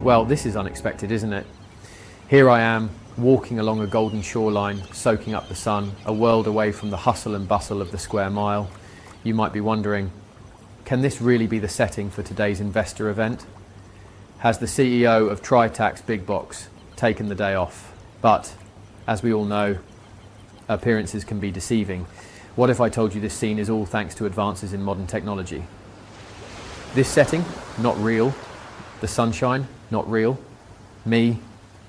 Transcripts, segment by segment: This is unexpected, isn't it? Here I am, walking along a golden shoreline, soaking up the sun, a world away from the hustle and bustle of the Square Mile. You might be wondering, can this really be the setting for today's investor event? Has the CEO of Tritax Big Box taken the day off? As we all know, appearances can be deceiving. What if I told you this scene is all thanks to advances in modern technology? This setting? Not real. The sunshine? Not real. Me,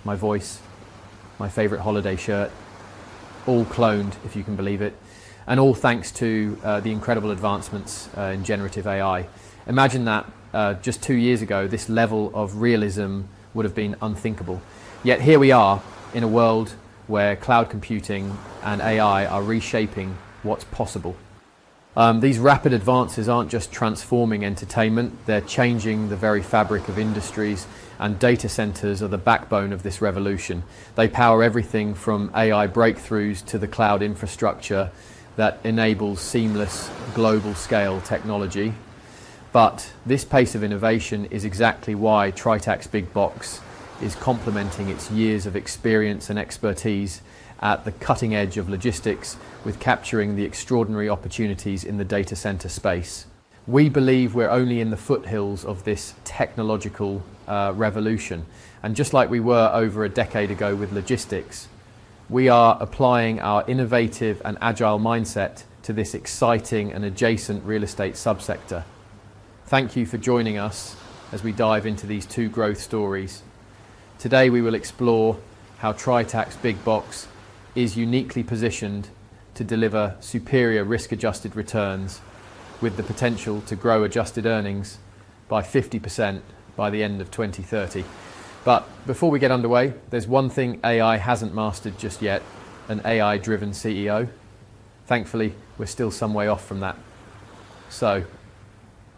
my voice, my favorite holiday shirt—all cloned, if you can believe it—and all thanks to the incredible advancements in generative AI. Imagine that just two years ago, this level of realism would have been unthinkable. Yet here we are, in a world where cloud computing and AI are reshaping what's possible. These rapid advances are not just transforming entertainment; they are changing the very fabric of industries, and data centers are the backbone of this revolution. They power everything from AI breakthroughs to the cloud infrastructure that enables seamless, global-scale technology. This pace of innovation is exactly why Tritax Big Box is complementing its years of experience and expertise at the cutting edge of logistics with capturing the extraordinary opportunities in the data center space. We believe we are only in the foothills of this technological revolution, and just like we were over a decade ago with logistics, we are applying our innovative and agile mindset to this exciting and adjacent real estate subsector. Thank you for joining us as we dive into these two growth stories. Today we will explore how Tritax Big Box is uniquely positioned to deliver superior risk-adjusted returns, with the potential to grow adjusted earnings by 50% by the end of 2030. Before we get underway, there is one thing AI has not mastered just yet: an AI-driven CEO. Thankfully, we are still some way off from that. I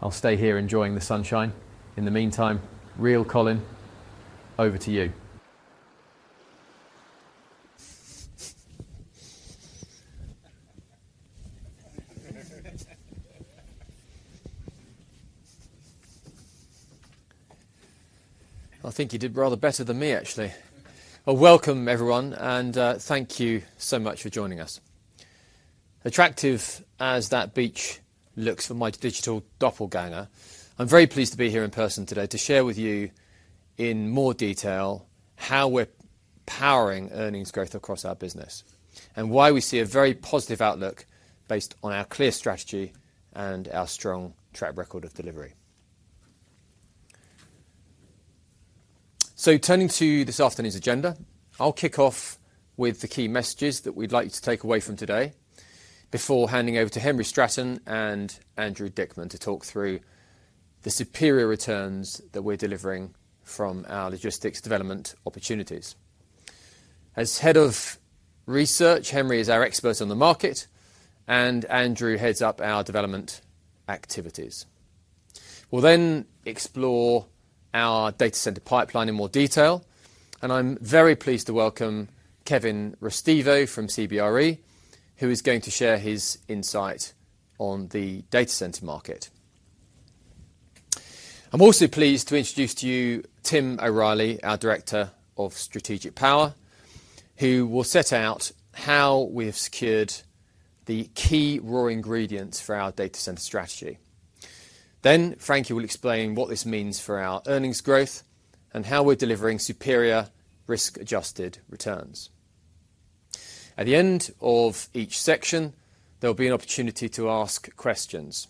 will stay here enjoying the sunshine. In the meantime, real Colin, over to you. I think you did rather better than me, actually. Welcome, everyone, and thank you so much for joining us. Attractive as that beach looks for my digital doppelganger, I'm very pleased to be here in person today to share with you in more detail how we're powering earnings growth across our business and why we see a very positive outlook based on our clear strategy and our strong track record of delivery. Turning to this afternoon's agenda, I'll kick off with the key messages that we'd like you to take away from today before handing over to Henry Stratton and Andrew Dickman to talk through the superior returns that we're delivering from our logistics development opportunities. As Head of Research, Henry is our expert on the market, and Andrew heads up our development activities. We'll then explore our data center pipeline in more detail, and I'm very pleased to welcome Kevin Restivo from CBRE, who is going to share his insight on the data center market. I'm also pleased to introduce to you Tim O'Reilly, our Director of Strategic Power, who will set out how we have secured the key raw ingredients for our data center strategy. Then Frankie will explain what this means for our earnings growth and how we're delivering superior risk-adjusted returns. At the end of each section, there'll be an opportunity to ask questions,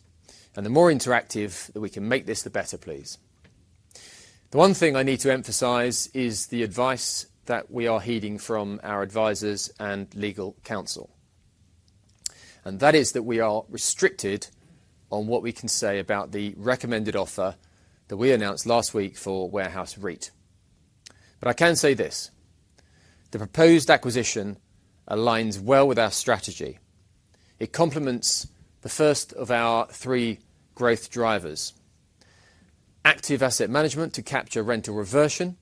and the more interactive that we can make this, the better, please. The one thing I need to emphasize is the advice that we are heeding from our advisors and legal counsel, and that is that we are restricted on what we can say about the recommended offer that we announced last week for Warehouse REIT. I can say this: the proposed acquisition aligns well with our strategy. It complements the first of our three growth drivers: active asset management to capture rental reversion,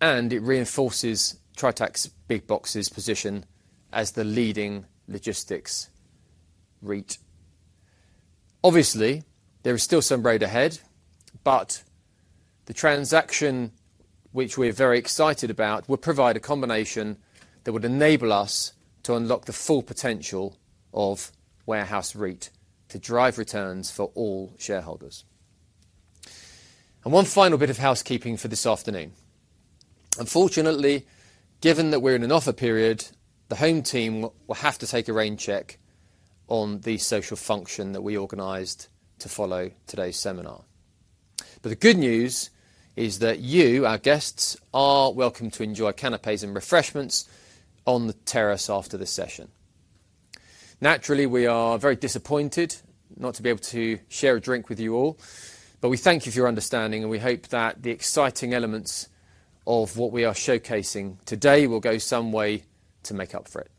and it reinforces Tritax Big Box's position as the leading logistics REIT. Obviously, there is still some road ahead, but the transaction, which we're very excited about, will provide a combination that would enable us to unlock the full potential of Warehouse REIT to drive returns for all shareholders. One final bit of housekeeping for this afternoon. Unfortunately, given that we're in an offer period, the home team will have to take a rain check on the social function that we organized to follow today's seminar. The good news is that you, our guests, are welcome to enjoy canapés and refreshments on the terrace after this session. Naturally, we are very disappointed not to be able to share a drink with you all, but we thank you for your understanding, and we hope that the exciting elements of what we are showcasing today will go some way to make up for it.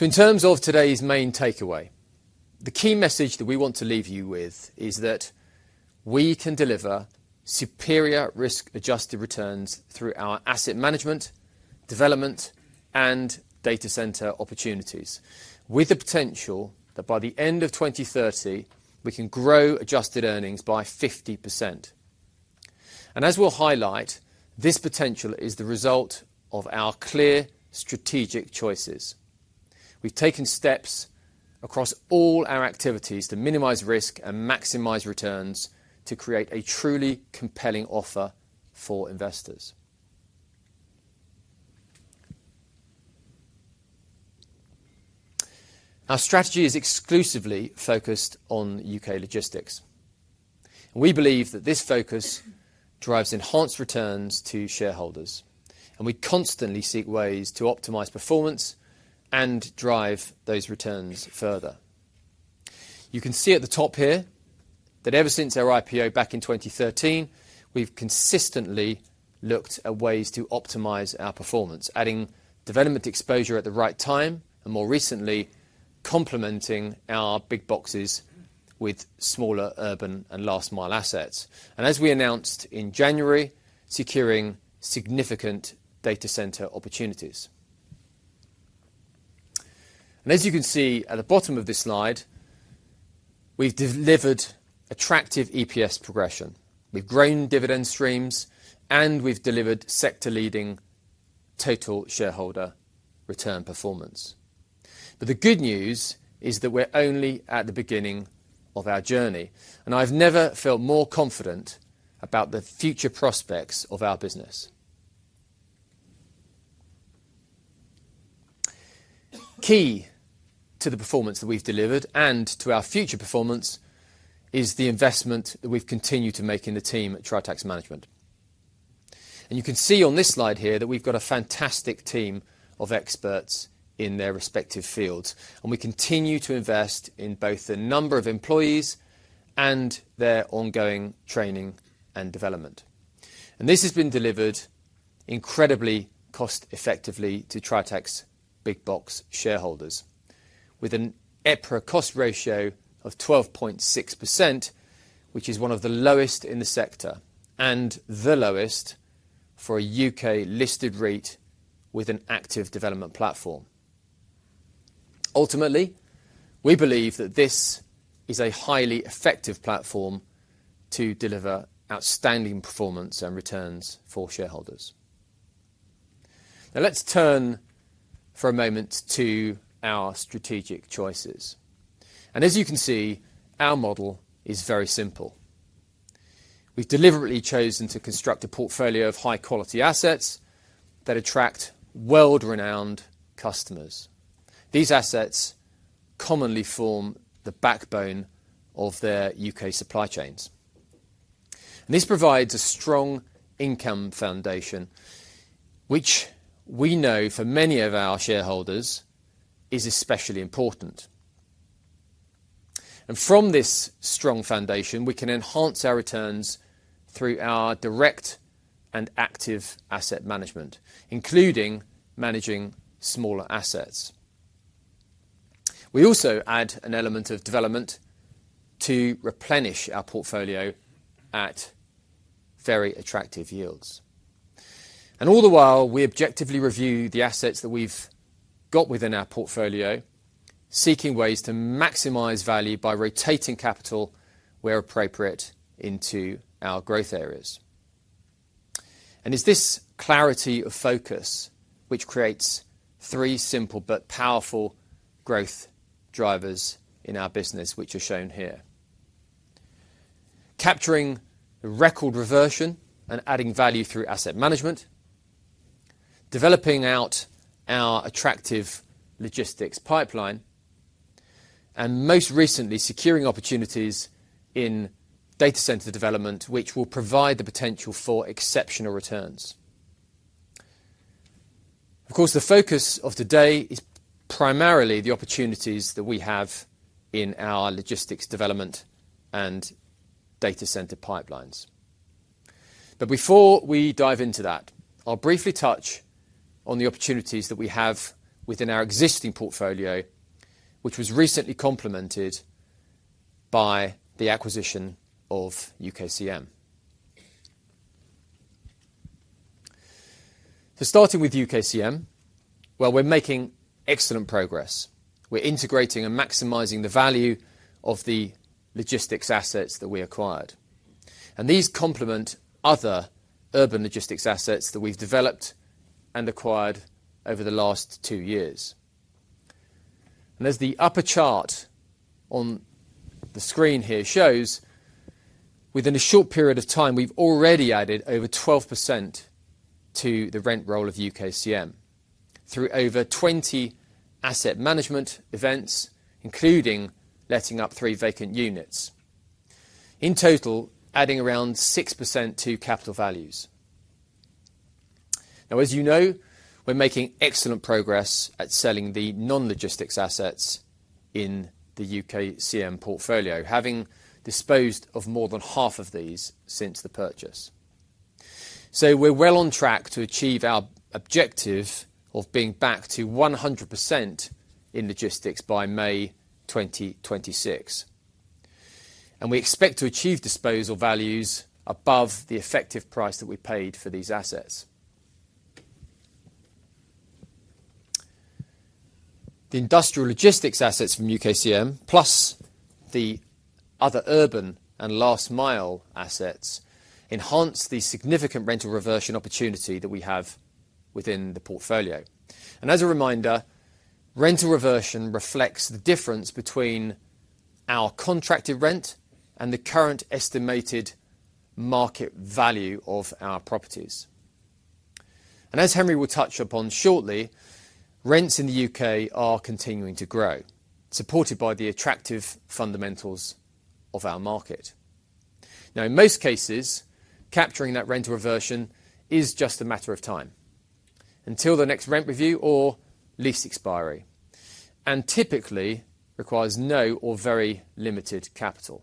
In terms of today's main takeaway, the key message that we want to leave you with is that we can deliver superior risk-adjusted returns through our asset management, development, and data center opportunities, with the potential that by the end of 2030, we can grow adjusted earnings by 50%. As we will highlight, this potential is the result of our clear strategic choices. We have taken steps across all our activities to minimize risk and maximize returns to create a truly compelling offer for investors. Our strategy is exclusively focused on U.K. logistics, and we believe that this focus drives enhanced returns to shareholders, and we constantly seek ways to optimize performance and drive those returns further. You can see at the top here that ever since our IPO back in 2013, we've consistently looked at ways to optimize our performance, adding development exposure at the right time, and more recently, complementing our big boxes with smaller urban and last-mile assets, and as we announced in January, securing significant data center opportunities. As you can see at the bottom of this slide, we've delivered attractive EPS progression. We've grown dividend streams, and we've delivered sector-leading total shareholder return performance. The good news is that we're only at the beginning of our journey, and I've never felt more confident about the future prospects of our business. Key to the performance that we've delivered and to our future performance is the investment that we've continued to make in the team at Tritax Management. You can see on this slide here that we've got a fantastic team of experts in their respective fields, and we continue to invest in both the number of employees and their ongoing training and development. This has been delivered incredibly cost-effectively to Tritax Big Box shareholders, with an EPRA cost ratio of 12.6%, which is one of the lowest in the sector and the lowest for a UK-listed REIT with an active development platform. Ultimately, we believe that this is a highly effective platform to deliver outstanding performance and returns for shareholders. Now, let's turn for a moment to our strategic choices. As you can see, our model is very simple. have deliberately chosen to construct a portfolio of high-quality assets that attract world-renowned customers. These assets commonly form the backbone of their U.K. supply chains. This provides a strong income foundation, which we know for many of our shareholders is especially important. From this strong foundation, we can enhance our returns through our direct and active asset management, including managing smaller assets. We also add an element of development to replenish our portfolio at very attractive yields. All the while, we objectively review the assets that we have within our portfolio, seeking ways to maximize value by rotating capital where appropriate into our growth areas. It is this clarity of focus which creates three simple but powerful growth drivers in our business, which are shown here: capturing record reversion and adding value through asset management, developing out our attractive logistics pipeline, and most recently, securing opportunities in data center development, which will provide the potential for exceptional returns. Of course, the focus of today is primarily the opportunities that we have in our logistics development and data center pipelines. Before we dive into that, I'll briefly touch on the opportunities that we have within our existing portfolio, which was recently complemented by the acquisition of UKCM. Starting with UKCM, we are making excellent progress. We are integrating and maximizing the value of the logistics assets that we acquired, and these complement other urban logistics assets that we have developed and acquired over the last two years. The upper chart on the screen here shows, within a short period of time, we've already added over 12% to the rent roll of UKCM through over 20 asset management events, including letting up three vacant units, in total adding around 6% to capital values. As you know, we're making excellent progress at selling the non-logistics assets in the UKCM portfolio, having disposed of more than half of these since the purchase. We're well on track to achieve our objective of being back to 100% in logistics by May 2026, and we expect to achieve disposal values above the effective price that we paid for these assets. The industrial logistics assets from UKCM, plus the other urban and last-mile assets, enhance the significant rental reversion opportunity that we have within the portfolio. As a reminder, rental reversion reflects the difference between our contracted rent and the current estimated market value of our properties. As Henry will touch upon shortly, rents in the U.K. are continuing to grow, supported by the attractive fundamentals of our market. In most cases, capturing that rental reversion is just a matter of time until the next rent review or lease expiry, and typically requires no or very limited capital.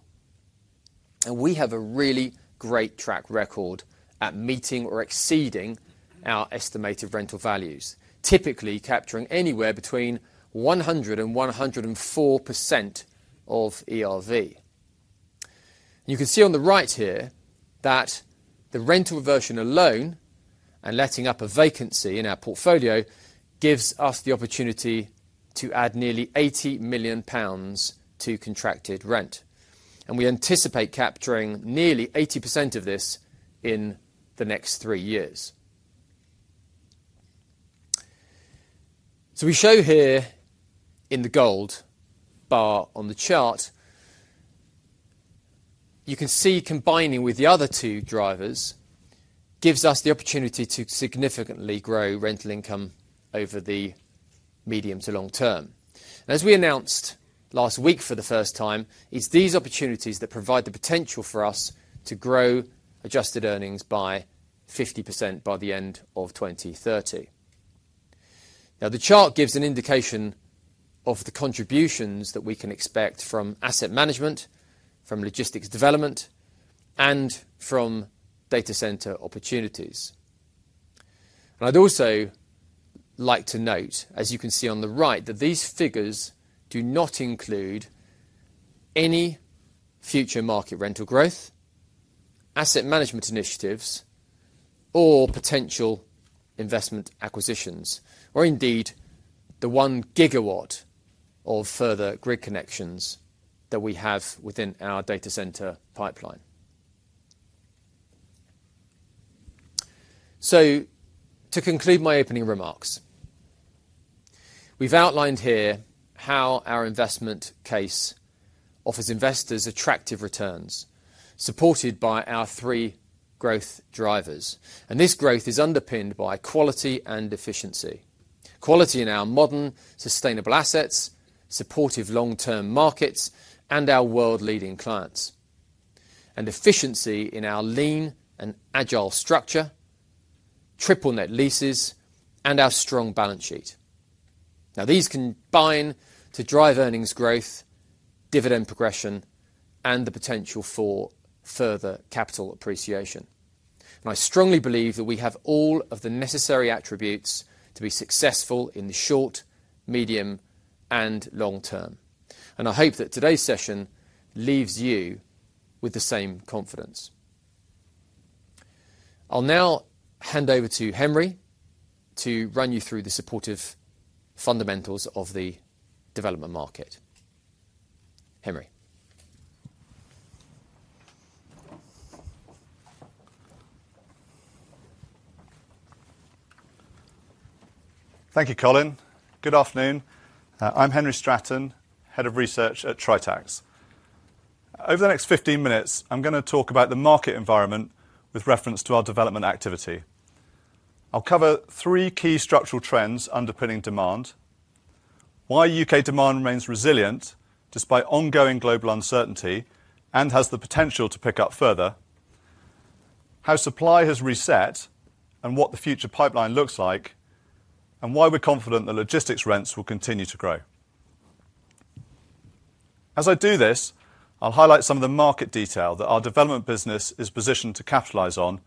We have a really great track record at meeting or exceeding our estimated rental values, typically capturing anywhere between 100-104% of ERV. You can see on the right here that the rental reversion alone and letting up a vacancy in our portfolio gives us the opportunity to add nearly 80 million pounds to contracted rent, and we anticipate capturing nearly 80% of this in the next three years. We show here in the gold bar on the chart, you can see combining with the other two drivers gives us the opportunity to significantly grow rental income over the medium to long term. As we announced last week for the first time, it's these opportunities that provide the potential for us to grow adjusted earnings by 50% by the end of 2030. The chart gives an indication of the contributions that we can expect from asset management, from logistics development, and from data center opportunities. I'd also like to note, as you can see on the right, that these figures do not include any future market rental growth, asset management initiatives, or potential investment acquisitions, or indeed the 1 gigawatt of further grid connections that we have within our data center pipeline. To conclude my opening remarks, we've outlined here how our investment case offers investors attractive returns supported by our three growth drivers, and this growth is underpinned by quality and efficiency: quality in our modern, sustainable assets, supportive long-term markets, and our world-leading clients; and efficiency in our lean and agile structure, triple-net leases, and our strong balance sheet. These combine to drive earnings growth, dividend progression, and the potential for further capital appreciation. I strongly believe that we have all of the necessary attributes to be successful in the short, medium, and long term, and I hope that today's session leaves you with the same confidence. I'll now hand over to Henry to run you through the supportive fundamentals of the development market. Henry. Thank you, Colin. Good afternoon. I'm Henry Stratton, Head of Research at Tritax. Over the next 15 minutes, I'm going to talk about the market environment with reference to our development activity. I'll cover three key structural trends underpinning demand: why U.K. demand remains resilient despite ongoing global uncertainty and has the potential to pick up further, how supply has reset, and what the future pipeline looks like, and why we're confident that logistics rents will continue to grow. As I do this, I'll highlight some of the market detail that our development business is positioned to capitalize on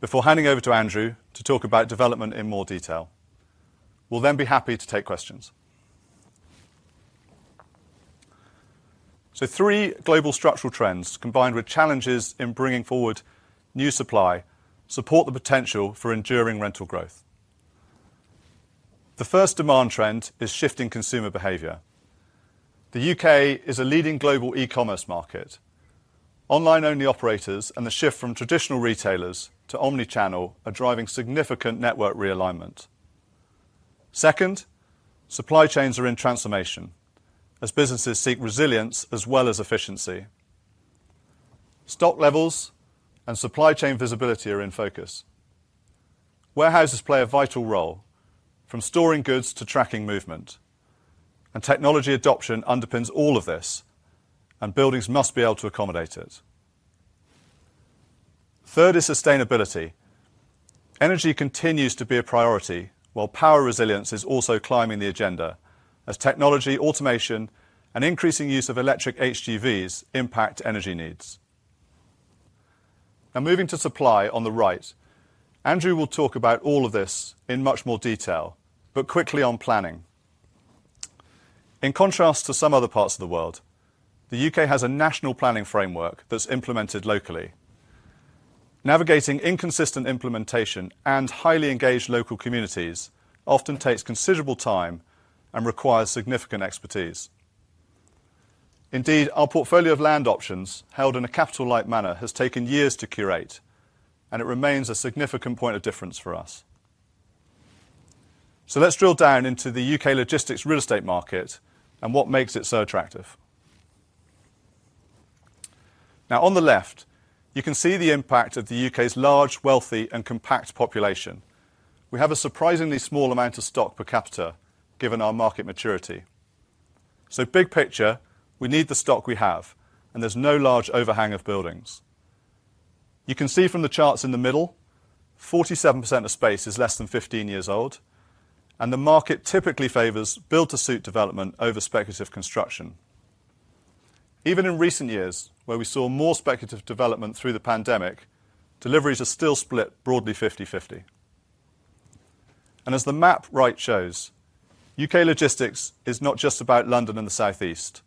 before handing over to Andrew to talk about development in more detail. We'll then be happy to take questions. Three global structural trends combined with challenges in bringing forward new supply support the potential for enduring rental growth. The first demand trend is shifting consumer behavior. The U.K. is a leading global e-commerce market. Online-only operators and the shift from traditional retailers to omnichannel are driving significant network realignment. Second, supply chains are in transformation as businesses seek resilience as well as efficiency. Stock levels and supply chain visibility are in focus. Warehouses play a vital role, from storing goods to tracking movement, and technology adoption underpins all of this, and buildings must be able to accommodate it. Third is sustainability. Energy continues to be a priority, while power resilience is also climbing the agenda as technology, automation, and increasing use of electric HGVs impact energy needs. Now, moving to supply on the right, Andrew will talk about all of this in much more detail, but quickly on planning. In contrast to some other parts of the world, the U.K. has a national planning framework that's implemented locally. Navigating inconsistent implementation and highly engaged local communities often takes considerable time and requires significant expertise. Indeed, our portfolio of land options held in a capital-light manner has taken years to curate, and it remains a significant point of difference for us. Let's drill down into the U.K. logistics real estate market and what makes it so attractive. Now, on the left, you can see the impact of the U.K.'s large, wealthy, and compact population. We have a surprisingly small amount of stock per capita given our market maturity. Big picture, we need the stock we have, and there's no large overhang of buildings. You can see from the charts in the middle, 47% of space is less than 15 years old, and the market typically favors build-to-suit development over speculative construction. Even in recent years, where we saw more speculative development through the pandemic, deliveries are still split broadly 50/50. As the map right shows, U.K. logistics is not just about London and the Southeast.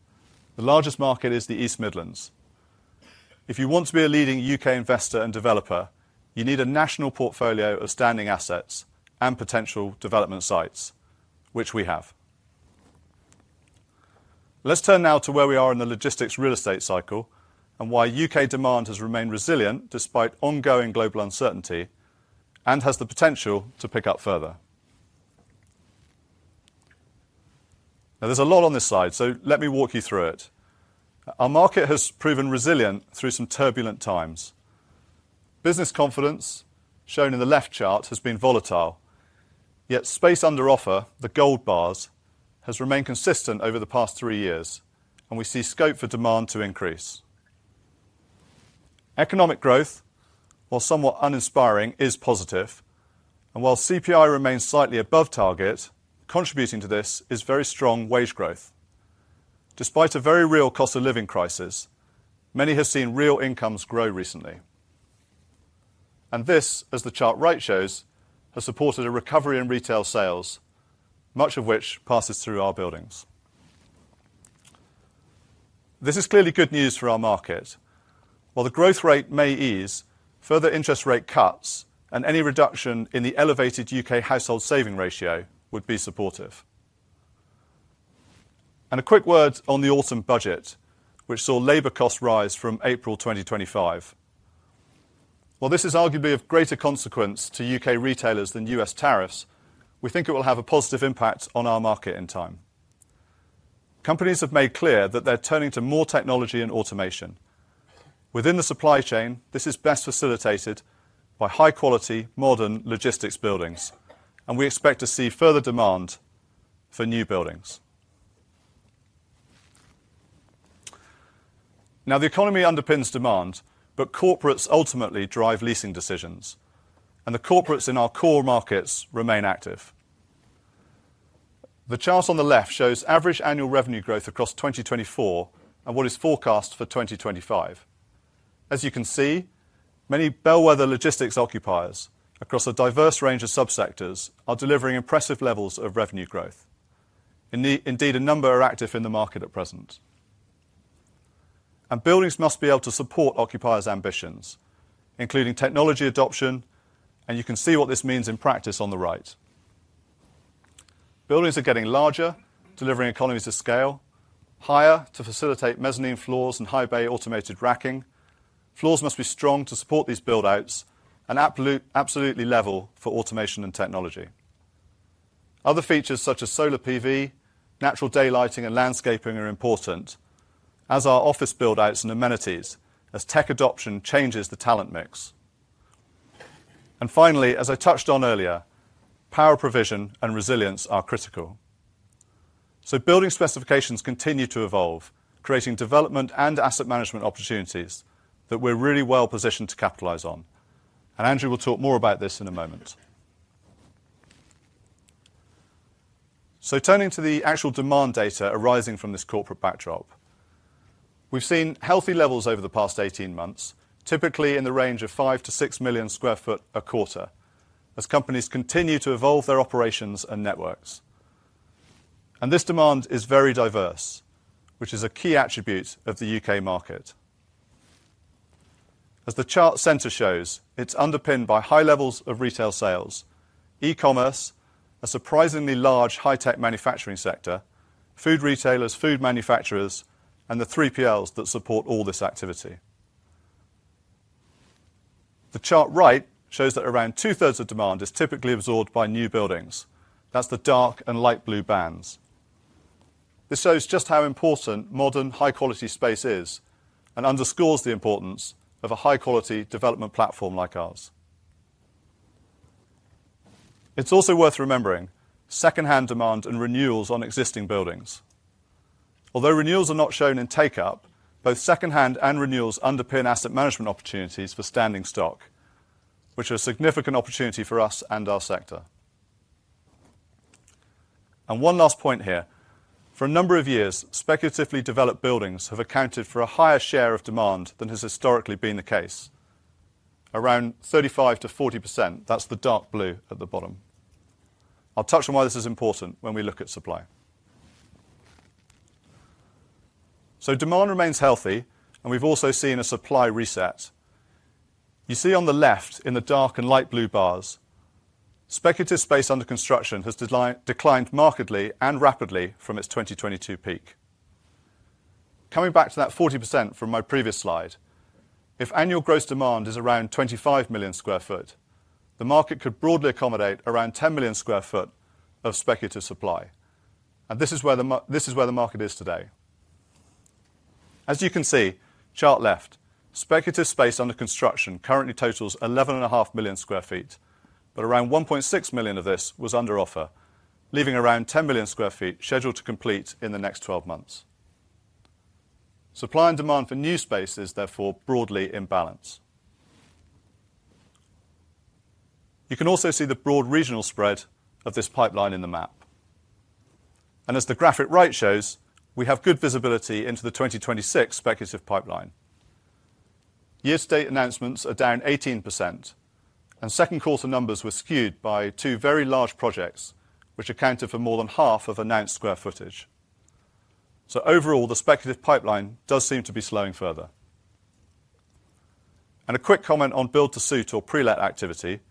The largest market is the East Midlands. If you want to be a leading U.K. investor and developer, you need a national portfolio of standing assets and potential development sites, which we have. Let's turn now to where we are in the logistics real estate cycle and why U.K. demand has remained resilient despite ongoing global uncertainty and has the potential to pick up further. Now, there's a lot on this slide, so let me walk you through it. Our market has proven resilient through some turbulent times. Business confidence, shown in the left chart, has been volatile, yet space under offer, the gold bars, has remained consistent over the past three years, and we see scope for demand to increase. Economic growth, while somewhat uninspiring, is positive, and while CPI remains slightly above target, contributing to this is very strong wage growth. Despite a very real cost of living crisis, many have seen real incomes grow recently, and this, as the chart right shows, has supported a recovery in retail sales, much of which passes through our buildings. This is clearly good news for our market. While the growth rate may ease, further interest rate cuts and any reduction in the elevated U.K. household saving ratio would be supportive. A quick word on the autumn budget, which saw labor costs rise from April 2025. While this is arguably of greater consequence to U.K. retailers than U.S. tariffs, we think it will have a positive impact on our market in time. Companies have made clear that they're turning to more technology and automation. Within the supply chain, this is best facilitated by high-quality, modern logistics buildings, and we expect to see further demand for new buildings. Now, the economy underpins demand, but corporates ultimately drive leasing decisions, and the corporates in our core markets remain active. The chart on the left shows average annual revenue growth across 2024 and what is forecast for 2025. As you can see, many bellwether logistics occupiers across a diverse range of subsectors are delivering impressive levels of revenue growth. Indeed, a number are active in the market at present. Buildings must be able to support occupiers' ambitions, including technology adoption, and you can see what this means in practice on the right. Buildings are getting larger, delivering economies of scale, higher to facilitate mezzanine floors and high bay automated racking. Floors must be strong to support these build-outs and absolutely level for automation and technology. Other features such as solar PV, natural daylighting, and landscaping are important, as are office build-outs and amenities, as tech adoption changes the talent mix. Finally, as I touched on earlier, power provision and resilience are critical. Building specifications continue to evolve, creating development and asset management opportunities that we're really well positioned to capitalize on, and Andrew will talk more about this in a moment. Turning to the actual demand data arising from this corporate backdrop, we've seen healthy levels over the past 18 months, typically in the range of 5-6 million sq ft a quarter, as companies continue to evolve their operations and networks. This demand is very diverse, which is a key attribute of the U.K. market. As the chart center shows, it's underpinned by high levels of retail sales, e-commerce, a surprisingly large high-tech manufacturing sector, food retailers, food manufacturers, and the 3PLs that support all this activity. The chart right shows that around two-thirds of demand is typically absorbed by new buildings. That's the dark and light blue bands. This shows just how important modern, high-quality space is and underscores the importance of a high-quality development platform like ours. It's also worth remembering secondhand demand and renewals on existing buildings. Although renewals are not shown in take-up, both secondhand and renewals underpin asset management opportunities for standing stock, which are a significant opportunity for us and our sector. One last point here. For a number of years, speculatively developed buildings have accounted for a higher share of demand than has historically been the case, around 35-40%. That's the dark blue at the bottom. I'll touch on why this is important when we look at supply. Demand remains healthy, and we've also seen a supply reset. You see on the left in the dark and light blue bars, speculative space under construction has declined markedly and rapidly from its 2022 peak. Coming back to that 40% from my previous slide, if annual gross demand is around 25 million sq ft, the market could broadly accommodate around 10 million sq ft of speculative supply, and this is where the market is today. As you can see, chart left, speculative space under construction currently totals 11.5 million sq ft, but around 1.6 million of this was under offer, leaving around 10 million sq ft scheduled to complete in the next 12 months. Supply and demand for new space is therefore broadly in balance. You can also see the broad regional spread of this pipeline in the map. As the graphic right shows, we have good visibility into the 2026 speculative pipeline. Year-to-date announcements are down 18%, and second quarter numbers were skewed by two very large projects, which accounted for more than half of announced square footage. Overall, the speculative pipeline does seem to be slowing further. A quick comment on build-to-suit or pre-let activity,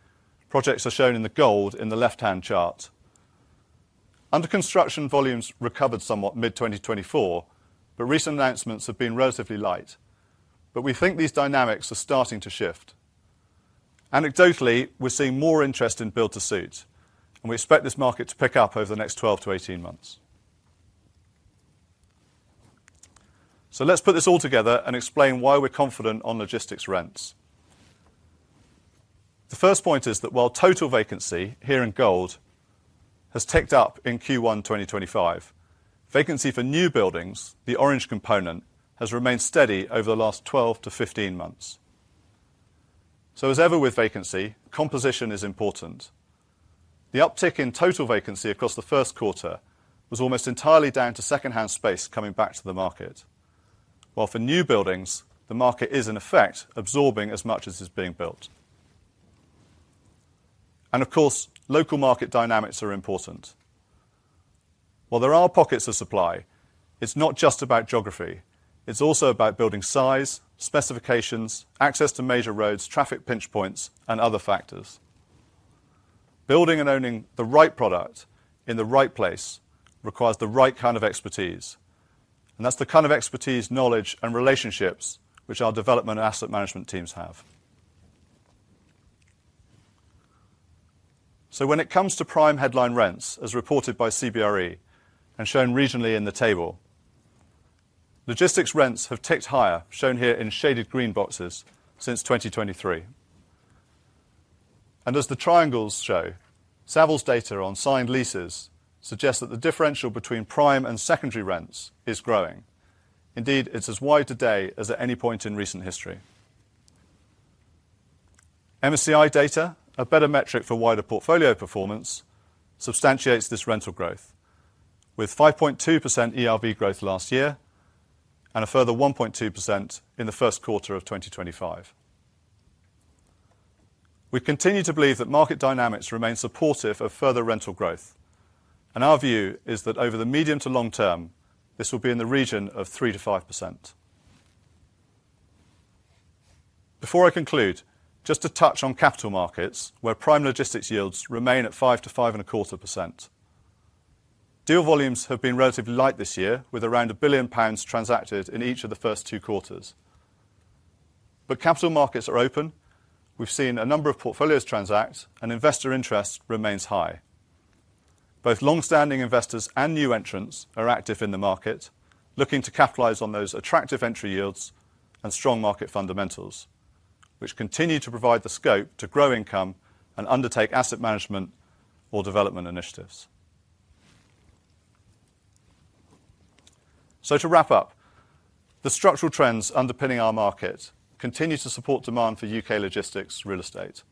projects are shown in the gold in the left-hand chart. Under construction, volumes recovered somewhat mid-2024, but recent announcements have been relatively light, but we think these dynamics are starting to shift. Anecdotally, we're seeing more interest in build-to-suit, and we expect this market to pick up over the next 12-18 months. Let's put this all together and explain why we're confident on logistics rents. The first point is that while total vacancy here in gold has ticked up in Q1 2025, vacancy for new buildings, the orange component, has remained steady over the last 12 to 15 months. As ever with vacancy, composition is important. The uptick in total vacancy across the first quarter was almost entirely down to secondhand space coming back to the market, while for new buildings, the market is, in effect, absorbing as much as is being built. Of course, local market dynamics are important. While there are pockets of supply, it is not just about geography. It is also about building size, specifications, access to major roads, traffic pinch points, and other factors. Building and owning the right product in the right place requires the right kind of expertise, and that is the kind of expertise, knowledge, and relationships which our development and asset management teams have. When it comes to prime headline rents, as reported by CBRE and shown regionally in the table, logistics rents have ticked higher, shown here in shaded green boxes, since 2023. As the triangles show, Savills data on signed leases suggests that the differential between prime and secondary rents is growing. Indeed, it is as wide today as at any point in recent history. MSCI data, a better metric for wider portfolio performance, substantiates this rental growth, with 5.2% ERV growth last year and a further 1.2% in the first quarter of 2025. We continue to believe that market dynamics remain supportive of further rental growth, and our view is that over the medium to long term, this will be in the region of 3-5%. Before I conclude, just to touch on capital markets, where prime logistics yields remain at 5-5.25%. Deal volumes have been relatively light this year, with around 1 billion pounds transacted in each of the first two quarters. Capital markets are open. We've seen a number of portfolios transact, and investor interest remains high. Both long-standing investors and new entrants are active in the market, looking to capitalize on those attractive entry yields and strong market fundamentals, which continue to provide the scope to grow income and undertake asset management or development initiatives. To wrap up, the structural trends underpinning our market continue to support demand for U.K. logistics real estate.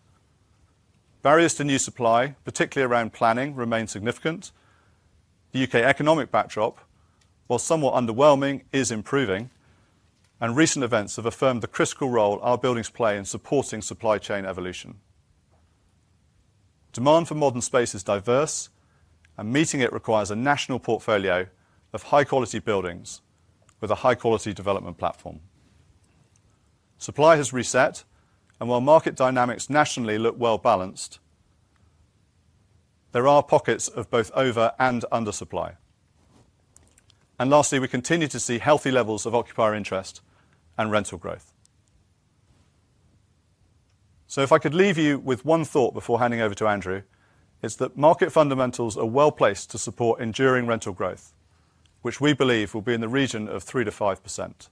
Barriers to new supply, particularly around planning, remain significant. The U.K. economic backdrop, while somewhat underwhelming, is improving, and recent events have affirmed the critical role our buildings play in supporting supply chain evolution. Demand for modern space is diverse, and meeting it requires a national portfolio of high-quality buildings with a high-quality development platform. Supply has reset, and while market dynamics nationally look well balanced, there are pockets of both over and under supply. Lastly, we continue to see healthy levels of occupier interest and rental growth. If I could leave you with one thought before handing over to Andrew, it is that market fundamentals are well placed to support enduring rental growth, which we believe will be in the region of 3-5%.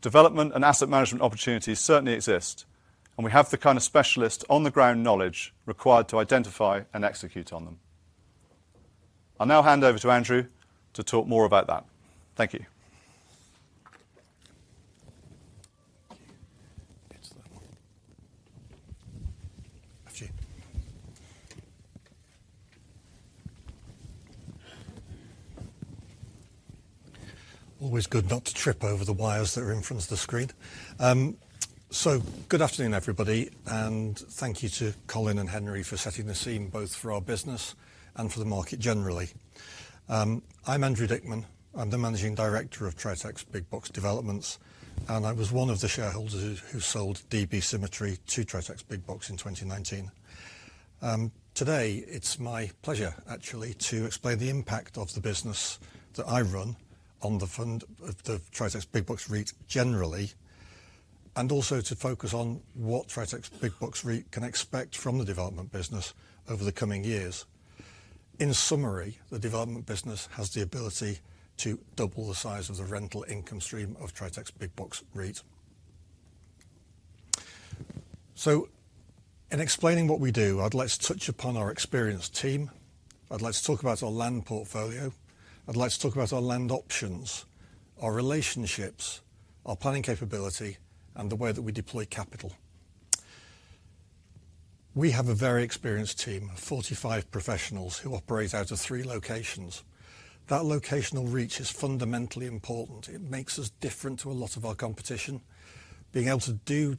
Development and asset management opportunities certainly exist, and we have the kind of specialist on-the-ground knowledge required to identify and execute on them. I'll now hand over to Andrew to talk more about that. Thank you. Always good not to trip over the wires that are in front of the screen. Good afternoon, everybody, and thank you to Colin and Henry for setting the scene, both for our business and for the market generally. I'm Andrew Dickman. I'm the Managing Director of Tritax Big Box Developments, and I was one of the shareholders who sold DB Symmetry to Tritax Big Box in 2019. Today, it's my pleasure, actually, to explain the impact of the business that I run on the fund of the Tritax Big Box REIT generally, and also to focus on what Tritax Big Box REIT can expect from the development business over the coming years. In summary, the development business has the ability to double the size of the rental income stream of Tritax Big Box REIT. In explaining what we do, I'd like to touch upon our experienced team. I'd like to talk about our land portfolio. I'd like to talk about our land options, our relationships, our planning capability, and the way that we deploy capital. We have a very experienced team, 45 professionals who operate out of three locations. That locational reach is fundamentally important. It makes us different to a lot of our competition. Being able to do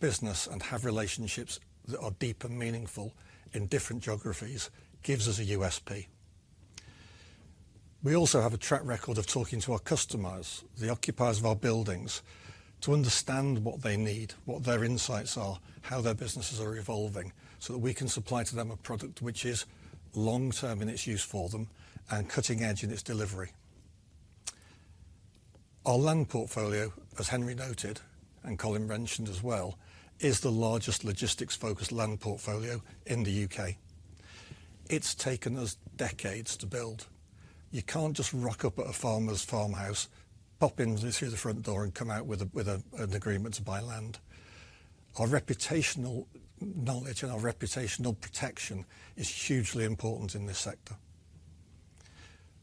business and have relationships that are deep and meaningful in different geographies gives us a USP. We also have a track record of talking to our customers, the occupiers of our buildings, to understand what they need, what their insights are, how their businesses are evolving, so that we can supply to them a product which is long-term in its use for them and cutting-edge in its delivery. Our land portfolio, as Henry noted and Colin mentioned as well, is the largest logistics-focused land portfolio in the U.K. It's taken us decades to build. You can't just rock up at a farmer's farmhouse, pop in through the front door, and come out with an agreement to buy land. Our reputational knowledge and our reputational protection is hugely important in this sector.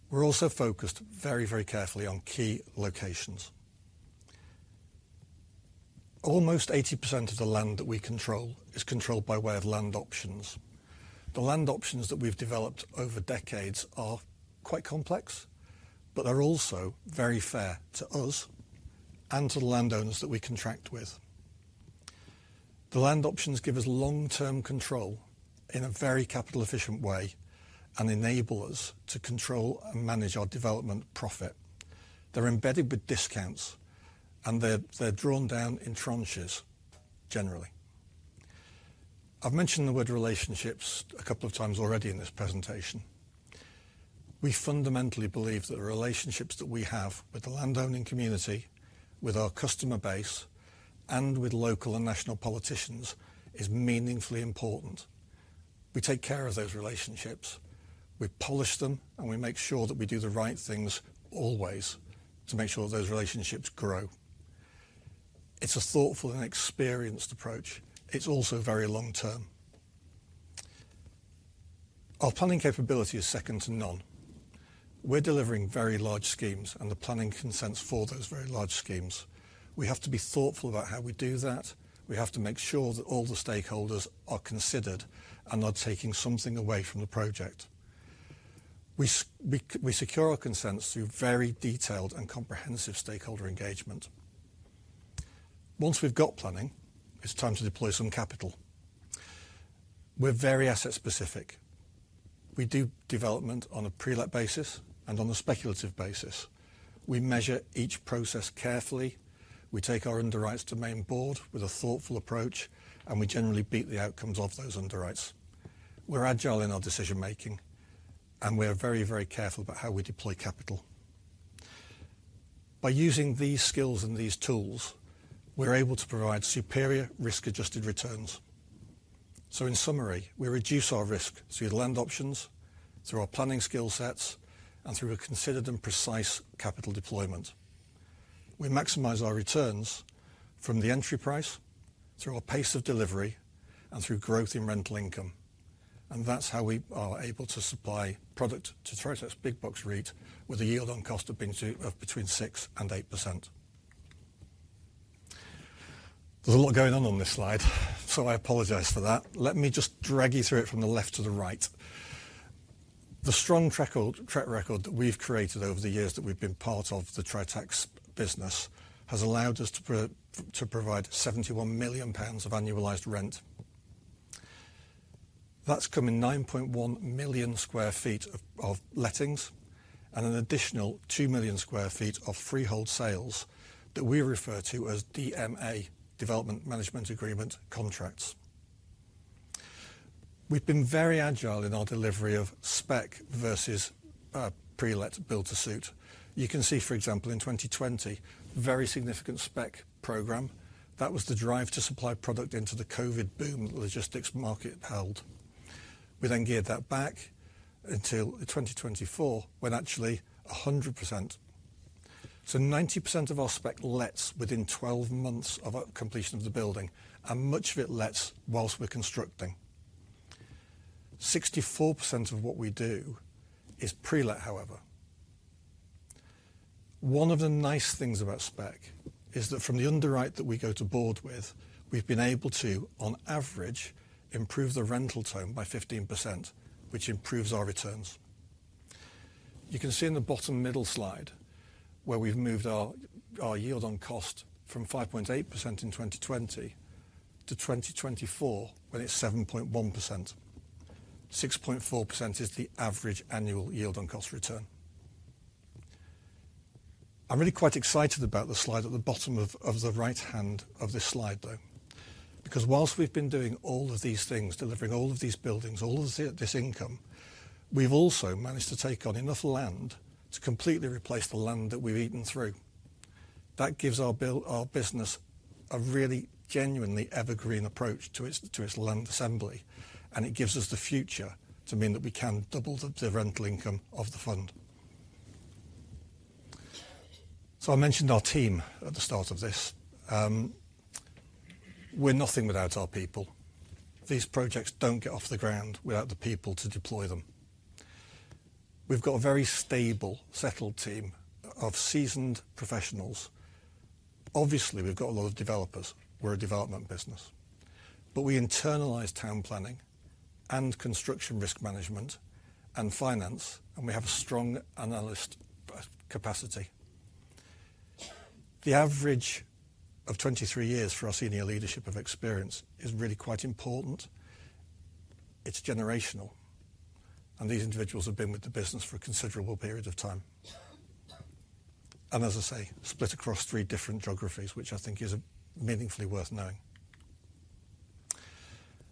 We're also focused very, very carefully on key locations. Almost 80% of the land that we control is controlled by way of land options. The land options that we've developed over decades are quite complex, but they're also very fair to us and to the landowners that we contract with. The land options give us long-term control in a very capital-efficient way and enable us to control and manage our development profit. They're embedded with discounts, and they're drawn down in tranches generally. I've mentioned the word relationships a couple of times already in this presentation. We fundamentally believe that the relationships that we have with the landowning community, with our customer base, and with local and national politicians is meaningfully important. We take care of those relationships. We polish them, and we make sure that we do the right things always to make sure that those relationships grow. It's a thoughtful and experienced approach. It's also very long-term. Our planning capability is second to none. We're delivering very large schemes, and the planning consents for those very large schemes. We have to be thoughtful about how we do that. We have to make sure that all the stakeholders are considered and are taking something away from the project. We secure our consents through very detailed and comprehensive stakeholder engagement. Once we've got planning, it's time to deploy some capital. We're very asset-specific. We do development on a pre-let basis and on a speculative basis. We measure each process carefully. We take our underwrites to main board with a thoughtful approach, and we generally beat the outcomes of those underwrites. We're agile in our decision-making, and we're very, very careful about how we deploy capital. By using these skills and these tools, we're able to provide superior risk-adjusted returns. In summary, we reduce our risk through the land options, through our planning skill sets, and through a considered and precise capital deployment. We maximize our returns from the entry price, through our pace of delivery, and through growth in rental income. That is how we are able to supply product to Tritax Big Box REIT with a yield on cost of between 6-8%. There is a lot going on on this slide, so I apologize for that. Let me just drag you through it from the left to the right. The strong track record that we've created over the years that we've been part of the Tritax business has allowed us to provide 71 million pounds of annualized rent. That's coming 9.1 million sq ft of lettings and an additional 2 million sq ft of freehold sales that we refer to as DMA, Development Management Agreement, contracts. We've been very agile in our delivery of spec versus pre-let, build-to-suit. You can see, for example, in 2020, very significant spec program. That was the drive to supply product into the COVID boom that logistics market held. We then geared that back until 2024, when actually 100%. 90% of our spec lets within 12 months of completion of the building, and much of it lets whilst we're constructing. 64% of what we do is pre-let, however. One of the nice things about spec is that from the underwrite that we go to board with, we've been able to, on average, improve the rental tone by 15%, which improves our returns. You can see in the bottom middle slide where we've moved our yield on cost from 5.8% in 2020 to 2024, when it's 7.1%. 6.4% is the average annual yield on cost return. I'm really quite excited about the slide at the bottom of the right hand of this slide, though, because whilst we've been doing all of these things, delivering all of these buildings, all of this income, we've also managed to take on enough land to completely replace the land that we've eaten through. That gives our business a really genuinely evergreen approach to its land assembly, and it gives us the future to mean that we can double the rental income of the fund. I mentioned our team at the start of this. We're nothing without our people. These projects don't get off the ground without the people to deploy them. We've got a very stable, settled team of seasoned professionals. Obviously, we've got a lot of developers. We're a development business, but we internalize town planning and construction risk management and finance, and we have a strong analyst capacity. The average of 23 years for our senior leadership of experience is really quite important. It's generational, and these individuals have been with the business for a considerable period of time. As I say, split across three different geographies, which I think is meaningfully worth knowing.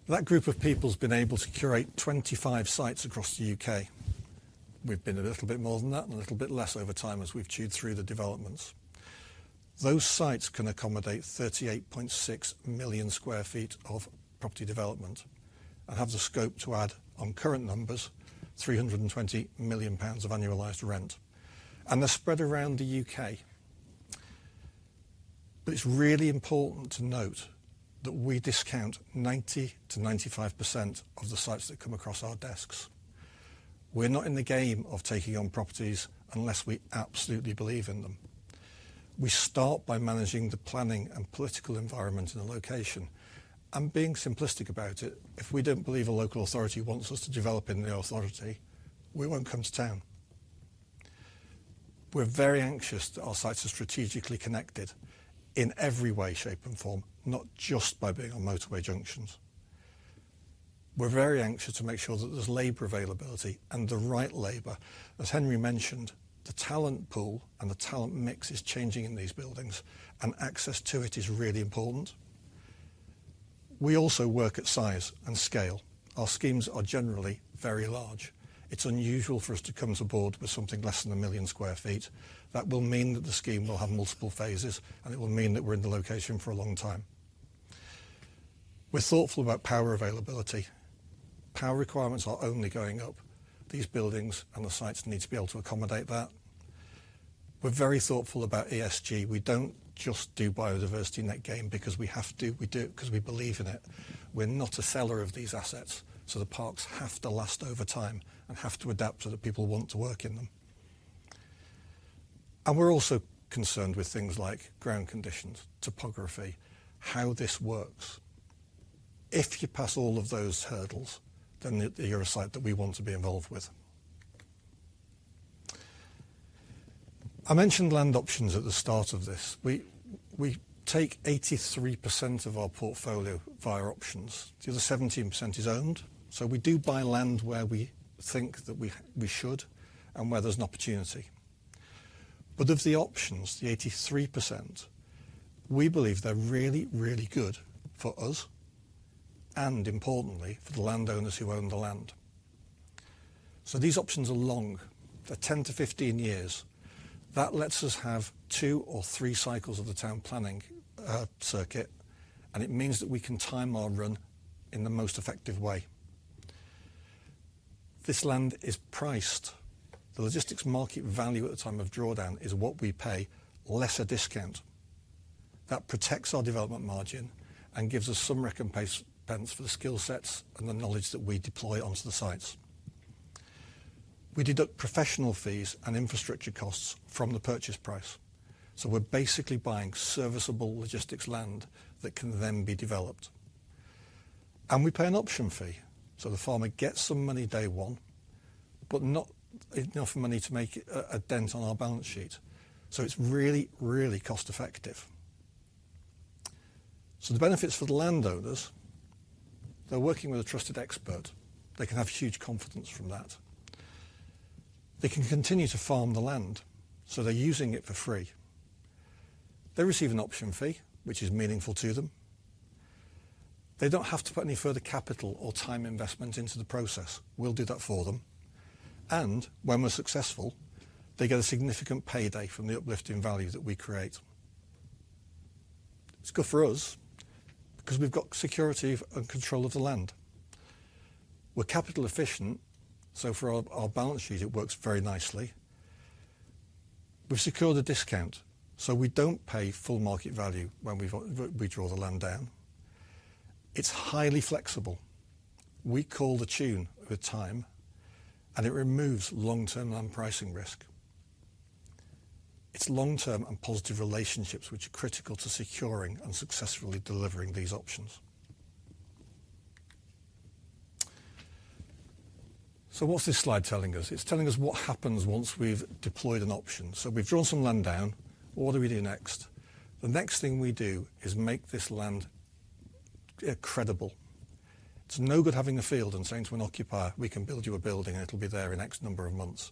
That group of people has been able to curate 25 sites across the U.K. We've been a little bit more than that and a little bit less over time as we've chewed through the developments. Those sites can accommodate 38.6 million sq ft of property development and have the scope to add, on current numbers, 320 million pounds of annualized rent. They're spread around the U.K. It's really important to note that we discount 90-95% of the sites that come across our desks. We're not in the game of taking on properties unless we absolutely believe in them. We start by managing the planning and political environment in the location. Being simplistic about it, if we don't believe a local authority wants us to develop in the authority, we won't come to town. We're very anxious that our sites are strategically connected in every way, shape, and form, not just by being on motorway junctions. We're very anxious to make sure that there's labor availability and the right labor. As Henry mentioned, the talent pool and the talent mix is changing in these buildings, and access to it is really important. We also work at size and scale. Our schemes are generally very large. It's unusual for us to come to board with something less than 1 million sq ft. That will mean that the scheme will have multiple phases, and it will mean that we're in the location for a long time. We're thoughtful about power availability. Power requirements are only going up. These buildings and the sites need to be able to accommodate that. We're very thoughtful about ESG. We don't just do biodiversity net gain because we have to. We do it because we believe in it. We're not a seller of these assets, so the parks have to last over time and have to adapt so that people want to work in them. We're also concerned with things like ground conditions, topography, how this works. If you pass all of those hurdles, then you're a site that we want to be involved with. I mentioned land options at the start of this. We take 83% of our portfolio via options. The other 17% is owned. We do buy land where we think that we should and where there's an opportunity. Of the options, the 83%, we believe they're really, really good for us and, importantly, for the landowners who own the land. These options are long. They're 10-15 years. That lets us have two or three cycles of the town planning circuit, and it means that we can time our run in the most effective way. This land is priced. The logistics market value at the time of drawdown is what we pay less a discount. That protects our development margin and gives us some recompense for the skill sets and the knowledge that we deploy onto the sites. We deduct professional fees and infrastructure costs from the purchase price. We are basically buying serviceable logistics land that can then be developed. We pay an option fee. The farmer gets some money day one, but not enough money to make a dent on our balance sheet. It is really, really cost-effective. The benefits for the landowners, they are working with a trusted expert. They can have huge confidence from that. They can continue to farm the land, so they're using it for free. They receive an option fee, which is meaningful to them. They don't have to put any further capital or time investment into the process. We'll do that for them. When we're successful, they get a significant payday from the uplifting value that we create. It's good for us because we've got security and control of the land. We're capital efficient, so for our balance sheet, it works very nicely. We've secured a discount, so we don't pay full market value when we draw the land down. It's highly flexible. We call the tune with time, and it removes long-term land pricing risk. It's long-term and positive relationships which are critical to securing and successfully delivering these options. What's this slide telling us? It's telling us what happens once we've deployed an option. We've drawn some land down. What do we do next? The next thing we do is make this land credible. It's no good having a field and saying to an occupier, "We can build you a building, and it'll be there in X number of months."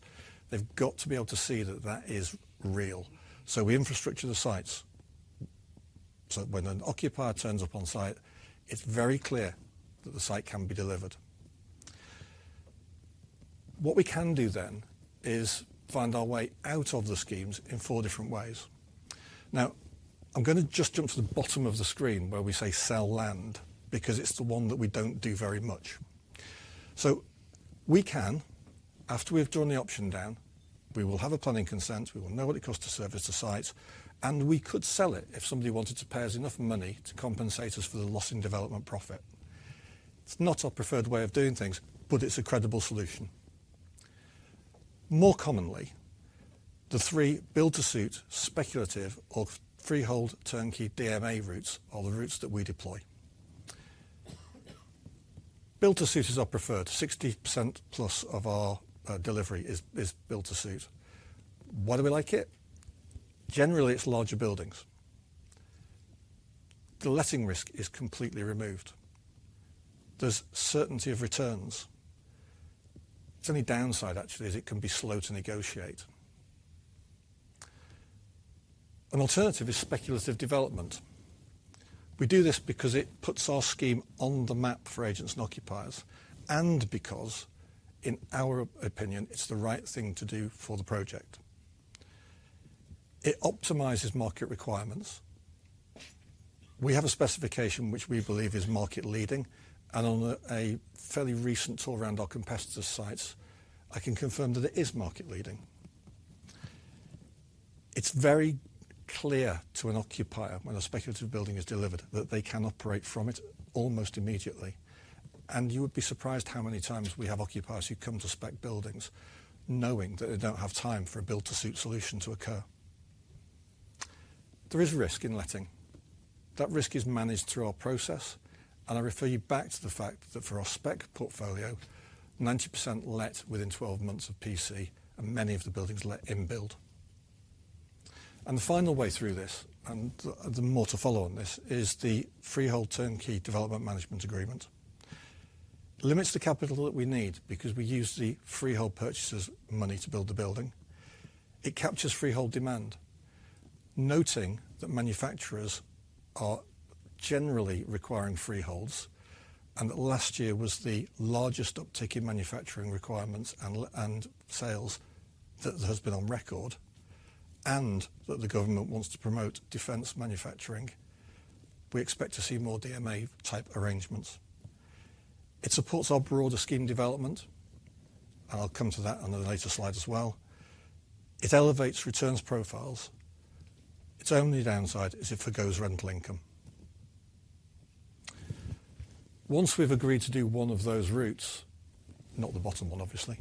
They've got to be able to see that that is real. We infrastructure the sites. When an occupier turns up on site, it's very clear that the site can be delivered. What we can do then is find our way out of the schemes in four different ways. I'm going to just jump to the bottom of the screen where we say, "Sell land," because it's the one that we don't do very much. We can, after we've drawn the option down, we will have a planning consent. We will know what it costs to service the sites, and we could sell it if somebody wanted to pay us enough money to compensate us for the loss in development profit. It is not our preferred way of doing things, but it is a credible solution. More commonly, the three build-to-suit, speculative, or freehold turnkey DMA routes are the routes that we deploy. Build-to-suit is our preferred. 60% plus of our delivery is build-to-suit. Why do we like it? Generally, it is larger buildings. The letting risk is completely removed. There is certainty of returns. The only downside, actually, is it can be slow to negotiate. An alternative is speculative development. We do this because it puts our scheme on the map for agents and occupiers, and because, in our opinion, it is the right thing to do for the project. It optimizes market requirements. We have a specification which we believe is market-leading, and on a fairly recent tour around our competitor sites, I can confirm that it is market-leading. It is very clear to an occupier when a speculative building is delivered that they can operate from it almost immediately. You would be surprised how many times we have occupiers who come to spec buildings knowing that they do not have time for a build-to-suit solution to occur. There is risk in letting. That risk is managed through our process, and I refer you back to the fact that for our spec portfolio, 90% let within 12 months of PC, and many of the buildings let in build. The final way through this, and more to follow on this, is the freehold turnkey development management agreement. It limits the capital that we need because we use the freehold purchaser's money to build the building. It captures freehold demand, noting that manufacturers are generally requiring freeholds and that last year was the largest uptick in manufacturing requirements and sales that has been on record, and that the government wants to promote defense manufacturing. We expect to see more DMA-type arrangements. It supports our broader scheme development, and I'll come to that on a later slide as well. It elevates returns profiles. Its only downside is if it goes rental income. Once we've agreed to do one of those routes, not the bottom one, obviously,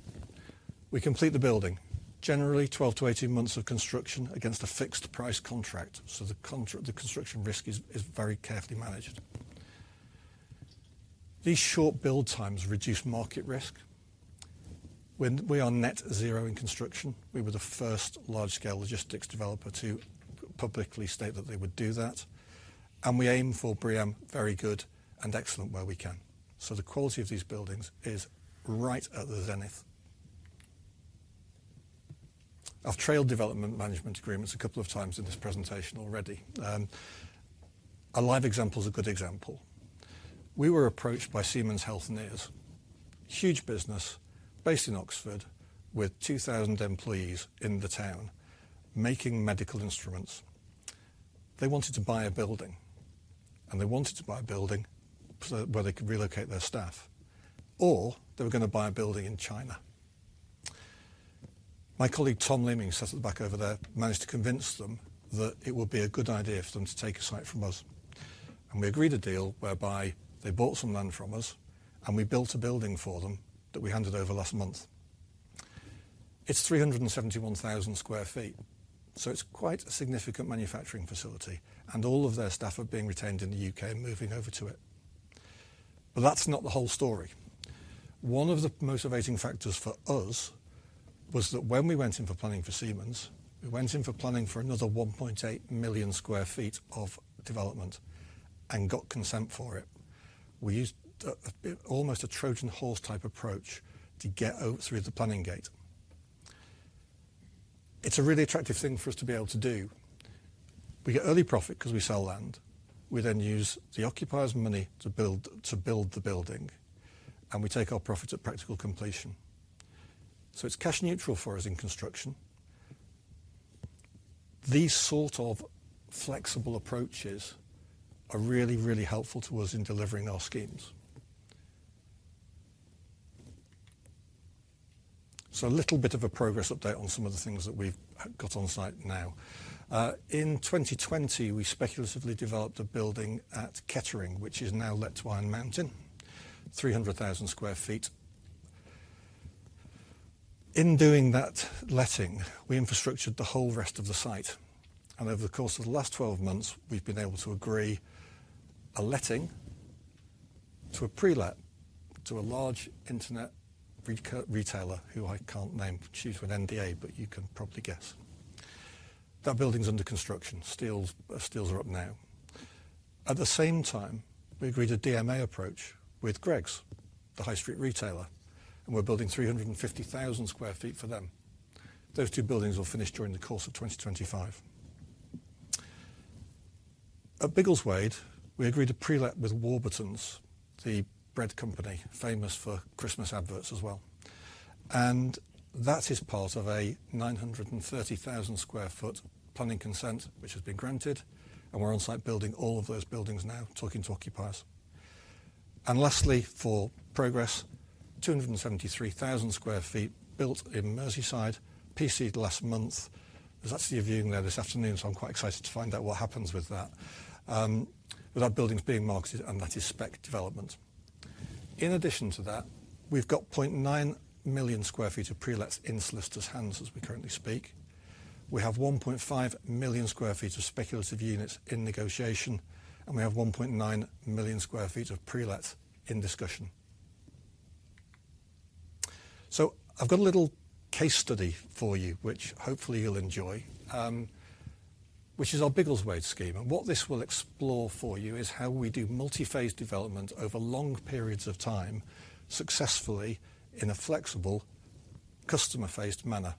we complete the building. Generally, 12-18 months of construction against a fixed price contract, so the construction risk is very carefully managed. These short build times reduce market risk. When we are net zero in construction, we were the first large-scale logistics developer to publicly state that they would do that. We aim for BREEAM very good and excellent where we can. The quality of these buildings is right at the zenith. I have trailed development management agreements a couple of times in this presentation already. A live example is a good example. We were approached by Siemens Healthineers, a huge business based in Oxford with 2,000 employees in the town, making medical instruments. They wanted to buy a building, and they wanted to buy a building where they could relocate their staff, or they were going to buy a building in China. My colleague, Tom Leaming, who sat at the back over there, managed to convince them that it would be a good idea for them to take a site from us. We agreed a deal whereby they bought some land from us, and we built a building for them that we handed over last month. It is 371,000 sq ft, so it is quite a significant manufacturing facility, and all of their staff are being retained in the U.K. and moving over to it. That is not the whole story. One of the motivating factors for us was that when we went in for planning for Siemens, we went in for planning for another 1.8 million sq ft of development and got consent for it. We used almost a Trojan horse-type approach to get through the planning gate. It is a really attractive thing for us to be able to do. We get early profit because we sell land. We then use the occupier's money to build the building, and we take our profit at practical completion. It's cash neutral for us in construction. These sort of flexible approaches are really, really helpful to us in delivering our schemes. A little bit of a progress update on some of the things that we've got on site now. In 2020, we speculatively developed a building at Kettering, which is now let with Newarton, 300,000 sq ft. In doing that letting, we infrastructured the whole rest of the site. Over the course of the last 12 months, we've been able to agree a letting, a pre-let to a large internet retailer who I can't name. She's with NDA, but you can probably guess. That building's under construction. Steels are up now. At the same time, we agreed a DMA approach with Greggs, the high street retailer, and we're building 350,000 sq ft for them. Those two buildings will finish during the course of 2025. At Biggleswade, we agreed to pre-let with Warburtons, the bread company famous for Christmas adverts as well. That is part of a 930,000 sq ft planning consent which has been granted, and we're on site building all of those buildings now, talking to occupiers. Lastly, for progress, 273,000 sq ft built in Merseyside, PC'd last month. There's actually a viewing there this afternoon, so I'm quite excited to find out what happens with that, with our buildings being marketed, and that is spec development. In addition to that, we've got 0.9 million sq ft of pre-lets in solicitor's hands as we currently speak. We have 1.5 million sq ft of speculative units in negotiation, and we have 1.9 million sq ft of pre-lets in discussion. I've got a little case study for you, which hopefully you'll enjoy, which is our Biggleswade scheme. What this will explore for you is how we do multi-phase development over long periods of time successfully in a flexible customer-faced manner.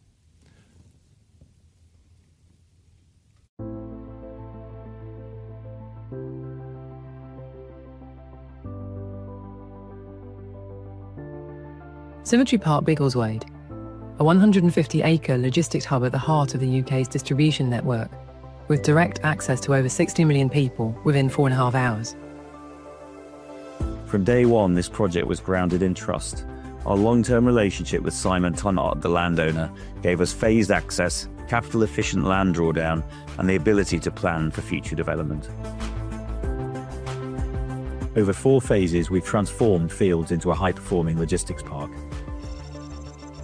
Symmetry Park Biggleswade, a 150-acre logistics hub at the heart of the U.K.'s distribution network, with direct access to over 60 million people within four and a half hours. From day one, this project was grounded in trust. Our long-term relationship with Simon Tunnart, the landowner, gave us phased access, capital-efficient land drawdown, and the ability to plan for future development. Over four phases, we've transformed fields into a high-performing logistics park.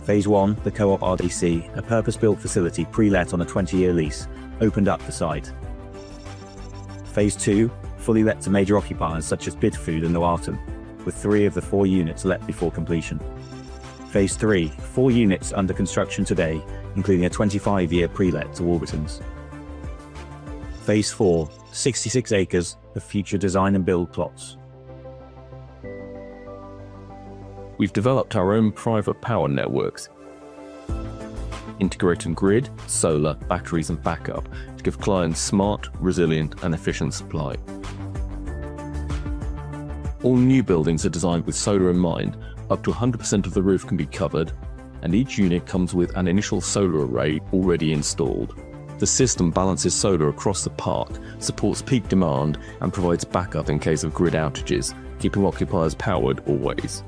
Phase I, the Co-op RDC, a purpose-built facility pre-let on a 20-year lease, opened up the site. Phase II, fully let to major occupiers such as Bidfood and Newarton, with three of the four units let before completion. Phase III, four units under construction today, including a 25-year pre-let to Warburtons. Phase I, 66 acres of future design and build plots. We've developed our own private power networks, integrating grid, solar, batteries, and backup to give clients smart, resilient, and efficient supply. All new buildings are designed with solar in mind. Up to 100% of the roof can be covered, and each unit comes with an initial solar array already installed. The system balances solar across the park, supports peak demand, and provides backup in case of grid outages, keeping occupiers powered always.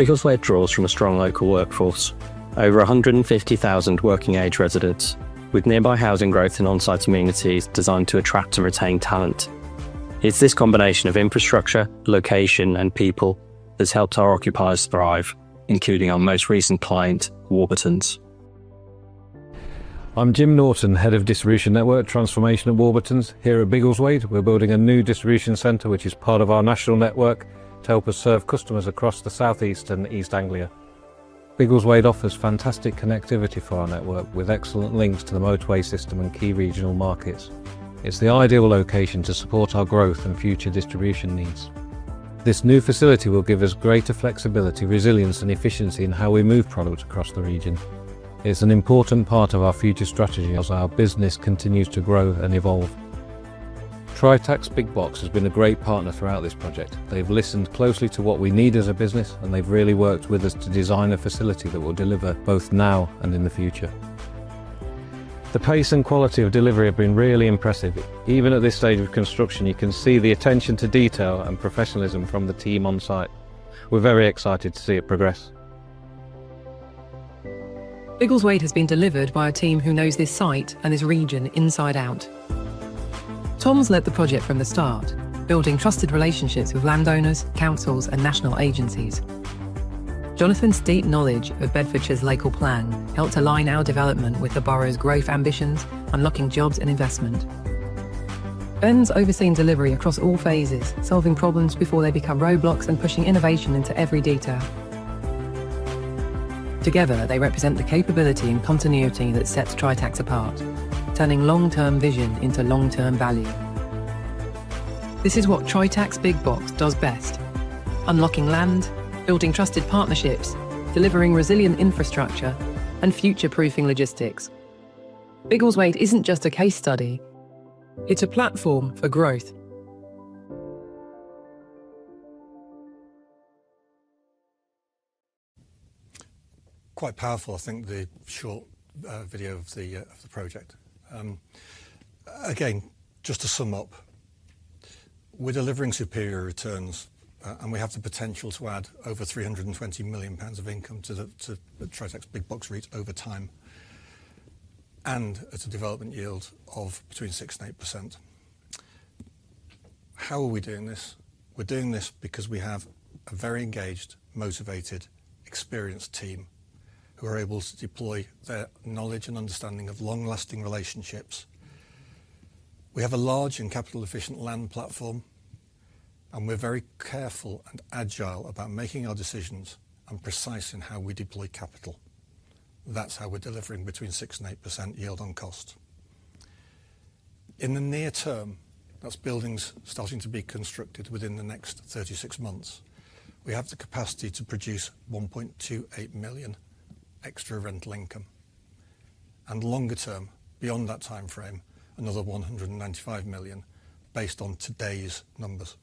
Biggleswade draws from a strong local workforce, over 150,000 working-age residents, with nearby housing growth and on-site amenities designed to attract and retain talent. It's this combination of infrastructure, location, and people that's helped our occupiers thrive, including our most recent client, Warburtons. I'm Jim Norton, Head of Distribution Network Transformation at Warburtons. Here at Biggleswade, we're building a new distribution center, which is part of our national network to help us serve customers across the Southeast and East Anglia. Biggleswade offers fantastic connectivity for our network, with excellent links to the motorway system and key regional markets. It's the ideal location to support our growth and future distribution needs. This new facility will give us greater flexibility, resilience, and efficiency in how we move products across the region. It's an important part of our future strategy as our business continues to grow and evolve. Tritax Big Box has been a great partner throughout this project. They've listened closely to what we need as a business, and they've really worked with us to design a facility that will deliver both now and in the future. The pace and quality of delivery have been really impressive. Even at this stage of construction, you can see the attention to detail and professionalism from the team on site. We're very excited to see it progress. Biggleswade has been delivered by a team who knows this site and this region inside out. Tom's led the project from the start, building trusted relationships with landowners, councils, and national agencies. Jonathan's deep knowledge of Bedfordshire's local plan helped align our development with the borough's growth ambitions, unlocking jobs and investment. Ben's overseen delivery across all phases, solving problems before they become roadblocks and pushing innovation into every detail. Together, they represent the capability and continuity that sets Tritax apart, turning long-term vision into long-term value. This is what Tritax Big Box does best: unlocking land, building trusted partnerships, delivering resilient infrastructure, and future-proofing logistics. Biggleswade isn't just a case study; it's a platform for growth. Quite powerful, I think, the short video of the project. Again, just to sum up, we are delivering superior returns, and we have the potential to add over 320 million pounds of income to the Tritax Big Box REIT over time and at a development yield of between 6%-8%. How are we doing this? We are doing this because we have a very engaged, motivated, experienced team who are able to deploy their knowledge and understanding of long-lasting relationships. We have a large and capital-efficient land platform, and we are very careful and agile about making our decisions and precise in how we deploy capital. That is how we are delivering between 6%-8% yield on cost. In the near term, that is buildings starting to be constructed within the next 36 months. We have the capacity to produce 1.28 million extra rental income. Longer term, beyond that time frame, another 195 million based on today's numbers.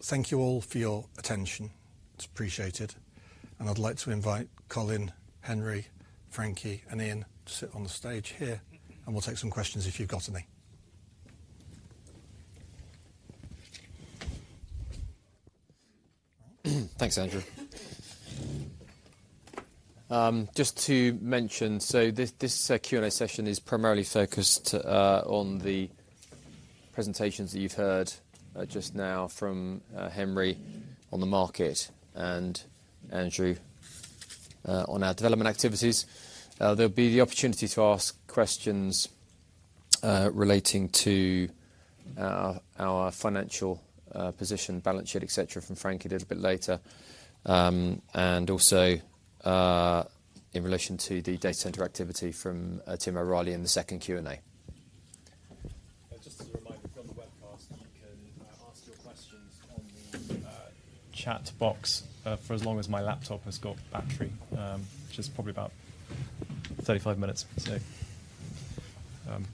Thank you all for your attention. It is appreciated. I would like to invite Colin, Henry, Frankie, and Ian to sit on the stage here, and we will take some questions if you have any. Thanks, Andrew. Just to mention, this Q&A session is primarily focused on the presentations that you have heard just now from Henry on the market and Andrew on our development activities. There will be the opportunity to ask questions relating to our financial position, balance sheet, etc., from Frankie a little bit later, and also in relation to the data center activity from Tim O'Reilly in the second Q&A. Just as a reminder, from the webcast, you can ask your questions on the chat box for as long as my laptop has got battery, which is probably about 35 minutes.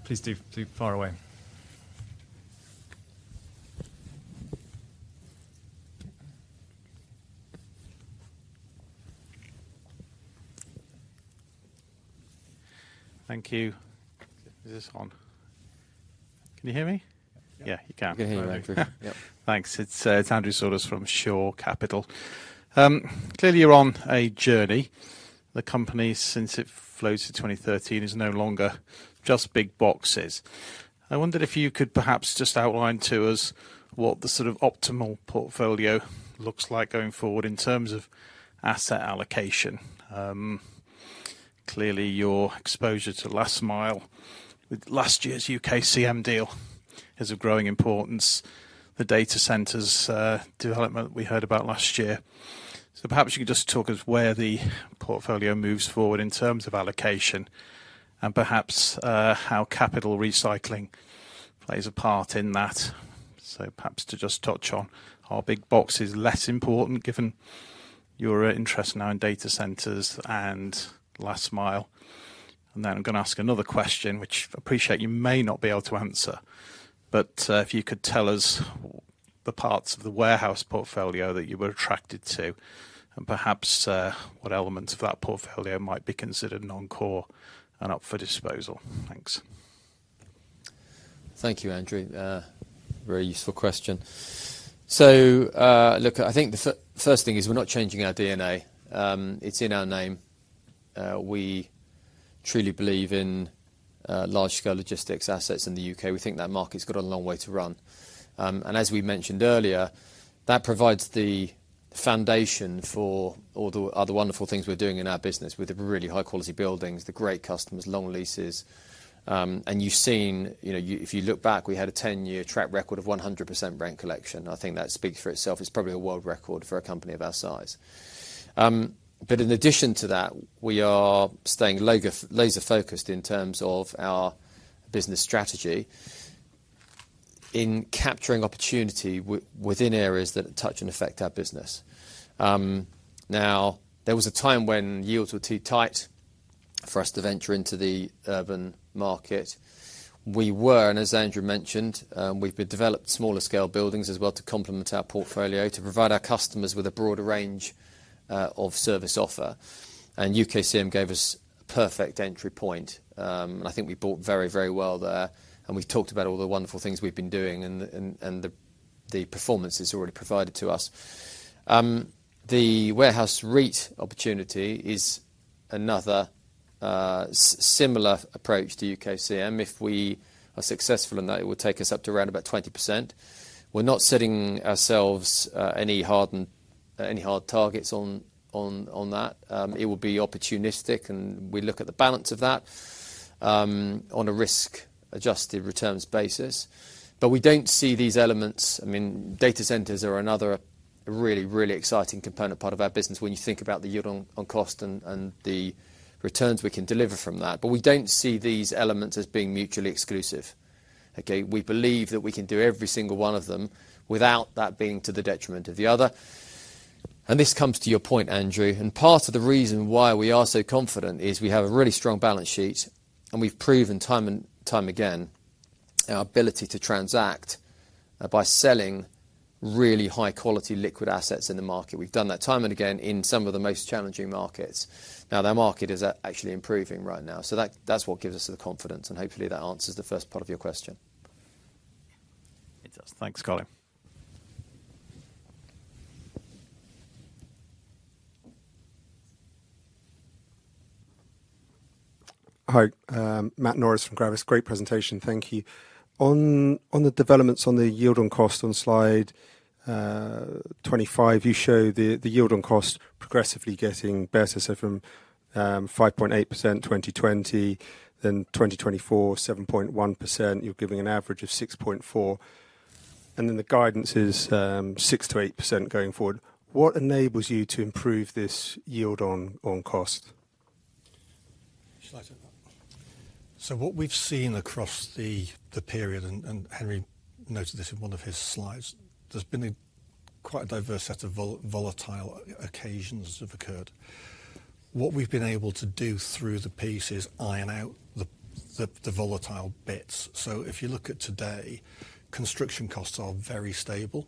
Please do fire away. Thank you. Is this on? Can you hear me? Yeah, you can. I can hear you, Andrew. Thanks. It's Andrew Saunders from Shore Capital. Clearly, you're on a journey. The company, since it floated in 2013, is no longer just big boxes. I wondered if you could perhaps just outline to us what the sort of optimal portfolio looks like going forward in terms of asset allocation. Clearly, your exposure to last mile with last year's UKCM deal is of growing importance, the data centers development we heard about last year. Perhaps you could just talk us through where the portfolio moves forward in terms of allocation and perhaps how capital recycling plays a part in that. Perhaps just touch on how big box is less important given your interest now in data centers and last mile. I'm going to ask another question, which I appreciate you may not be able to answer, but if you could tell us the parts of the warehouse portfolio that you were attracted to and perhaps what elements of that portfolio might be considered non-core and up for disposal. Thanks. Thank you, Andrew. Very useful question. I think the first thing is we're not changing our DNA. It's in our name. We truly believe in large-scale logistics assets in the U.K. We think that market's got a long way to run. As we mentioned earlier, that provides the foundation for all the other wonderful things we're doing in our business with the really high-quality buildings, the great customers, long leases. You've seen, if you look back, we had a 10-year track record of 100% rent collection. I think that speaks for itself. It's probably a world record for a company of our size. In addition to that, we are staying laser-focused in terms of our business strategy in capturing opportunity within areas that touch and affect our business. There was a time when yields were too tight for us to venture into the urban market. We were, and as Andrew mentioned, we've developed smaller-scale buildings as well to complement our portfolio, to provide our customers with a broader range of service offer. UKCM gave us a perfect entry point. I think we bought very, very well there. We've talked about all the wonderful things we've been doing and the performance it's already provided to us. The Warehouse REIT opportunity is another similar approach to UKCM. If we are successful in that, it will take us up to around about 20%. We're not setting ourselves any hard targets on that. It will be opportunistic, and we look at the balance of that on a risk-adjusted returns basis. We do not see these elements. I mean, data centers are another really, really exciting component part of our business when you think about the yield on cost and the returns we can deliver from that. We do not see these elements as being mutually exclusive. Okay? We believe that we can do every single one of them without that being to the detriment of the other. This comes to your point, Andrew. Part of the reason why we are so confident is we have a really strong balance sheet, and we've proven time and time again our ability to transact by selling really high-quality liquid assets in the market. We've done that time and again in some of the most challenging markets. Now, that market is actually improving right now. That is what gives us the confidence. Hopefully, that answers the first part of your question. It does. Thanks, Colin. Hi. Matt Norris from Gravis. Great presentation. Thank you. On the developments on the yield on cost on slide 25, you show the yield on cost progressively getting better. From 5.8% in 2020, then 2024, 7.1%. You are giving an average of 6.4%. The guidance is 6%-8% going forward. What enables you to improve this yield on cost? What we have seen across the period, and Henry noted this in one of his slides, there has been quite a diverse set of volatile occasions that have occurred. What we have been able to do through the piece is iron out the volatile bits. If you look at today, construction costs are very stable,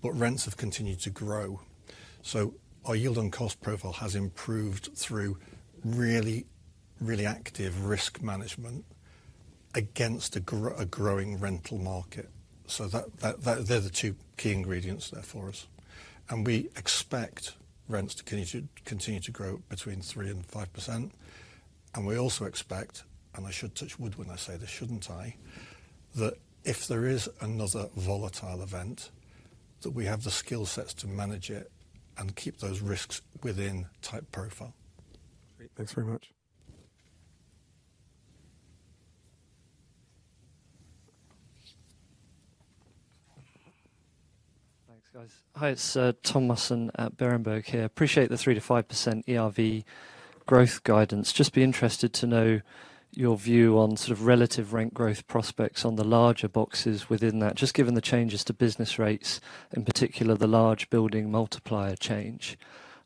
but rents have continued to grow. Our yield on cost profile has improved through really, really active risk management against a growing rental market. They are the two key ingredients there for us. We expect rents to continue to grow between 3% and 5%. We also expect, and I should touch wood when I say this, should I, that if there is another volatile event, we have the skill sets to manage it and keep those risks within type profile. Great. Thanks very much. Thanks, guys. Hi, it is Tom Watson at Berenberg here. Appreciate the 3%-5% ERV growth guidance. Just be interested to know your view on sort of relative rent growth prospects on the larger boxes within that, just given the changes to business rates, in particular the large building multiplier change.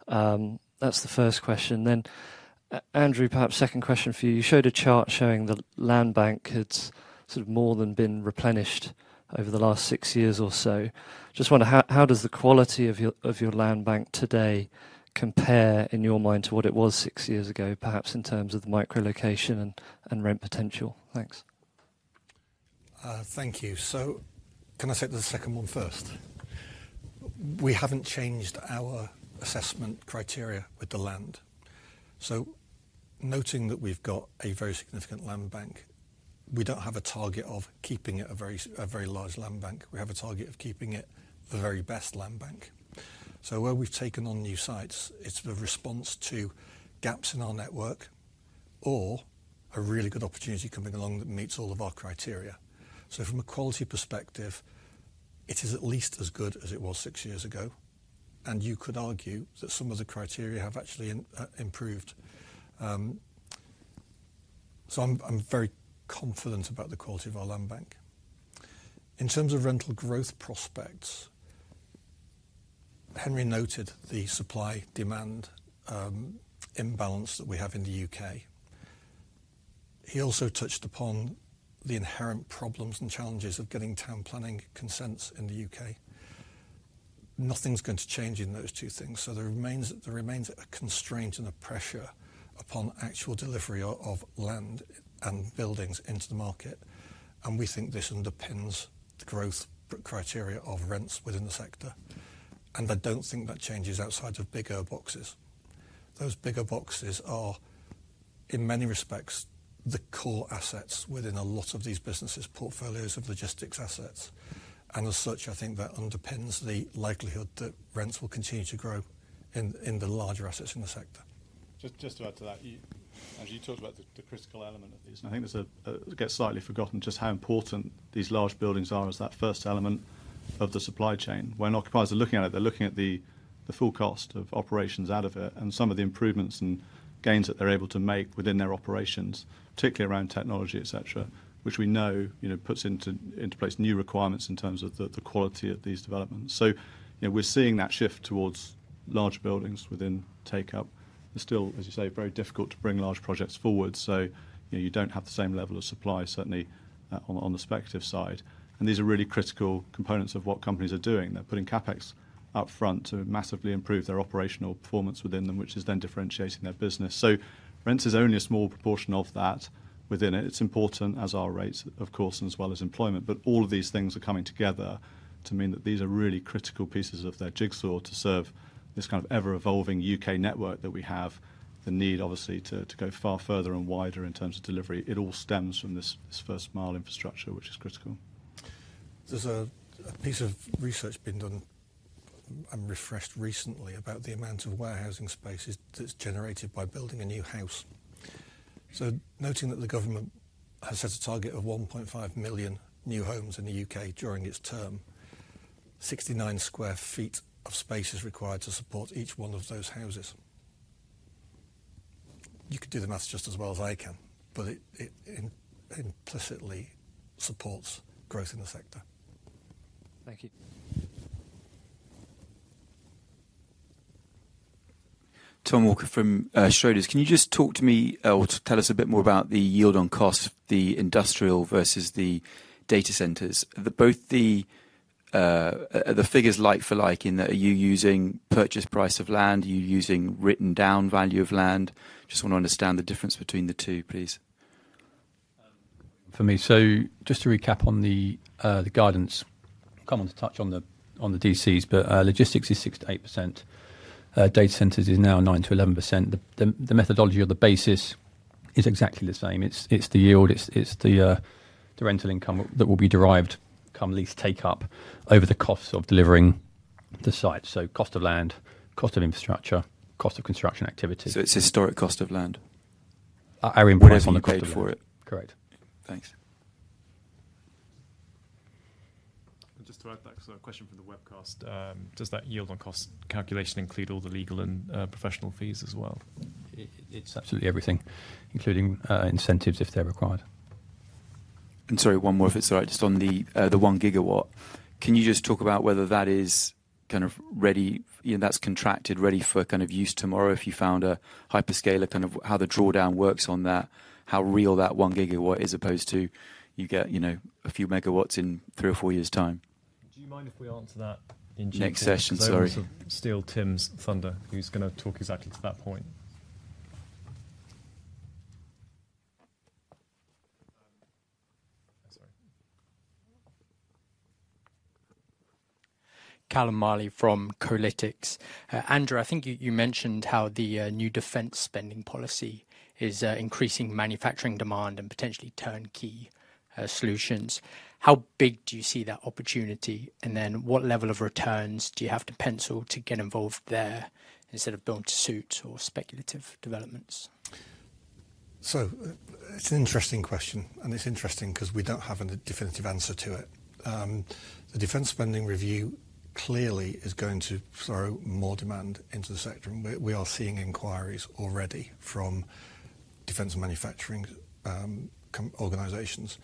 That's the first question. Then, Andrew, perhaps second question for you. You showed a chart showing the land bank had sort of more than been replenished over the last six years or so. Just wonder, how does the quality of your land bank today compare in your mind to what it was six years ago, perhaps in terms of the micro-location and rent potential? Thanks. Thank you. Can I take the second one first? We haven't changed our assessment criteria with the land. Noting that we've got a very significant land bank, we don't have a target of keeping it a very large land bank. We have a target of keeping it the very best land bank. Where we've taken on new sites, it's the response to gaps in our network or a really good opportunity coming along that meets all of our criteria. From a quality perspective, it is at least as good as it was six years ago. You could argue that some of the criteria have actually improved. I am very confident about the quality of our land bank. In terms of rental growth prospects, Henry noted the supply-demand imbalance that we have in the U.K. He also touched upon the inherent problems and challenges of getting town planning consents in the U.K. Nothing is going to change in those two things. There remains a constraint and a pressure upon actual delivery of land and buildings into the market. We think this underpins the growth criteria of rents within the sector. I do not think that changes outside of bigger boxes. Those bigger boxes are, in many respects, the core assets within a lot of these businesses, portfolios of logistics assets. I think that underpins the likelihood that rents will continue to grow in the larger assets in the sector. Just to add to that, Andrew, you talked about the critical element of these. I think it gets slightly forgotten just how important these large buildings are as that first element of the supply chain. When occupiers are looking at it, they're looking at the full cost of operations out of it and some of the improvements and gains that they're able to make within their operations, particularly around technology, etc., which we know puts into place new requirements in terms of the quality of these developments. We are seeing that shift towards large buildings within take-up. It is still, as you say, very difficult to bring large projects forward. You do not have the same level of supply, certainly, on the speculative side. These are really critical components of what companies are doing. They're putting CapEx upfront to massively improve their operational performance within them, which is then differentiating their business. Rent is only a small proportion of that within it. It's important, as are rates, of course, as well as employment. All of these things are coming together to mean that these are really critical pieces of their jigsaw to serve this kind of ever-evolving U.K. network that we have, the need, obviously, to go far further and wider in terms of delivery. It all stems from this first-mile infrastructure, which is critical. There's a piece of research being done and refreshed recently about the amount of warehousing space that's generated by building a new house. Noting that the government has set a target of 1.5 million new homes in the U.K. during its term, 69 sq ft of space is required to support each one of those houses. You could do the math just as well as I can, but it implicitly supports growth in the sector. Thank you. Tom Walker from Australia's. Can you just talk to me or tell us a bit more about the yield on cost, the industrial versus the data centers? Both the figures like for like in that, are you using purchase price of land? Are you using written down value of land? Just want to understand the difference between the two, please. For me. Just to recap on the guidance, come on to touch on the DCs, but logistics is 6%-8%. Data centers is now 9%-11%. The methodology or the basis is exactly the same. It's the yield. It's the rental income that will be derived, come lease take-up, over the costs of delivering the site. Cost of land, cost of infrastructure, cost of construction activity. It's historic cost of land. Are improving on the cost of land. Correct. Thanks. Just to add back to that question from the webcast, does that yield on cost calculation include all the legal and professional fees as well? It's absolutely everything, including incentives if they're required. Sorry, one more if it's all right. Just on the one gigawatt, can you just talk about whether that is kind of ready, that's contracted, ready for kind of use tomorrow if you found a hyperscaler, kind of how the drawdown works on that, how real that one gigawatt is as opposed to you get a few megawatts in three or four years' time? Do you mind if we answer that in due course? Next session, sorry. Still Tim's thunder, who's going to talk exactly to that point. Sorry. Callum Miley from Kolytics. Andrew, I think you mentioned how the new defense spending policy is increasing manufacturing demand and potentially turnkey solutions. How big do you see that opportunity? And then what level of returns do you have to pencil to get involved there instead of going to suit or speculative developments? It is an interesting question. It is interesting because we do not have a definitive answer to it. The defense spending review clearly is going to throw more demand into the sector. We are seeing inquiries already from defense manufacturing organizations.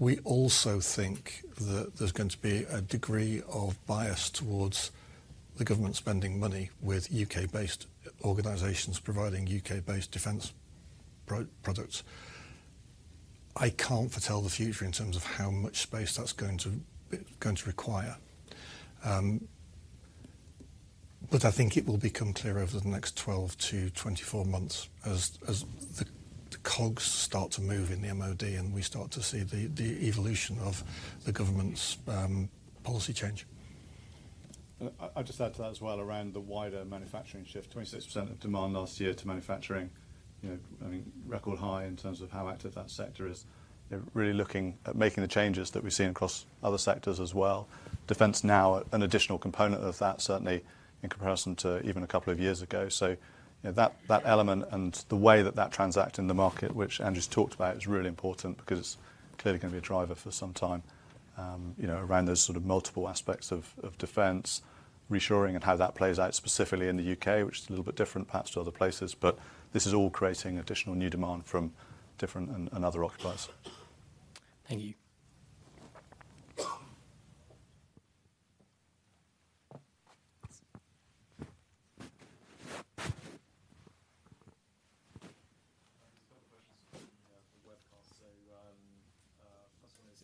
We also think that there is going to be a degree of bias towards the government spending money with U.K.-based organizations providing U.K.-based defense products. I cannot foretell the future in terms of how much space that is going to require. I think it will become clear over the next 12-24 months as the cogs start to move in the MOD and we start to see the evolution of the government's policy change. I would just add to that as well around the wider manufacturing shift. 26% of demand last year to manufacturing, I mean, record high in terms of how active that sector is. They're really looking at making the changes that we've seen across other sectors as well. Defense now, an additional component of that, certainly in comparison to even a couple of years ago. That element and the way that that transact in the market, which Andrew's talked about, is really important because it's clearly going to be a driver for some time around those sort of multiple aspects of defense, reassuring and how that plays out specifically in the U.K., which is a little bit different perhaps to other places. This is all creating additional new demand from different and other occupiers. Thank you.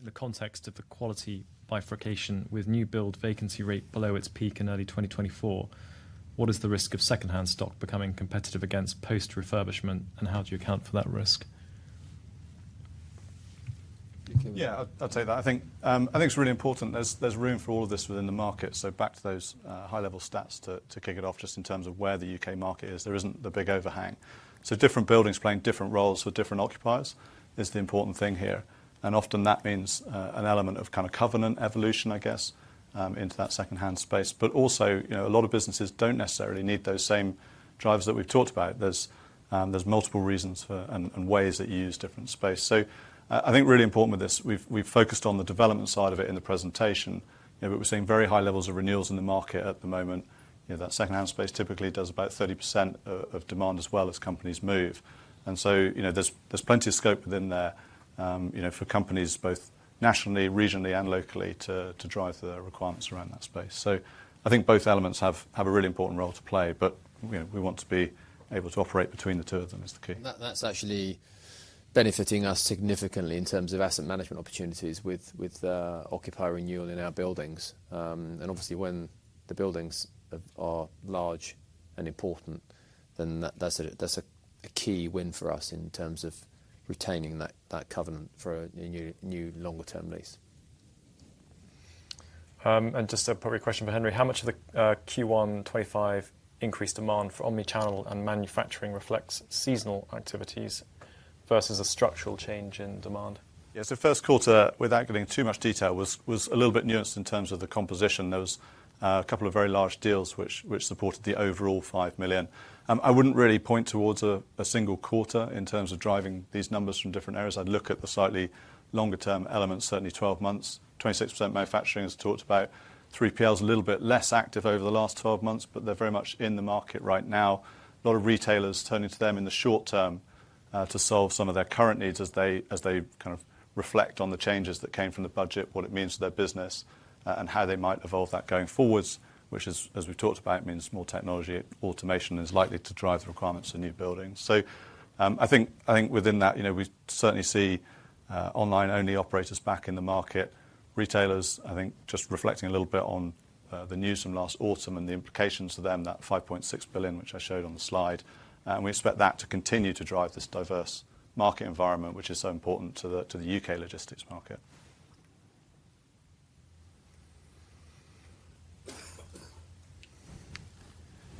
In the context of the quality bifurcation with new build vacancy rate below its peak in early 2024, what is the risk of secondhand stock becoming competitive against post-refurbishment? How do you account for that risk? Yeah, I'll take that. I think it's really important. There's room for all of this within the market. Back to those high-level stats to kick it off just in terms of where the U.K. market is. There isn't the big overhang. Different buildings playing different roles for different occupiers is the important thing here. Often that means an element of kind of covenant evolution, I guess, into that secondhand space. Also, a lot of businesses don't necessarily need those same drivers that we've talked about. There's multiple reasons and ways that you use different space. I think really important with this, we've focused on the development side of it in the presentation. We're seeing very high levels of renewals in the market at the moment. That secondhand space typically does about 30% of demand as well as companies move. There is plenty of scope within there for companies both nationally, regionally, and locally to drive the requirements around that space. I think both elements have a really important role to play. We want to be able to operate between the two of them, which is the key. That is actually benefiting us significantly in terms of asset management opportunities with occupier renewal in our buildings. Obviously, when the buildings are large and important, that is a key win for us in terms of retaining that covenant for a new longer-term lease. Just a probably question for Henry, how much of the Q1 2025 increased demand for omnichannel and manufacturing reflects seasonal activities versus a structural change in demand? Yeah, first quarter, without giving too much detail, was a little bit nuanced in terms of the composition. There was a couple of very large deals which supported the overall 5 million. I would not really point towards a single quarter in terms of driving these numbers from different areas. I would look at the slightly longer-term elements, certainly 12 months. 26% manufacturing as talked about. 3PLs a little bit less active over the last 12 months, but they are very much in the market right now. A lot of retailers turning to them in the short term to solve some of their current needs as they kind of reflect on the changes that came from the budget, what it means to their business, and how they might evolve that going forwards, which, as we have talked about, means more technology. Automation is likely to drive the requirements for new buildings. I think within that, we certainly see online-only operators back in the market. Retailers, I think, just reflecting a little bit on the news from last autumn and the implications for them, that 5.6 billion, which I showed on the slide. We expect that to continue to drive this diverse market environment, which is so important to the U.K. logistics market.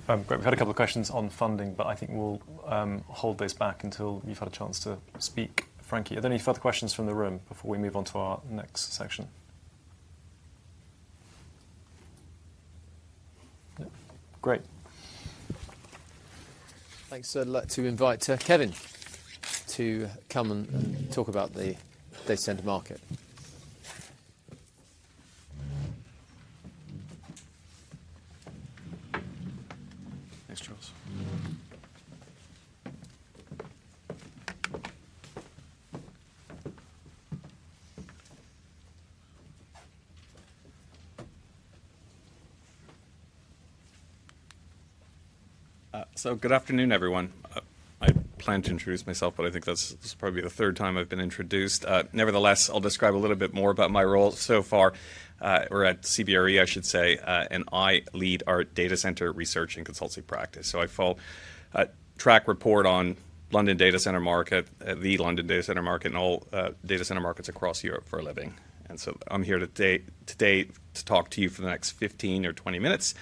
Great. We've had a couple of questions on funding, but I think we'll hold those back until you've had a chance to speak, Frankie. Are there any further questions from the room before we move on to our next section? Great. Thanks. I'd like to invite Kevin to come and talk about the data center market. Thanks, Charles. Good afternoon, everyone. I plan to introduce myself, but I think that's probably the third time I've been introduced. Nevertheless, I'll describe a little bit more about my role so far. We're at CBRE, I should say, and I lead our data center research and consulting practice. I track, report on the London data center market, the London data center market, and all data center markets across Europe for a living. I am here today to talk to you for the next 15 or 20 minutes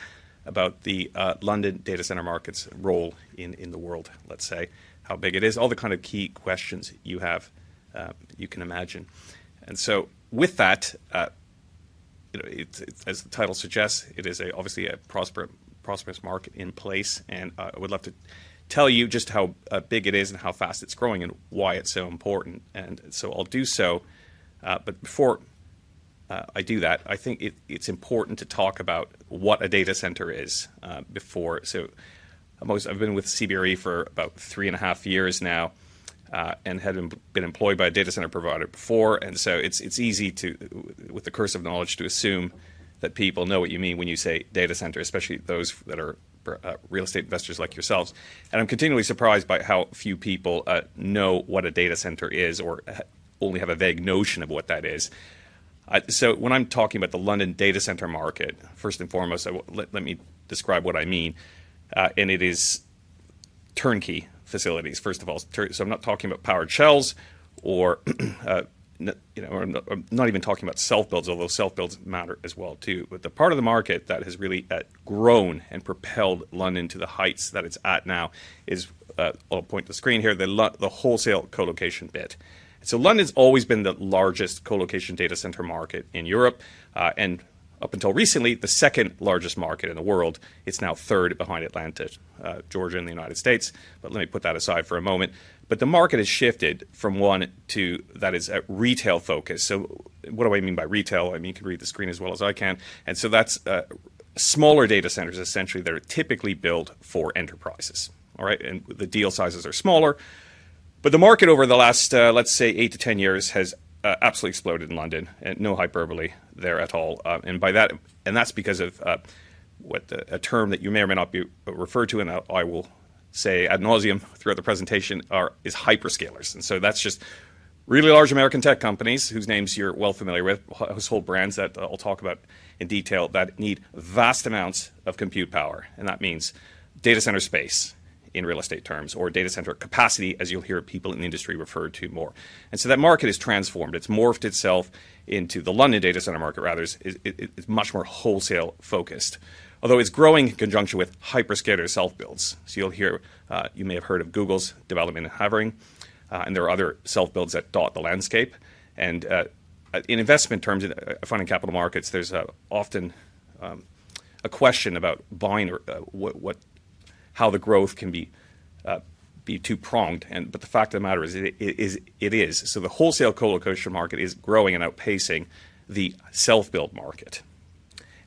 about the London data center market's role in the world, let's say, how big it is, all the kind of key questions you can imagine. With that, as the title suggests, it is obviously a prosperous market in place. I would love to tell you just how big it is and how fast it's growing and why it's so important. I'll do so. Before I do that, I think it's important to talk about what a data center is before. I've been with CBRE for about three and a half years now and had been employed by a data center provider before. It's easy with a curse of knowledge to assume that people know what you mean when you say data center, especially those that are real estate investors like yourselves. I'm continually surprised by how few people know what a data center is or only have a vague notion of what that is. When I'm talking about the London data center market, first and foremost, let me describe what I mean. It is turnkey facilities, first of all. I'm not talking about powered shells or I'm not even talking about self-builds, although self-builds matter as well, too. The part of the market that has really grown and propelled London to the heights that it is at now is, I will point to the screen here, the wholesale co-location bit. London has always been the largest co-location data center market in Europe and up until recently the second largest market in the world. It is now third behind Atlanta, Georgia, and the United States. Let me put that aside for a moment. The market has shifted from one to that is retail-focused. What do I mean by retail? I mean, you can read the screen as well as I can. That is smaller data centers, essentially. They are typically built for enterprises. All right? The deal sizes are smaller. The market over the last, let's say, eight to 10 years has absolutely exploded in London. No hyperbole there at all. That is because of a term that you may or may not refer to, and I will say ad nauseum throughout the presentation, is hyperscalers. That is just really large American tech companies whose names you are well familiar with, whose whole brands that I will talk about in detail, that need vast amounts of compute power. That means data center space in real estate terms or data center capacity, as you will hear people in the industry refer to more. That market has transformed. It has morphed itself into the London data center market, rather. It is much more wholesale-focused, although it is growing in conjunction with hyperscaler self-builds. You may have heard of Google's development in Havering. There are other self-builds that dot the landscape. In investment terms, funding capital markets, there is often a question about buying or how the growth can be two pronged. The fact of the matter is it is. The wholesale co-location market is growing and outpacing the self-build market.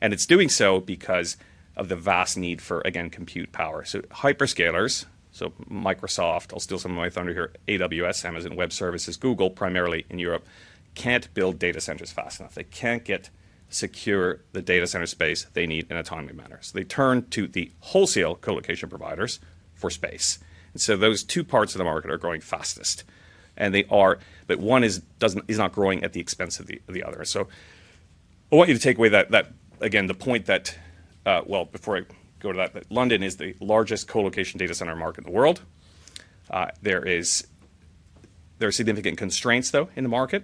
It is doing so because of the vast need for, again, compute power. Hyperscalers, so Microsoft, I will steal some of my thunder here, AWS, Amazon Web Services, Google, primarily in Europe, cannot build data centers fast enough. They cannot secure the data center space they need in a timely manner. They turn to the wholesale co-location providers for space. Those two parts of the market are growing fastest. They are. One is not growing at the expense of the other. I want you to take away that, again, the point that, before I go to that, that London is the largest co-location data center market in the world. There are significant constraints, though, in the market.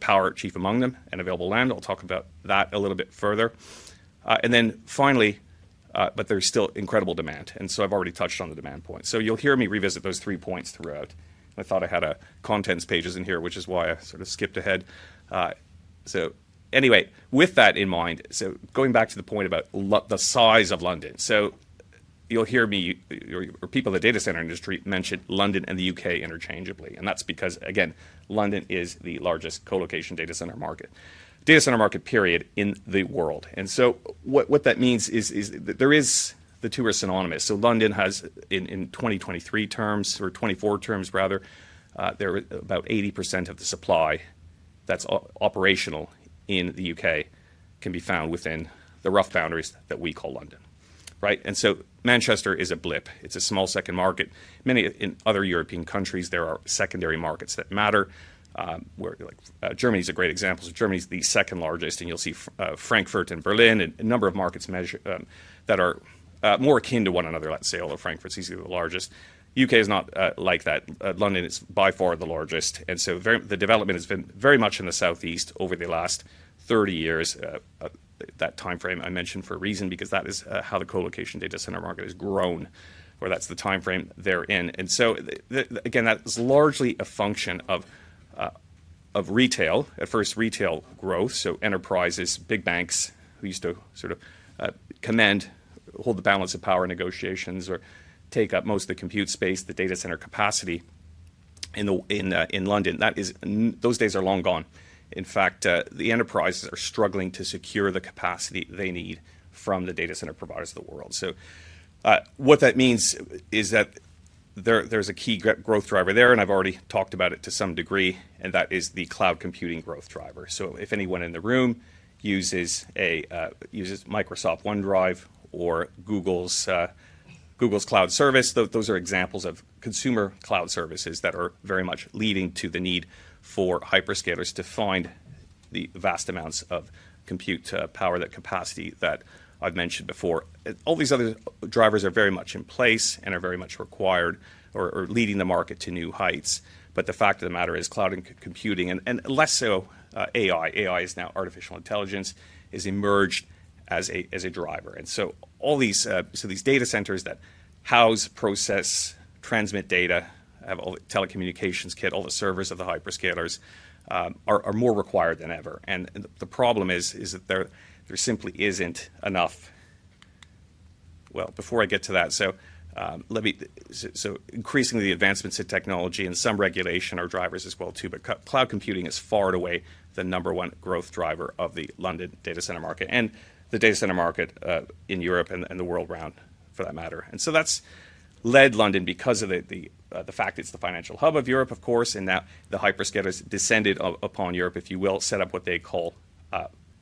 Power chief among them and available land. I'll talk about that a little bit further. Finally, there's still incredible demand. I've already touched on the demand point. You'll hear me revisit those three points throughout. I thought I had contents pages in here, which is why I sort of skipped ahead. With that in mind, going back to the point about the size of London. You'll hear me or people in the data center industry mention London and the U.K. interchangeably. That's because, again, London is the largest co-location data center market, data center market, period, in the world. What that means is the two are synonymous. London has, in 2023 terms or 2024 terms, rather, about 80% of the supply that's operational in the U.K. can be found within the rough boundaries that we call London. Right? Manchester is a blip. It's a small second market. Many in other European countries, there are secondary markets that matter. Germany is a great example. Germany is the second largest. You'll see Frankfurt and Berlin and a number of markets that are more akin to one another. Let's say all of Frankfurt is easily the largest. U.K. is not like that. London is by far the largest. The development has been very much in the Southeast over the last 30 years, that timeframe I mentioned for a reason, because that is how the co-location data center market has grown, or that's the timeframe they're in. That is largely a function of retail, at first retail growth. Enterprises, big banks who used to sort of command, hold the balance of power in negotiations or take up most of the compute space, the data center capacity in London. Those days are long gone. In fact, the enterprises are struggling to secure the capacity they need from the data center providers of the world. What that means is that there is a key growth driver there. I have already talked about it to some degree. That is the cloud computing growth driver. If anyone in the room uses Microsoft OneDrive or Google's cloud service, those are examples of consumer cloud services that are very much leading to the need for hyperscalers to find the vast amounts of compute power, that capacity that I have mentioned before. All these other drivers are very much in place and are very much required or leading the market to new heights. The fact of the matter is cloud and computing, and less so AI. AI is now artificial intelligence, has emerged as a driver. All these data centers that house, process, transmit data, have all the telecommunications kit, all the servers of the hyperscalers are more required than ever. The problem is that there simply is not enough. Increasingly, the advancements in technology and some regulation are drivers as well, too. Cloud computing is far and away the number one growth driver of the London data center market and the data center market in Europe and the world around, for that matter. That has led London, because of the fact it is the financial hub of Europe, of course, and that the hyperscalers descended upon Europe, if you will, set up what they call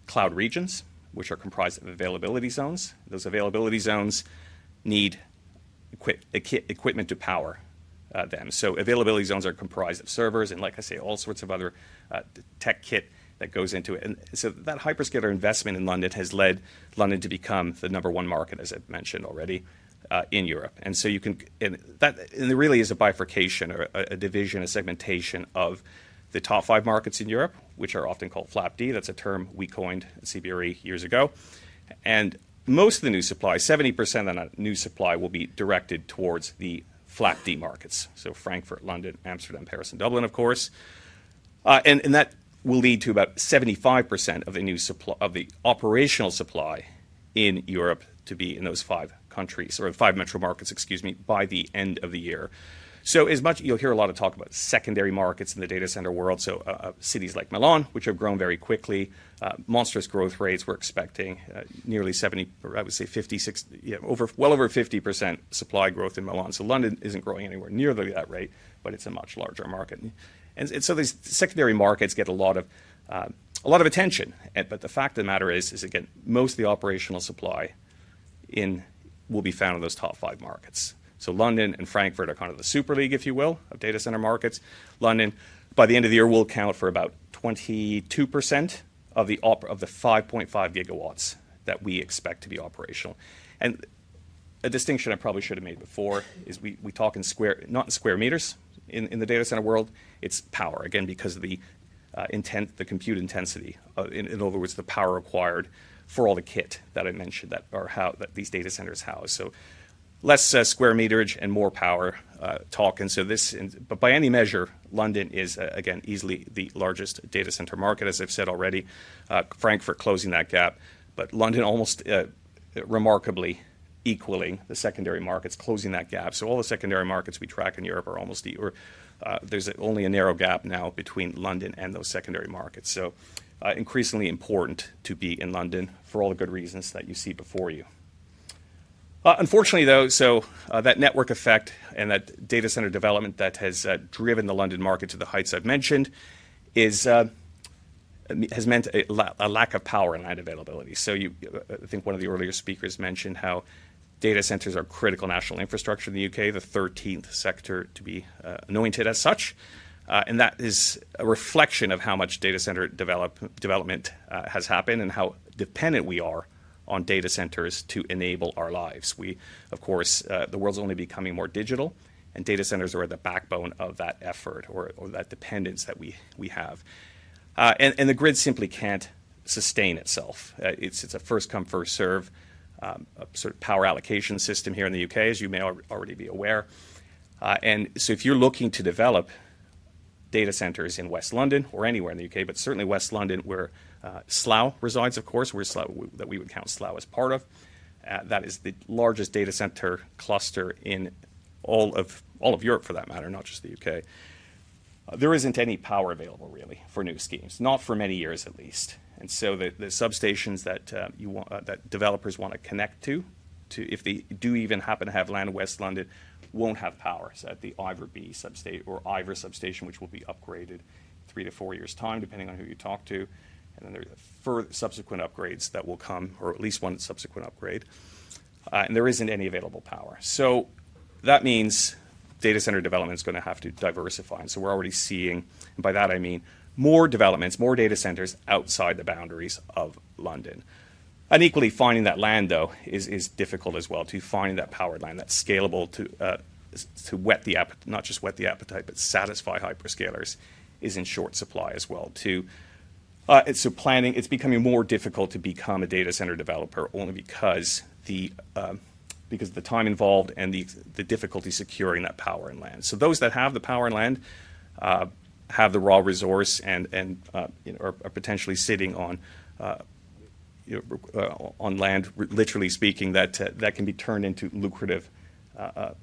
cloud regions, which are comprised of availability zones. Those availability zones need equipment to power them. Availability zones are comprised of servers and, like I say, all sorts of other tech kit that goes into it. That hyperscaler investment in London has led London to become the number one market, as I have mentioned already, in Europe. There really is a bifurcation or a division, a segmentation of the top five markets in Europe, which are often called FLAPD. That is a term we coined at CBRE years ago. Most of the new supply, 70% of that new supply, will be directed towards the FLAPD markets. Frankfurt, London, Amsterdam, Paris, and Dublin, of course. That will lead to about 75% of the operational supply in Europe to be in those five countries or five metro markets, excuse me, by the end of the year. You'll hear a lot of talk about secondary markets in the data center world. Cities like Milan, which have grown very quickly, monstrous growth rates, we're expecting nearly 70, I would say 50, well over 50% supply growth in Milan. London isn't growing anywhere near that rate, but it's a much larger market. These secondary markets get a lot of attention. The fact of the matter is, again, most of the operational supply will be found in those top five markets. London and Frankfurt are kind of the super league, if you will, of data center markets. London, by the end of the year, will account for about 22% of the 5.5 gigawatts that we expect to be operational. A distinction I probably should have made before is we talk not in square meters in the data center world. It is power, again, because of the compute intensity. In other words, the power required for all the kit that I mentioned or that these data centers house. Less square meterage and more power talk. By any measure, London is, again, easily the largest data center market, as I have said already. Frankfurt is closing that gap. London, almost remarkably equally, the secondary markets are closing that gap. All the secondary markets we track in Europe are almost, or there is only a narrow gap now between London and those secondary markets. Increasingly important to be in London for all the good reasons that you see before you. Unfortunately, though, that network effect and that data center development that has driven the London market to the heights I have mentioned has meant a lack of power and that availability. I think one of the earlier speakers mentioned how data centers are critical national infrastructure in the U.K., the 13th sector to be anointed as such. That is a reflection of how much data center development has happened and how dependent we are on data centers to enable our lives. The world's only becoming more digital, and data centers are at the backbone of that effort or that dependence that we have. The grid simply cannot sustain itself. It's a first-come, first-serve sort of power allocation system here in the U.K., as you may already be aware. If you're looking to develop data centers in West London or anywhere in the U.K., certainly West London where Slough resides, of course, that we would count Slough as part of, that is the largest data center cluster in all of Europe, for that matter, not just the U.K. There isn't any power available, really, for new schemes, not for many years, at least. The substations that developers want to connect to, if they do even happen to have land in West London, won't have power. At the Iver substation, which will be upgraded in three to four years' time, depending on who you talk to. There are subsequent upgrades that will come, or at least one subsequent upgrade. There isn't any available power. That means data center development is going to have to diversify. We're already seeing, and by that, I mean more developments, more data centers outside the boundaries of London. Unequally, finding that land, though, is difficult as well. To find that powered land that's scalable to not just whet the appetite, but satisfy hyperscalers, is in short supply as well, too. Planning is becoming more difficult to become a data center developer only because of the time involved and the difficulty securing that power and land. Those that have the power and land have the raw resource and are potentially sitting on land, literally speaking, that can be turned into lucrative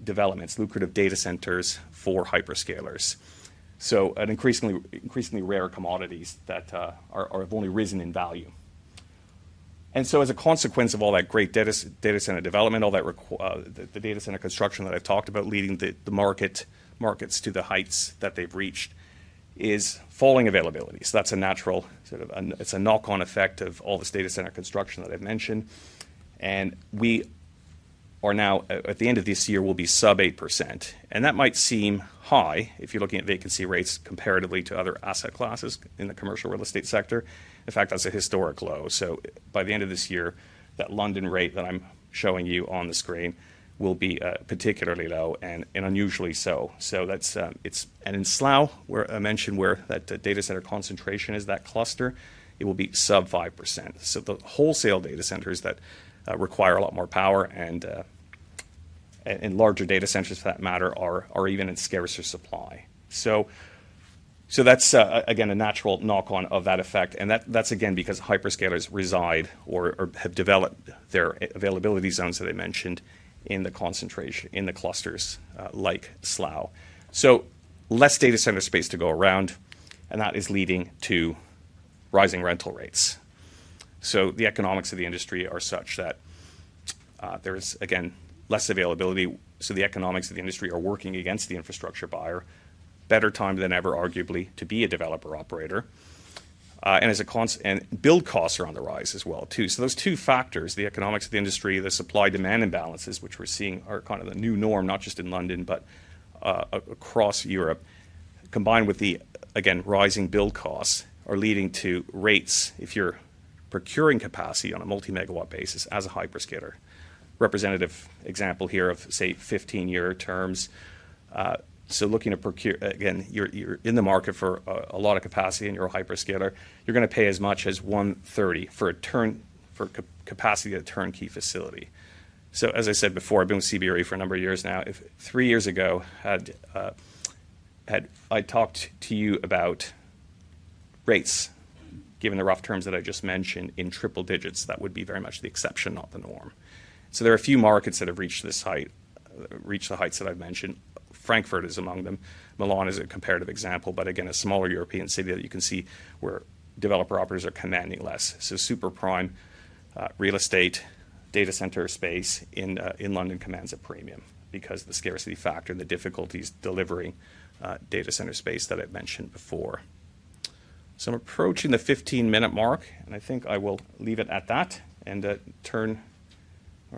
developments, lucrative data centers for hyperscalers. Increasingly rare commodities that have only risen in value. As a consequence of all that great data center development, all that data center construction that I've talked about leading the markets to the heights that they've reached is falling availability. That's a natural sort of knock-on effect of all this data center construction that I've mentioned. We are now, at the end of this year, will be sub 8%. That might seem high if you're looking at vacancy rates comparatively to other asset classes in the commercial real estate sector. In fact, that's a historic low. By the end of this year, that London rate that I'm showing you on the screen will be particularly low and unusually so. In Slough, I mentioned where that data center concentration is, that cluster, it will be sub 5%. The wholesale data centers that require a lot more power and larger data centers, for that matter, are even in scarcer supply. That is, again, a natural knock-on of that effect. That is, again, because hyperscalers reside or have developed their availability zones that I mentioned in the clusters like Slough. Less data center space to go around, and that is leading to rising rental rates. The economics of the industry are such that there is, again, less availability. The economics of the industry are working against the infrastructure buyer. Better time than ever, arguably, to be a developer operator. Build costs are on the rise as well, too. Those two factors, the economics of the industry, the supply-demand imbalances, which we're seeing are kind of the new norm, not just in London, but across Europe, combined with the, again, rising build costs are leading to rates. If you're procuring capacity on a multi-megawatt basis as a hyperscaler, representative example here of, say, 15-year terms. Looking at procure, again, you're in the market for a lot of capacity and you're a hyperscaler. You're going to pay as much as 130 for capacity at a turnkey facility. As I said before, I've been with CBRE for a number of years now. Three years ago, I talked to you about rates, given the rough terms that I just mentioned, in triple digits. That would be very much the exception, not the norm. There are a few markets that have reached the heights that I've mentioned. Frankfurt is among them. Milan is a comparative example. Again, a smaller European city that you can see where developer operators are commanding less. Super prime real estate data center space in London commands a premium because of the scarcity factor and the difficulties delivering data center space that I've mentioned before. I'm approaching the 15-minute mark, and I think I will leave it at that and sort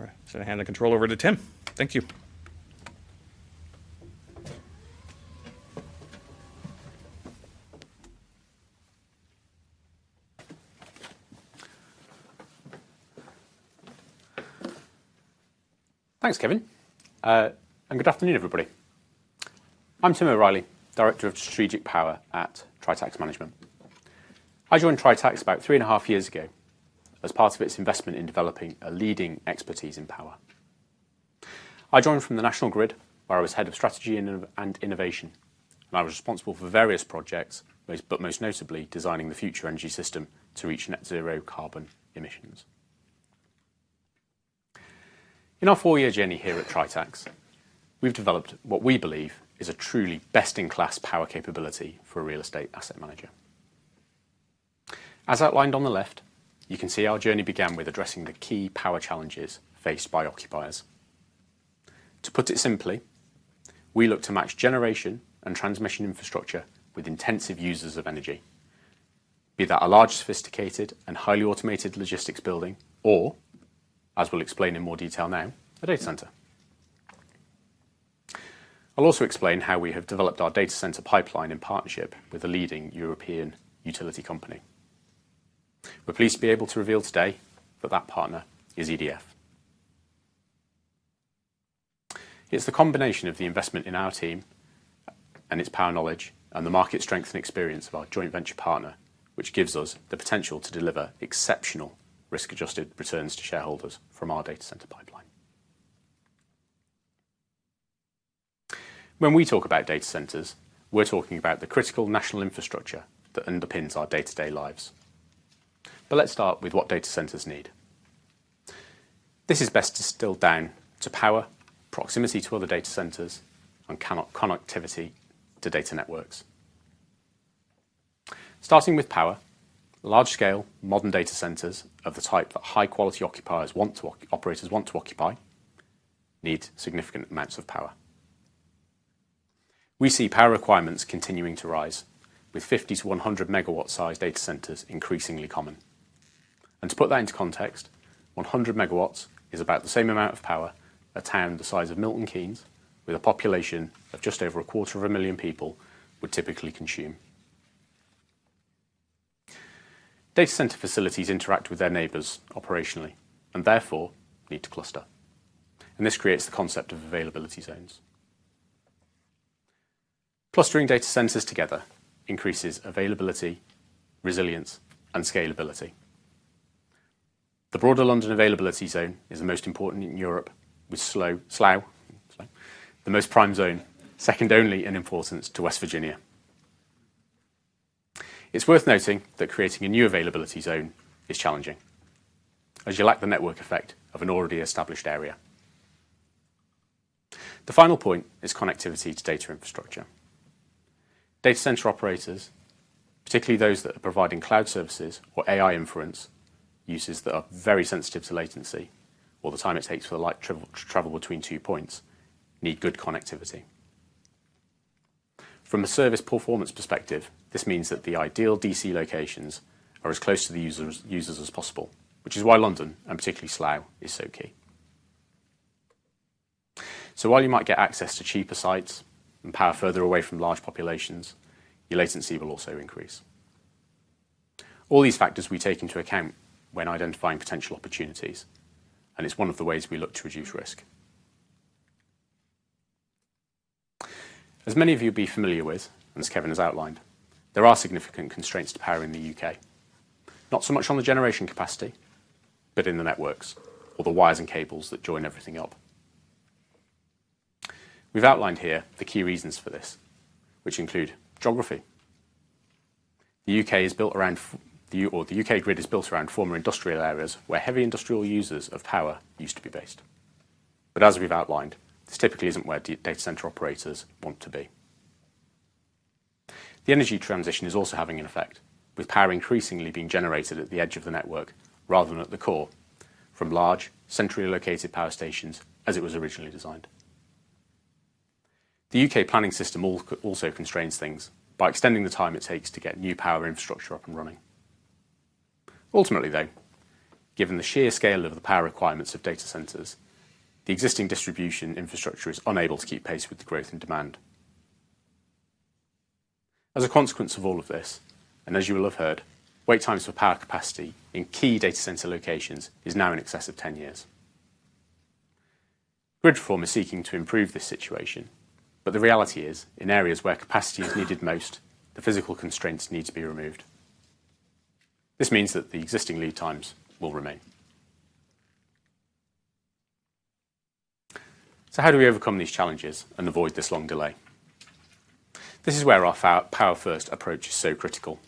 of hand the control over to Tim. Thank you. Thanks, Kevin. Good afternoon, everybody. I'm Tim O'Reilly, Director of Strategic Power at Tritax Management. I joined Tritax about three and a half years ago as part of its investment in developing a leading expertise in power. I joined from the National Grid, where I was Head of Strategy and Innovation. I was responsible for various projects, but most notably designing the future energy system to reach net zero carbon emissions. In our four-year journey here at Tritax, we've developed what we believe is a truly best-in-class power capability for a real estate asset manager. As outlined on the left, you can see our journey began with addressing the key power challenges faced by occupiers. To put it simply, we look to match generation and transmission infrastructure with intensive users of energy, be that a large sophisticated and highly automated logistics building or, as we'll explain in more detail now, a data center. I'll also explain how we have developed our data center pipeline in partnership with a leading European utility company. We're pleased to be able to reveal today that that partner is EDF. It's the combination of the investment in our team and its power knowledge and the market strength and experience of our joint venture partner, which gives us the potential to deliver exceptional risk-adjusted returns to shareholders from our data center pipeline. When we talk about data centers, we're talking about the critical national infrastructure that underpins our day-to-day lives. Let's start with what data centers need. This is best distilled down to power, proximity to other data centers, and connectivity to data networks. Starting with power, large-scale, modern data centers of the type that high-quality occupiers want to operate as want to occupy need significant amounts of power. We see power requirements continuing to rise, with 50-100 MW sized data centers increasingly common. To put that into context, 100 MW is about the same amount of power a town the size of Milton Keynes with a population of just over a quarter of a million people would typically consume. Data center facilities interact with their neighbors operationally and therefore need to cluster. This creates the concept of availability zones. Clustering data centers together increases availability, resilience, and scalability. The broader London availability zone is the most important in Europe, with Slough the most prime zone, second only in importance to West Virginia. It is worth noting that creating a new availability zone is challenging, as you lack the network effect of an already established area. The final point is connectivity to data infrastructure. Data center operators, particularly those that are providing cloud services or AI inference uses that are very sensitive to latency or the time it takes for the light to travel between two points, need good connectivity. From a service performance perspective, this means that the ideal DC locations are as close to the users as possible, which is why London and particularly Slough is so key. While you might get access to cheaper sites and power further away from large populations, your latency will also increase. All these factors we take into account when identifying potential opportunities, and it's one of the ways we look to reduce risk. As many of you will be familiar with, and as Kevin has outlined, there are significant constraints to power in the U.K., not so much on the generation capacity, but in the networks or the wires and cables that join everything up. We've outlined here the key reasons for this, which include geography. The U.K. is built around, or the U.K. grid is built around former industrial areas where heavy industrial users of power used to be based. As we've outlined, this typically isn't where data center operators want to be. The energy transition is also having an effect, with power increasingly being generated at the edge of the network rather than at the core from large, centrally located power stations as it was originally designed. The U.K. planning system also constrains things by extending the time it takes to get new power infrastructure up and running. Ultimately, though, given the sheer scale of the power requirements of data centers, the existing distribution infrastructure is unable to keep pace with the growth in demand. As a consequence of all of this, and as you will have heard, wait times for power capacity in key data center locations is now in excess of 10 years. Grid reform is seeking to improve this situation, but the reality is, in areas where capacity is needed most, the physical constraints need to be removed. This means that the existing lead times will remain. How do we overcome these challenges and avoid this long delay? This is where our power-first approach is so critical.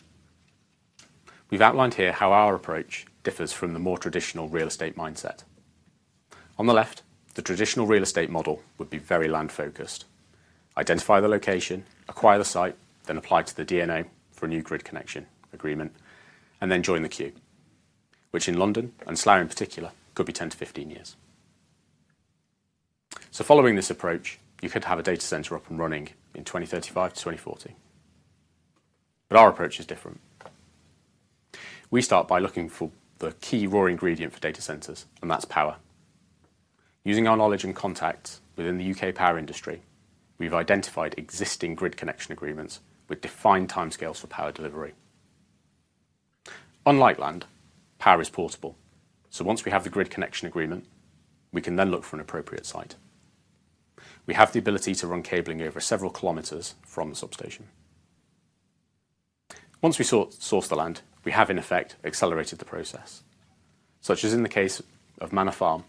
We have outlined here how our approach differs from the more traditional real estate mindset. On the left, the traditional real estate model would be very land-focused. Identify the location, acquire the site, then apply to the DNO for a new grid connection agreement, and then join the queue, which in London and Slough in particular could be 10-15 years. Following this approach, you could have a data center up and running in 2035 to 2040. Our approach is different. We start by looking for the key raw ingredient for data centers, and that's power. Using our knowledge and contacts within the U.K. power industry, we've identified existing grid connection agreements with defined timescales for power delivery. Unlike land, power is portable. Once we have the grid connection agreement, we can then look for an appropriate site. We have the ability to run cabling over several kilometers from the substation. Once we source the land, we have, in effect, accelerated the process, such as in the case of Manor Farm,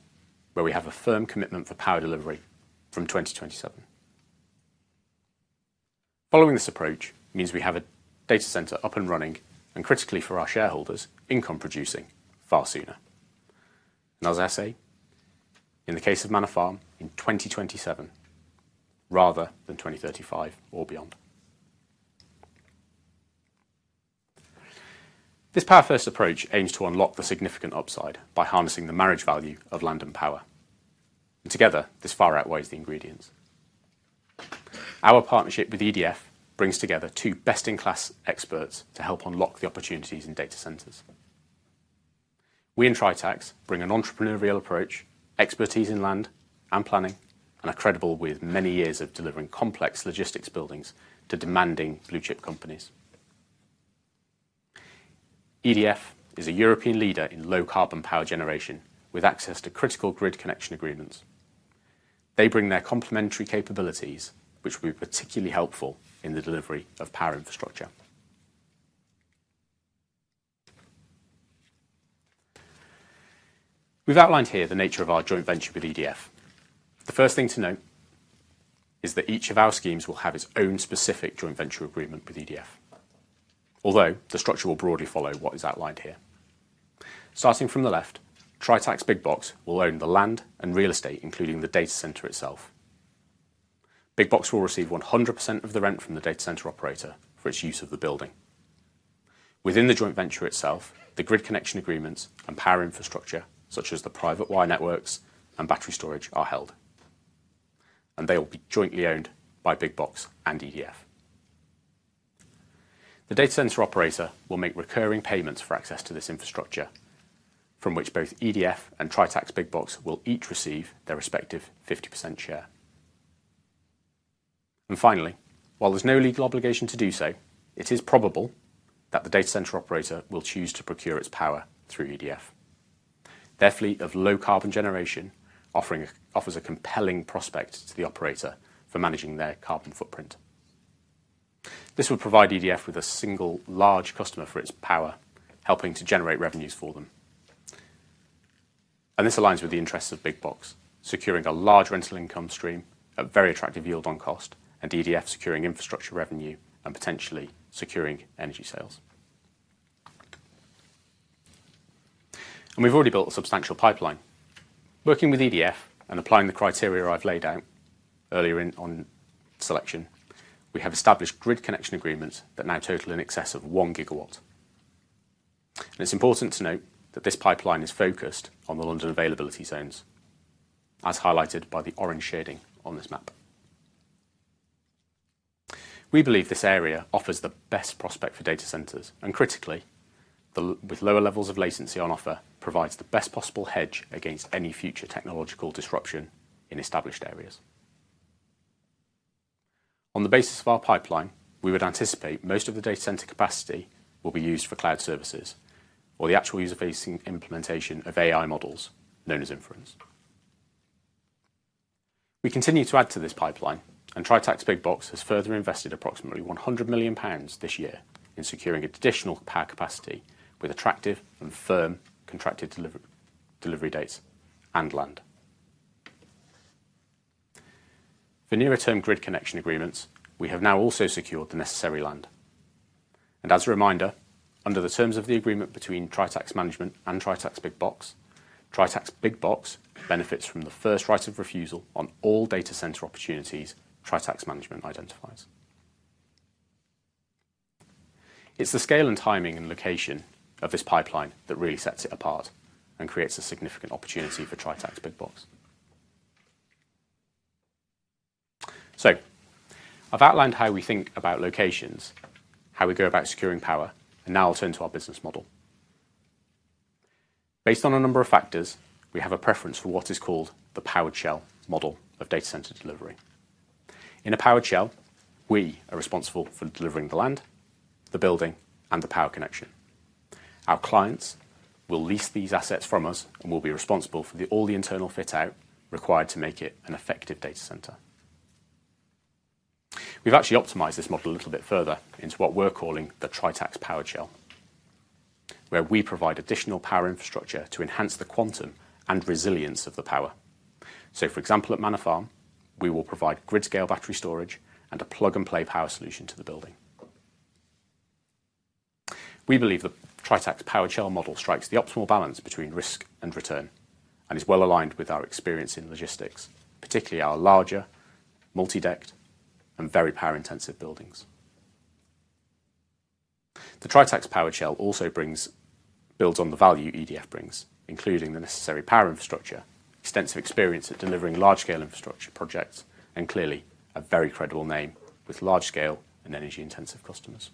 where we have a firm commitment for power delivery from 2027. Following this approach means we have a data center up and running and, critically for our shareholders, income-producing far sooner. In the case of Manor Farm, in 2027 rather than 2035 or beyond. This power-first approach aims to unlock the significant upside by harnessing the marriage value of land and power. Together, this far outweighs the ingredients. Our partnership with EDF brings together two best-in-class experts to help unlock the opportunities in data centers. We in Tritax bring an entrepreneurial approach, expertise in land and planning, and are credible with many years of delivering complex logistics buildings to demanding blue-chip companies. EDF is a European leader in low-carbon power generation with access to critical grid connection agreements. They bring their complementary capabilities, which will be particularly helpful in the delivery of power infrastructure. We have outlined here the nature of our joint venture with EDF. The first thing to note is that each of our schemes will have its own specific joint venture agreement with EDF, although the structure will broadly follow what is outlined here. Starting from the left, Tritax Big Box will own the land and real estate, including the data center itself. Big Box will receive 100% of the rent from the data center operator for its use of the building. Within the joint venture itself, the grid connection agreements and power infrastructure, such as the private wire networks and battery storage, are held, and they will be jointly owned by Big Box and EDF. The data center operator will make recurring payments for access to this infrastructure, from which both EDF and Tritax Big Box will each receive their respective 50% share. Finally, while there is no legal obligation to do so, it is probable that the data center operator will choose to procure its power through EDF. Their fleet of low-carbon generation offers a compelling prospect to the operator for managing their carbon footprint. This will provide EDF with a single large customer for its power, helping to generate revenues for them. This aligns with the interests of Big Box, securing a large rental income stream, a very attractive yield on cost, and EDF securing infrastructure revenue and potentially securing energy sales. We have already built a substantial pipeline. Working with EDF and applying the criteria I have laid out earlier on selection, we have established grid connection agreements that now total in excess of 1 gigawatt. It is important to note that this pipeline is focused on the London availability zones, as highlighted by the orange shading on this map. We believe this area offers the best prospect for data centers and, critically, with lower levels of latency on offer, provides the best possible hedge against any future technological disruption in established areas. On the basis of our pipeline, we would anticipate most of the data center capacity will be used for cloud services or the actual user-facing implementation of AI models known as inference. We continue to add to this pipeline, and Tritax Big Box has further invested 100 million pounds this year in securing additional power capacity with attractive and firm contracted delivery dates and land. For nearer-term grid connection agreements, we have now also secured the necessary land. As a reminder, under the terms of the agreement between Tritax Management and Tritax Big Box, Tritax Big Box benefits from the first right of refusal on all data center opportunities Tritax Management identifies. It is the scale and timing and location of this pipeline that really sets it apart and creates a significant opportunity for Tritax Big Box. I have outlined how we think about locations, how we go about securing power, and now I will turn to our business model. Based on a number of factors, we have a preference for what is called the powered shell model of data center delivery. In a powered shell, we are responsible for delivering the land, the building, and the power connection. Our clients will lease these assets from us and will be responsible for all the internal fit-out required to make it an effective data center. We've actually optimized this model a little bit further into what we're calling the Tritax powered shell, where we provide additional power infrastructure to enhance the quantum and resilience of the power. For example, at Manor Farm, we will provide grid-scale battery storage and a plug-and-play power solution to the building. We believe the Tritax powered shell model strikes the optimal balance between risk and return and is well aligned with our experience in logistics, particularly our larger, multi-decked, and very power-intensive buildings. The Tritax powered shell also builds on the value EDF brings, including the necessary power infrastructure, extensive experience at delivering large-scale infrastructure projects, and clearly a very credible name with large-scale and energy-intensive customers.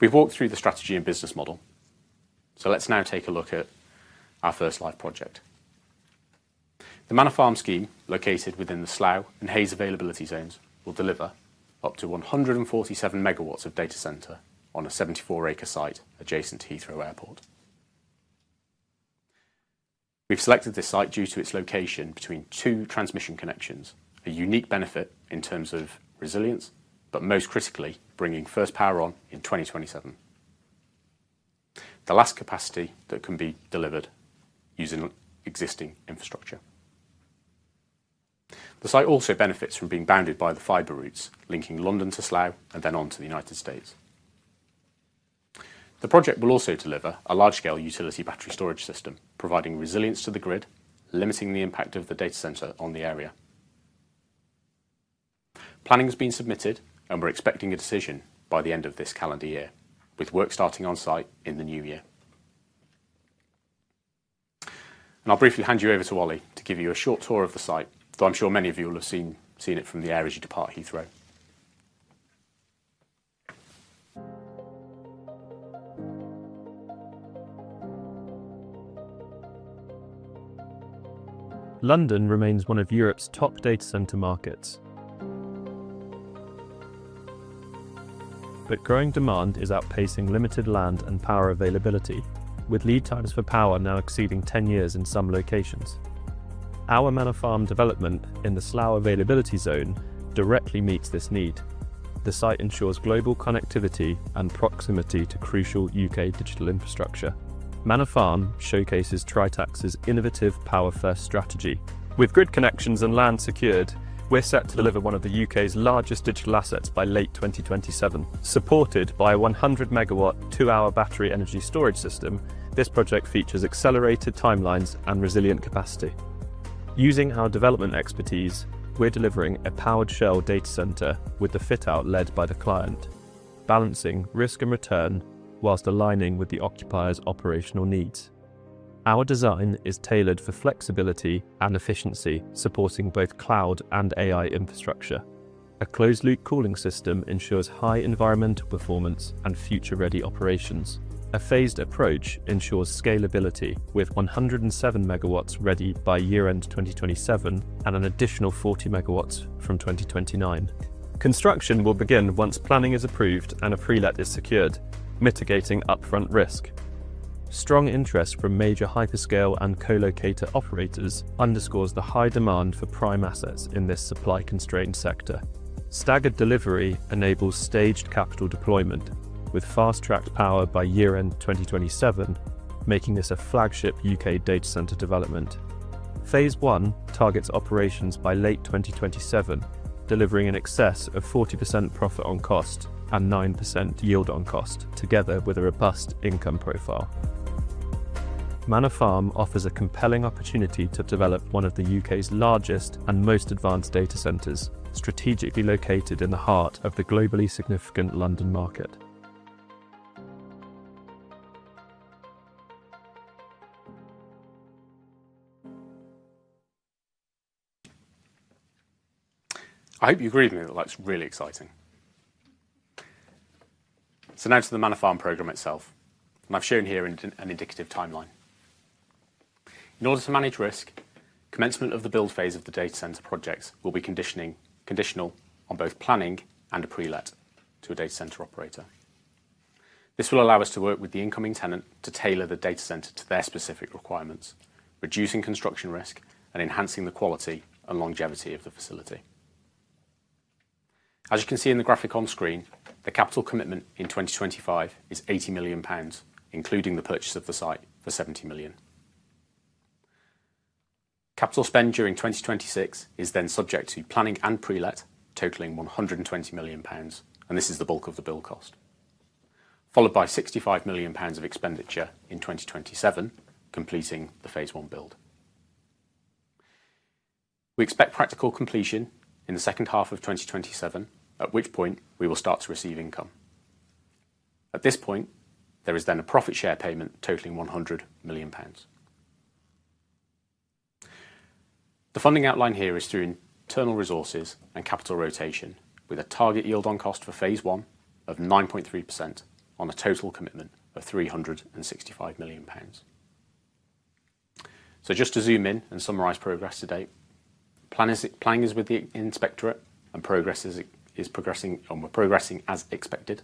We've walked through the strategy and business model, so let's now take a look at our first live project. The Manor Farm scheme, located within the Slough and Hayes availability zones, will deliver up to 147 MW of data center on a 74-acre site adjacent to Heathrow Airport. We've selected this site due to its location between two transmission connections, a unique benefit in terms of resilience, but most critically, bringing first power on in 2027. The last capacity that can be delivered using existing infrastructure. The site also benefits from being bounded by the fiber routes linking London to Slough and then on to the United States. The project will also deliver a large-scale utility battery storage system, providing resilience to the grid, limiting the impact of the data center on the area. Planning has been submitted, and we're expecting a decision by the end of this calendar year, with work starting on site in the new year. I'll briefly hand you over to Wally to give you a short tour of the site, though I'm sure many of you will have seen it from the air as you depart Heathrow. London remains one of Europe's top data center markets, but growing demand is outpacing limited land and power availability, with lead times for power now exceeding 10 years in some locations. Our Manor Farm development in the Slough availability zone directly meets this need. The site ensures global connectivity and proximity to crucial U.K. digital infrastructure. Manor Farm showcases Tritax's innovative power-first strategy. With grid connections and land secured, we're set to deliver one of the U.K.'s largest digital assets by late 2027. Supported by a 100 MW, two-hour battery energy storage system, this project features accelerated timelines and resilient capacity. Using our development expertise, we're delivering a powered shell data center with the fit-out led by the client, balancing risk and return whilst aligning with the occupier's operational needs. Our design is tailored for flexibility and efficiency, supporting both cloud and AI infrastructure. A closed-loop cooling system ensures high environmental performance and future-ready operations. A phased approach ensures scalability with 107 MW ready by year-end 2027 and an additional 40 MW from 2029. Construction will begin once planning is approved and a pre-let is secured, mitigating upfront risk. Strong interest from major hyperscale and co-locator operators underscores the high demand for prime assets in this supply-constrained sector. Staggered delivery enables staged capital deployment, with fast-tracked power by year-end 2027, making this a flagship U.K. data center development. Phase one targets operations by late 2027, delivering in excess of 40% profit on cost and 9% yield on cost, together with a robust income profile. Manor Farm offers a compelling opportunity to develop one of the U.K.'s largest and most advanced data centers, strategically located in the heart of the globally significant London market. I hope you agree with me that that's really exciting. Now to the Manor Farm program itself, and I've shown here an indicative timeline. In order to manage risk, commencement of the build phase of the data center projects will be conditional on both planning and a pre-let to a data center operator. This will allow us to work with the incoming tenant to tailor the data center to their specific requirements, reducing construction risk and enhancing the quality and longevity of the facility. As you can see in the graphic on screen, the capital commitment in 2025 is 80 million pounds, including the purchase of the site for 70 million. Capital spend during 2026 is then subject to planning and pre-let, totaling 120 million pounds, and this is the bulk of the bill cost, followed by 65 million pounds of expenditure in 2027, completing the phase one build. We expect practical completion in the second half of 2027, at which point we will start to receive income. At this point, there is then a profit share payment totaling 100 million pounds. The funding outline here is through internal resources and capital rotation, with a target yield on cost for phase one of 9.3% on a total commitment of 365 million pounds. Just to zoom in and summarize progress to date, planning is with the inspectorate and progress is progressing as expected.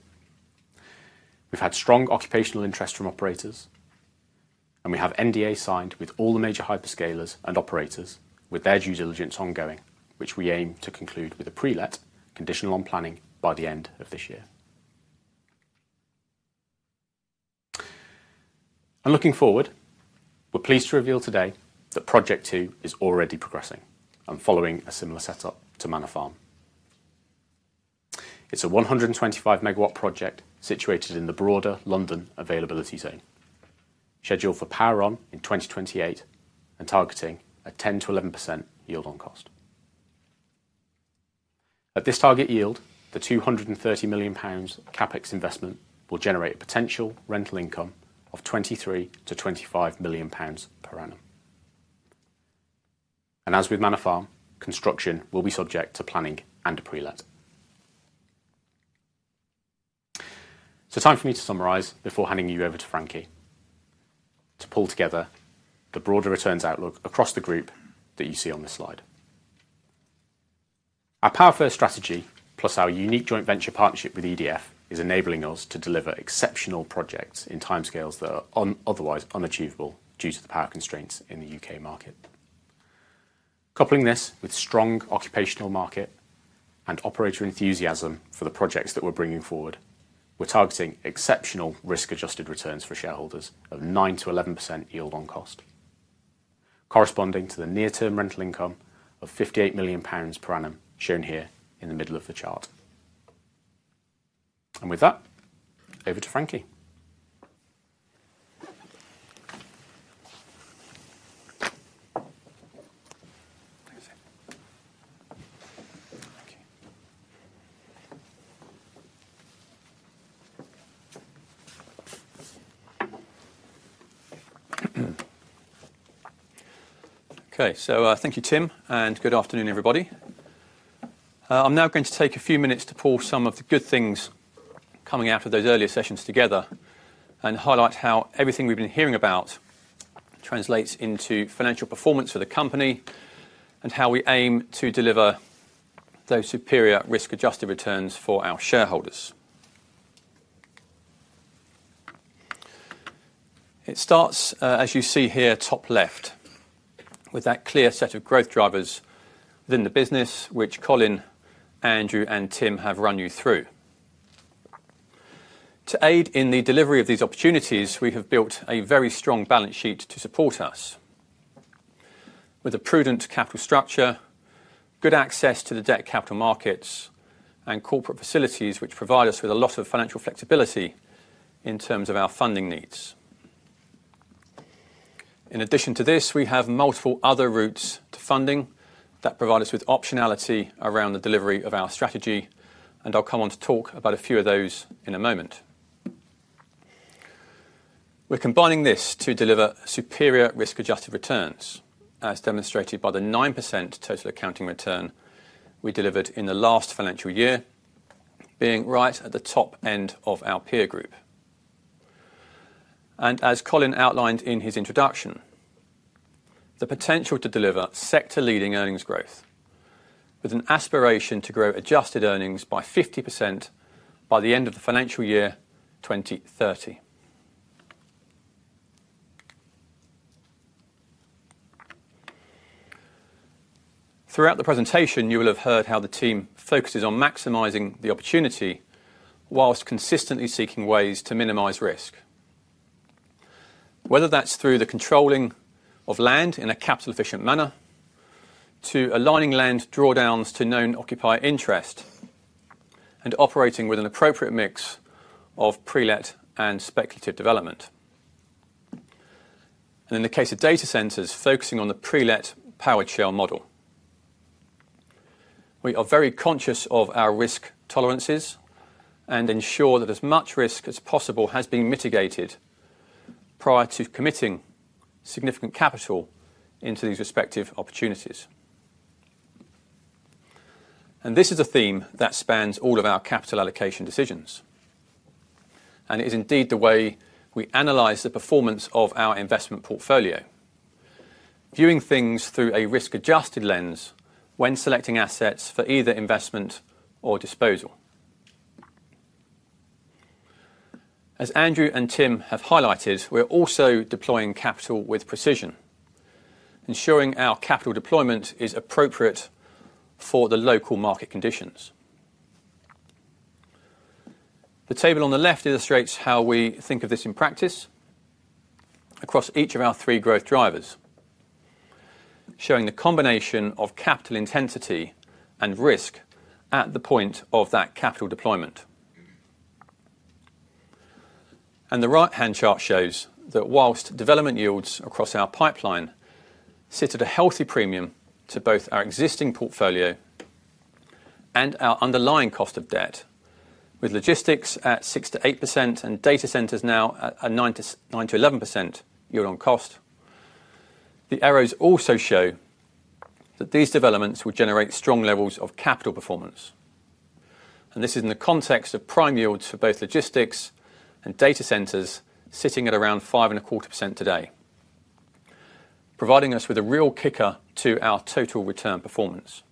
We've had strong occupational interest from operators, and we have NDAs signed with all the major hyperscalers and operators, with their due diligence ongoing, which we aim to conclude with a pre-let, conditional on planning, by the end of this year. Looking forward, we're pleased to reveal today that project two is already progressing and following a similar setup to Manor Farm. It's a 125 MW project situated in the broader London availability zone, scheduled for power on in 2028 and targeting a 10-11% yield on cost. At this target yield, the 230 million pounds CapEx investment will generate a potential rental income of 23-25 million pounds per annum. As with Manor Farm, construction will be subject to planning and a pre-let. Time for me to summarize before handing you over to Frankie to pull together the broader returns outlook across the group that you see on this slide. Our power-first strategy, plus our unique joint venture partnership with EDF, is enabling us to deliver exceptional projects in timescales that are otherwise unachievable due to the power constraints in the U.K. market. Coupling this with strong occupational market and operator enthusiasm for the projects that we are bringing forward, we are targeting exceptional risk-adjusted returns for shareholders of 9-11% yield on cost, corresponding to the near-term rental income of 58 million pounds per annum shown here in the middle of the chart. With that, over to Frankie. Okay, thank you, Tim, and good afternoon, everybody. I'm now going to take a few minutes to pull some of the good things coming out of those earlier sessions together and highlight how everything we've been hearing about translates into financial performance for the company and how we aim to deliver those superior risk-adjusted returns for our shareholders. It starts, as you see here, top left, with that clear set of growth drivers within the business, which Colin, Andrew, and Tim have run you through. To aid in the delivery of these opportunities, we have built a very strong balance sheet to support us, with a prudent capital structure, good access to the debt capital markets, and corporate facilities, which provide us with a lot of financial flexibility in terms of our funding needs. In addition to this, we have multiple other routes to funding that provide us with optionality around the delivery of our strategy, and I'll come on to talk about a few of those in a moment. We're combining this to deliver superior risk-adjusted returns, as demonstrated by the 9% total accounting return we delivered in the last financial year, being right at the top end of our peer group. As Colin outlined in his introduction, the potential to deliver sector-leading earnings growth, with an aspiration to grow adjusted earnings by 50% by the end of the financial year 2030. Throughout the presentation, you will have heard how the team focuses on maximizing the opportunity whilst consistently seeking ways to minimize risk, whether that's through the controlling of land in a capital-efficient manner, to aligning land drawdowns to known occupier interest, and operating with an appropriate mix of pre-let and speculative development. In the case of data centers, focusing on the pre-let powered shell model. We are very conscious of our risk tolerances and ensure that as much risk as possible has been mitigated prior to committing significant capital into these respective opportunities. This is a theme that spans all of our capital allocation decisions, and it is indeed the way we analyze the performance of our investment portfolio, viewing things through a risk-adjusted lens when selecting assets for either investment or disposal. As Andrew and Tim have highlighted, we're also deploying capital with precision, ensuring our capital deployment is appropriate for the local market conditions. The table on the left illustrates how we think of this in practice across each of our three growth drivers, showing the combination of capital intensity and risk at the point of that capital deployment. The right-hand chart shows that whilst development yields across our pipeline sit at a healthy premium to both our existing portfolio and our underlying cost of debt, with logistics at 6-8% and data centers now at a 9-11% yield on cost, the arrows also show that these developments will generate strong levels of capital performance. This is in the context of prime yields for both logistics and data centers sitting at around 5.25% today, providing us with a real kicker to our total return performance.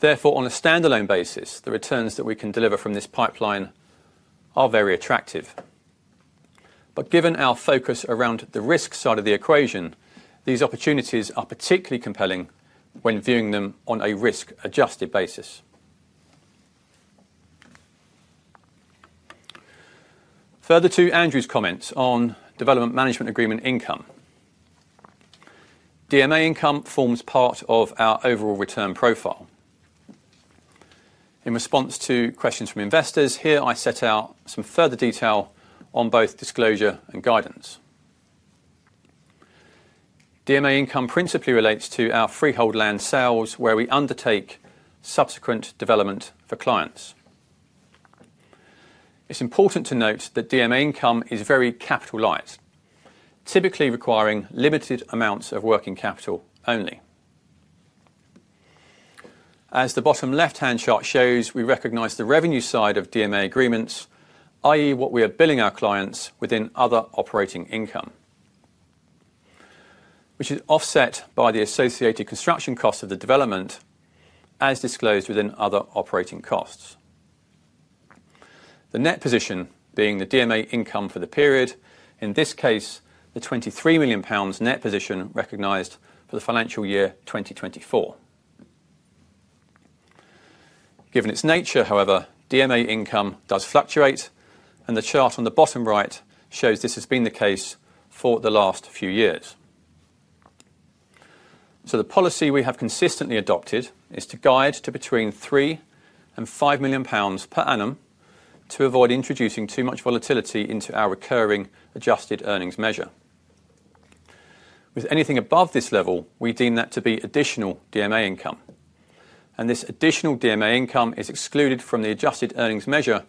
Therefore, on a standalone basis, the returns that we can deliver from this pipeline are very attractive. Given our focus around the risk side of the equation, these opportunities are particularly compelling when viewing them on a risk-adjusted basis. Further to Andrew's comments on development management agreement income, DMA income forms part of our overall return profile. In response to questions from investors, here I set out some further detail on both disclosure and guidance. DMA income principally relates to our freehold land sales, where we undertake subsequent development for clients. It's important to note that DMA income is very capital-light, typically requiring limited amounts of working capital only. As the bottom left-hand chart shows, we recognize the revenue side of DMA agreements, i.e., what we are billing our clients within other operating income, which is offset by the associated construction cost of the development, as disclosed within other operating costs. The net position being the DMA income for the period, in this case, the 23 million pounds net position recognized for the financial year 2024. Given its nature, however, DMA income does fluctuate, and the chart on the bottom right shows this has been the case for the last few years. The policy we have consistently adopted is to guide to between 3 million and 5 million pounds per annum to avoid introducing too much volatility into our recurring adjusted earnings measure. With anything above this level, we deem that to be additional DMA income, and this additional DMA income is excluded from the adjusted earnings measure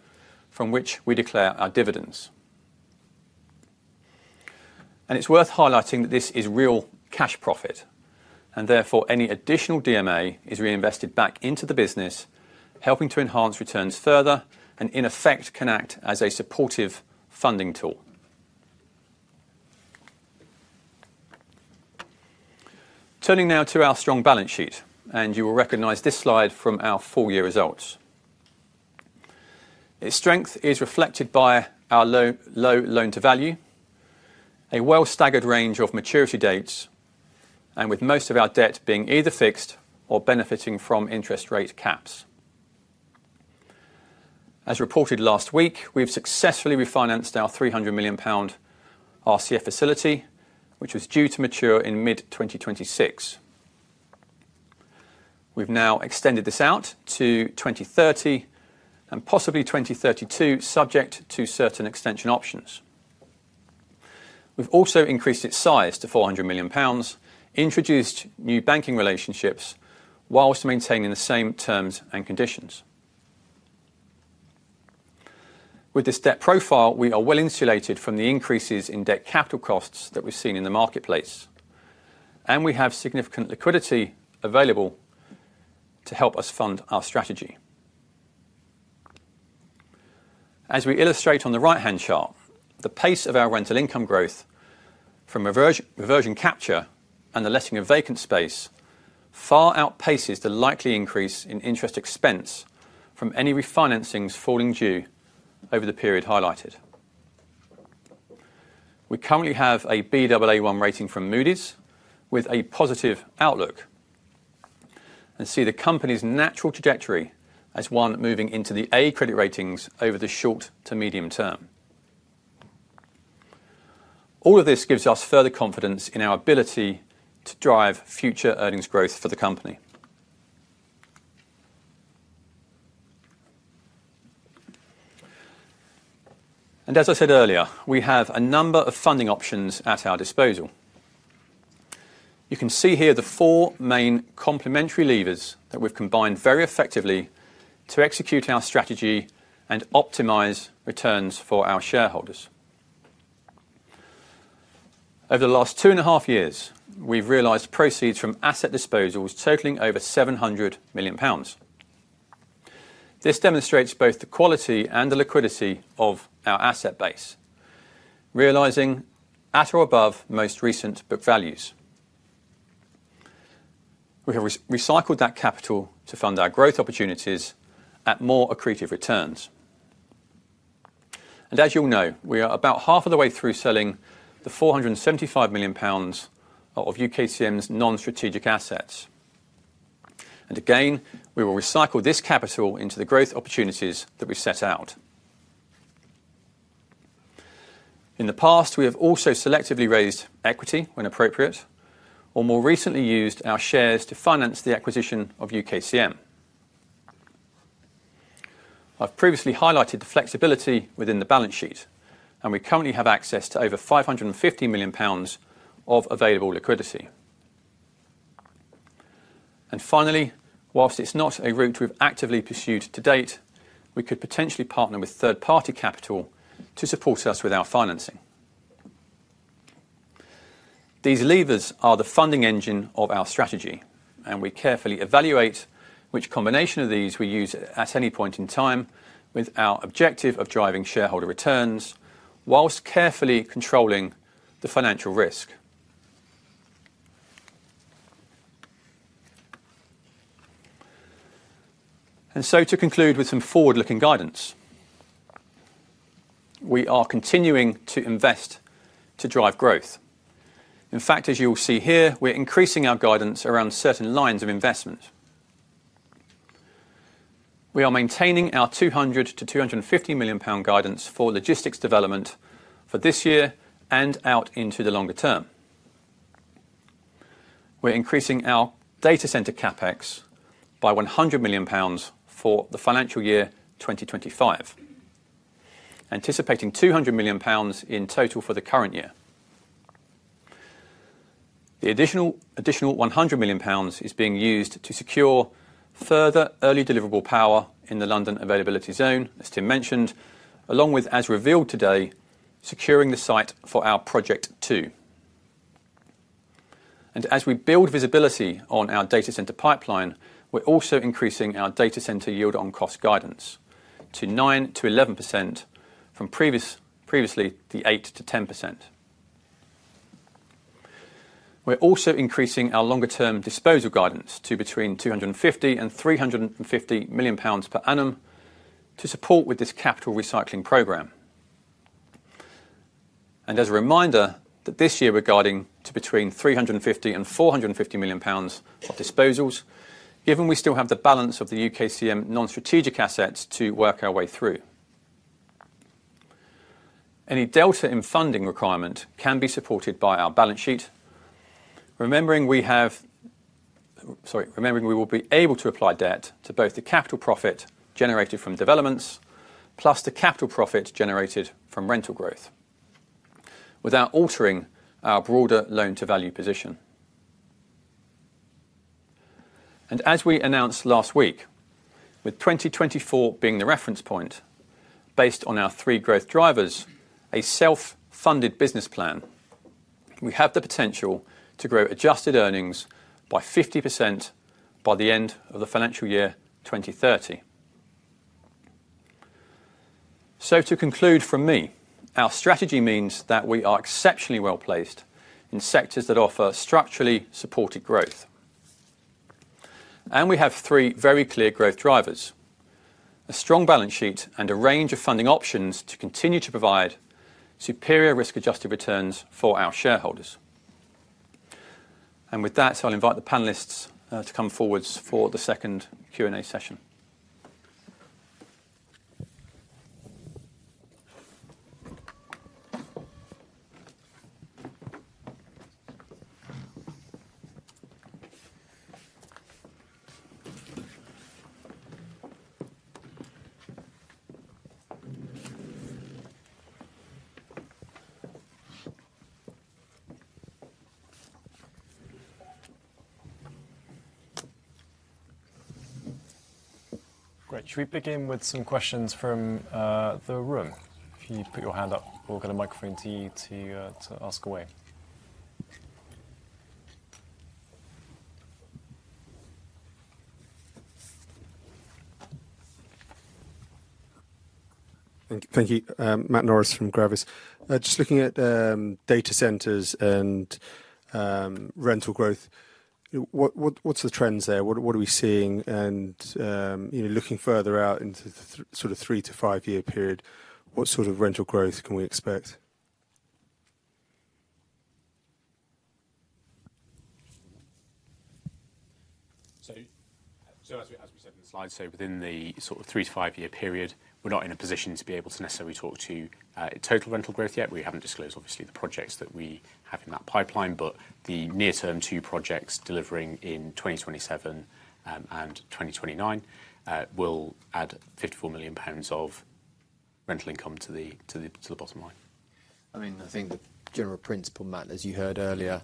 from which we declare our dividends. It is worth highlighting that this is real cash profit, and therefore any additional DMA is reinvested back into the business, helping to enhance returns further and, in effect, can act as a supportive funding tool. Turning now to our strong balance sheet, you will recognize this slide from our four-year results. Its strength is reflected by our low loan-to-value, a well-staggered range of maturity dates, and with most of our debt being either fixed or benefiting from interest rate caps. As reported last week, we have successfully refinanced our 300 million pound RCF facility, which was due to mature in mid-2026. We have now extended this out to 2030 and possibly 2032, subject to certain extension options. We've also increased its size to 400 million pounds, introduced new banking relationships whilst maintaining the same terms and conditions. With this debt profile, we are well insulated from the increases in debt capital costs that we've seen in the marketplace, and we have significant liquidity available to help us fund our strategy. As we illustrate on the right-hand chart, the pace of our rental income growth from reversion capture and the letting of vacant space far outpaces the likely increase in interest expense from any refinancings falling due over the period highlighted. We currently have a Baa1 rating from Moody's with a positive outlook and see the company's natural trajectory as one moving into the A credit ratings over the short to medium term. All of this gives us further confidence in our ability to drive future earnings growth for the company. As I said earlier, we have a number of funding options at our disposal. You can see here the four main complementary levers that we have combined very effectively to execute our strategy and optimize returns for our shareholders. Over the last two and a half years, we have realized proceeds from asset disposals totaling over 700 million pounds. This demonstrates both the quality and the liquidity of our asset base, realizing at or above most recent book values. We have recycled that capital to fund our growth opportunities at more accretive returns. As you know, we are about half of the way through selling the 475 million pounds of UKCM's non-strategic assets. We will recycle this capital into the growth opportunities that we set out. In the past, we have also selectively raised equity when appropriate or more recently used our shares to finance the acquisition of UKCM. I've previously highlighted the flexibility within the balance sheet, and we currently have access to over 550 million pounds of available liquidity. Finally, whilst it's not a route we've actively pursued to date, we could potentially partner with third-party capital to support us with our financing. These levers are the funding engine of our strategy, and we carefully evaluate which combination of these we use at any point in time with our objective of driving shareholder returns whilst carefully controlling the financial risk. To conclude with some forward-looking guidance, we are continuing to invest to drive growth. In fact, as you will see here, we're increasing our guidance around certain lines of investment. We are maintaining our 200-250 million pound guidance for logistics development for this year and out into the longer term. We're increasing our data center CapEx by 100 million pounds for the financial year 2025, anticipating 200 million pounds in total for the current year. The additional 100 million pounds is being used to secure further early deliverable power in the London availability zone, as Tim mentioned, along with, as revealed today, securing the site for our Project Two. As we build visibility on our data center pipeline, we're also increasing our data center yield on cost guidance to 9-11% from previously the 8-10%. We're also increasing our longer-term disposal guidance to between 250 million and 350 million pounds per annum to support with this capital recycling program. As a reminder, this year we're guiding to between 350 million and 450 million pounds of disposals, given we still have the balance of the UKCM non-strategic assets to work our way through. Any delta in funding requirement can be supported by our balance sheet, remembering we will be able to apply debt to both the capital profit generated from developments plus the capital profit generated from rental growth, without altering our broader loan-to-value position. As we announced last week, with 2024 being the reference point based on our three growth drivers, a self-funded business plan, we have the potential to grow adjusted earnings by 50% by the end of the financial year 2030. To conclude from me, our strategy means that we are exceptionally well placed in sectors that offer structurally supported growth. We have three very clear growth drivers, a strong balance sheet, and a range of funding options to continue to provide superior risk-adjusted returns for our shareholders. With that, I'll invite the panelists to come forwards for the second Q&A session. Great. Shall we begin with some questions from the room? If you put your hand up, we'll get a microphone to you to ask away. Thank you. Matt Norris from Gravis. Just looking at data centers and rental growth, what's the trends there? What are we seeing? Looking further out into the sort of three to five-year period, what sort of rental growth can we expect? As we said in the slide, within the sort of three to five-year period, we're not in a position to be able to necessarily talk to total rental growth yet. We haven't disclosed, obviously, the projects that we have in that pipeline, but the near-term two projects delivering in 2027 and 2029 will add 54 million pounds of rental income to the bottom line. I mean, I think the general principle, Matt, as you heard earlier,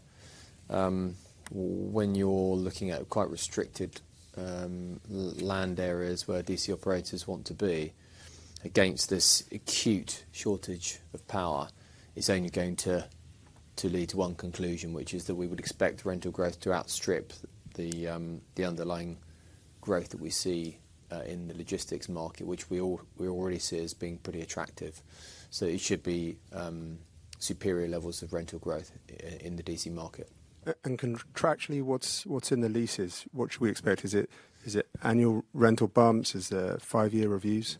when you're looking at quite restricted land areas where DC operators want to be against this acute shortage of power, it's only going to lead to one conclusion, which is that we would expect rental growth to outstrip the underlying growth that we see in the logistics market, which we already see as being pretty attractive. It should be superior levels of rental growth in the DC market. Contractually, what's in the leases? What should we expect? Is it annual rental bumps? Is there five-year reviews?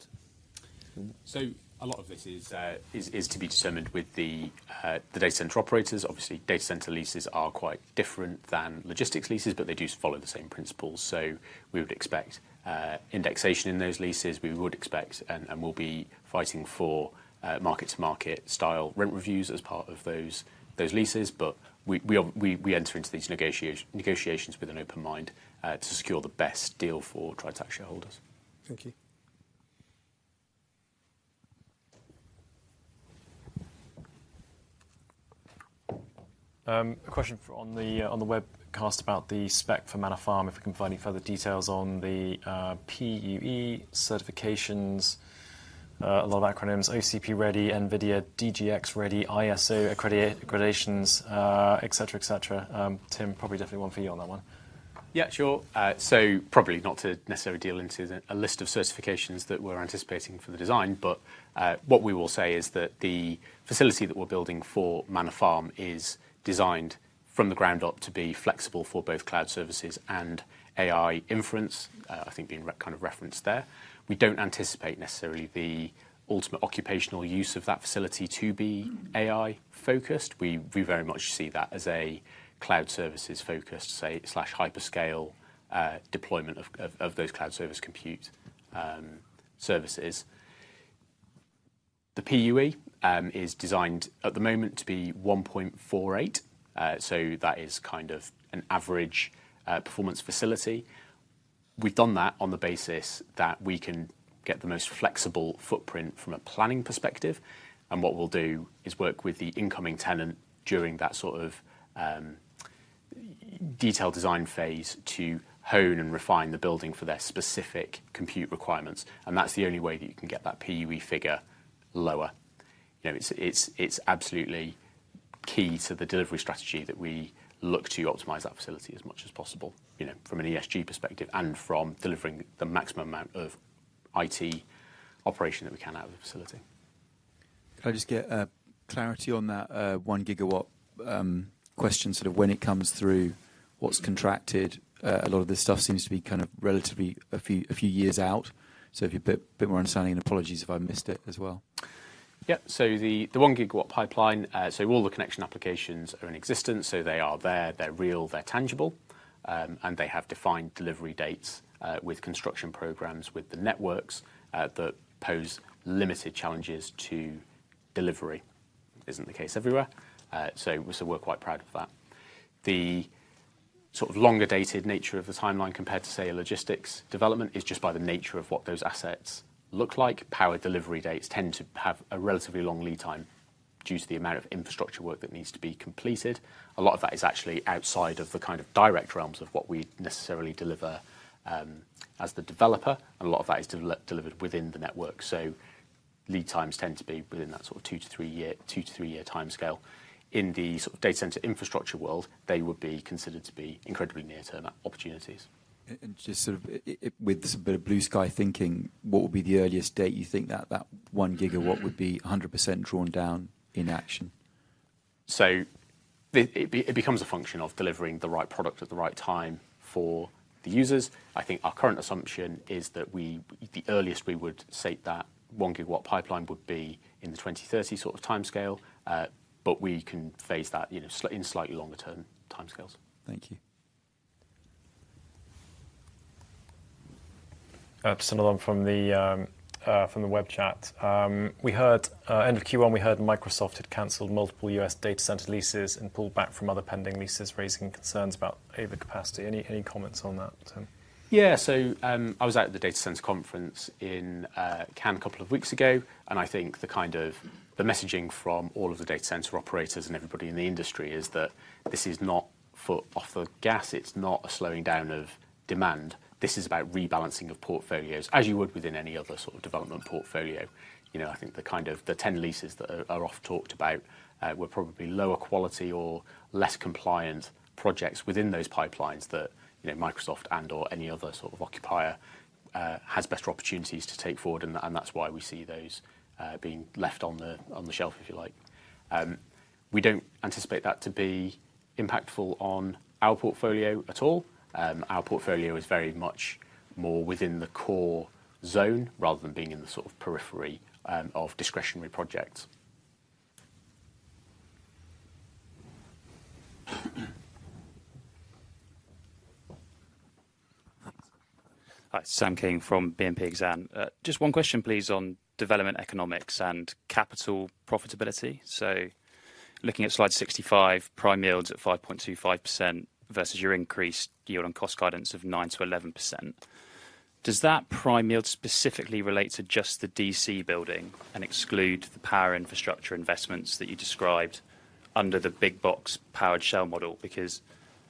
A lot of this is to be determined with the data center operators. Obviously, data center leases are quite different than logistics leases, but they do follow the same principles. We would expect indexation in those leases. We would expect and will be fighting for market-to-market style rent reviews as part of those leases. We enter into these negotiations with an open mind to secure the best deal for Tritax shareholders. Thank you. A question on the webcast about the spec for Manor Farm, if we can find any further details on the PUE certifications. A lot of acronyms: OCP Ready, NVIDIA, DGX Ready, ISO accreditations, etc., etc. Tim, probably definitely one for you on that one. Yeah, sure. Probably not to necessarily deal into a list of certifications that we're anticipating for the design, but what we will say is that the facility that we're building for Manor Farm is designed from the ground up to be flexible for both cloud services and AI inference, I think being kind of referenced there. We don't anticipate necessarily the ultimate occupational use of that facility to be AI-focused. We very much see that as a cloud services-focused/hyperscale deployment of those cloud service compute services. The PUE is designed at the moment to be 1.48. That is kind of an average performance facility. We've done that on the basis that we can get the most flexible footprint from a planning perspective. What we'll do is work with the incoming tenant during that sort of detailed design phase to hone and refine the building for their specific compute requirements. That's the only way that you can get that PUE figure lower. It's absolutely key to the delivery strategy that we look to optimize that facility as much as possible from an ESG perspective and from delivering the maximum amount of IT operation that we can out of the facility. Can I just get clarity on that one-gigawatt question? Sort of when it comes through, what's contracted? A lot of this stuff seems to be kind of relatively a few years out. If you've got a bit more understanding, and apologies if I missed it as well. Yep. The one-gigawatt pipeline, all the connection applications are in existence. They are there. They're real. They're tangible. They have defined delivery dates with construction programs, with the networks that pose limited challenges to delivery. It isn't the case everywhere. We're quite proud of that. The sort of longer-dated nature of the timeline compared to, say, a logistics development is just by the nature of what those assets look like. Power delivery dates tend to have a relatively long lead time due to the amount of infrastructure work that needs to be completed. A lot of that is actually outside of the kind of direct realms of what we necessarily deliver as the developer. A lot of that is delivered within the network. Lead times tend to be within that sort of two- to three-year timescale. In the sort of data center infrastructure world, they would be considered to be incredibly near-term opportunities. Just with some bit of blue sky thinking, what would be the earliest date you think that that one gigawatt would be 100% drawn down in action? It becomes a function of delivering the right product at the right time for the users. I think our current assumption is that the earliest we would say that one-gigawatt pipeline would be in the 2030 sort of timescale. We can phase that in slightly longer-term timescales. Thank you. Just another one from the web chat. We heard end of Q1, we heard Microsoft had canceled multiple U.S. data center leases and pulled back from other pending leases, raising concerns about overcapacity. Any comments on that, Tim? Yeah. I was at the data center conference in Cannes a couple of weeks ago. I think the kind of messaging from all of the data center operators and everybody in the industry is that this is not foot off the gas. It's not a slowing down of demand. This is about rebalancing of portfolios, as you would within any other sort of development portfolio. I think the kind of the 10 leases that are often talked about were probably lower quality or less compliant projects within those pipelines that Microsoft and/or any other sort of occupier has better opportunities to take forward. That's why we see those being left on the shelf, if you like. We do not anticipate that to be impactful on our portfolio at all. Our portfolio is very much more within the core zone rather than being in the sort of periphery of discretionary projects. Hi. Sam King from BNP Paribas. Just one question, please, on development economics and capital profitability. Looking at slide 65, prime yields at 5.25% versus your increased yield on cost guidance of 9-11%. Does that prime yield specifically relate to just the data center building and exclude the power infrastructure investments that you described under the Big Box powered shell model? Because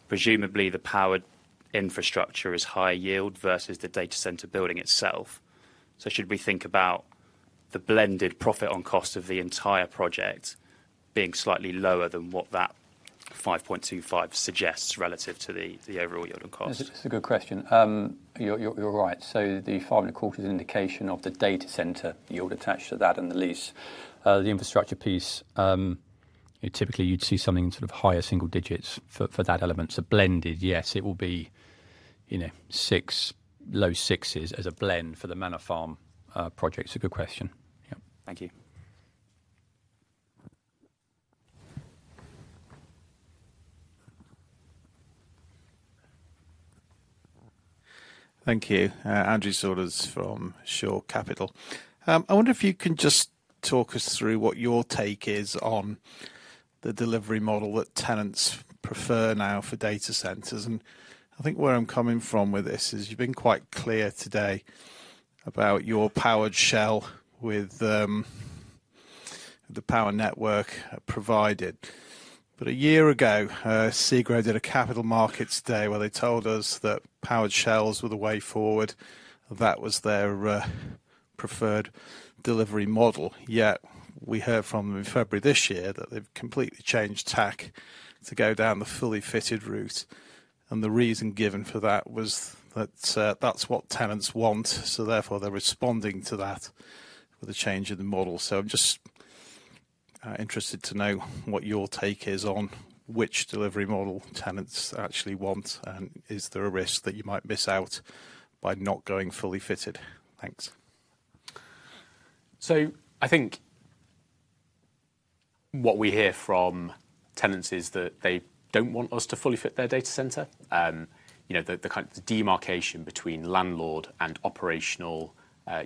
presumably the powered infrastructure is high yield versus the data center building itself. Should we think about the blended profit on cost of the entire project being slightly lower than what that 5.25% suggests relative to the overall yield on cost? That is a good question. You are right. The 5 and a quarter is an indication of the data center yield attached to that and the lease. The infrastructure piece, typically you'd see something in sort of higher single digits for that element. Blended, yes, it will be six low sixes as a blend for the Manor Farm project. It's a good question. Yeah. Thank you. Thank you. Andrew Saunders from Shore Capital. I wonder if you can just talk us through what your take is on the delivery model that tenants prefer now for data centers. I think where I'm coming from with this is you've been quite clear today about your powered shell with the power network provided. A year ago, Segro did a capital markets day where they told us that powered shells were the way forward. That was their preferred delivery model. Yet we heard from them in February this year that they've completely changed tack to go down the fully fitted route. The reason given for that was that that's what tenants want. Therefore, they're responding to that with a change in the model. I'm just interested to know what your take is on which delivery model tenants actually want. Is there a risk that you might miss out by not going fully fitted? Thanks. I think what we hear from tenants is that they don't want us to fully fit their data center. The kind of demarcation between landlord and operational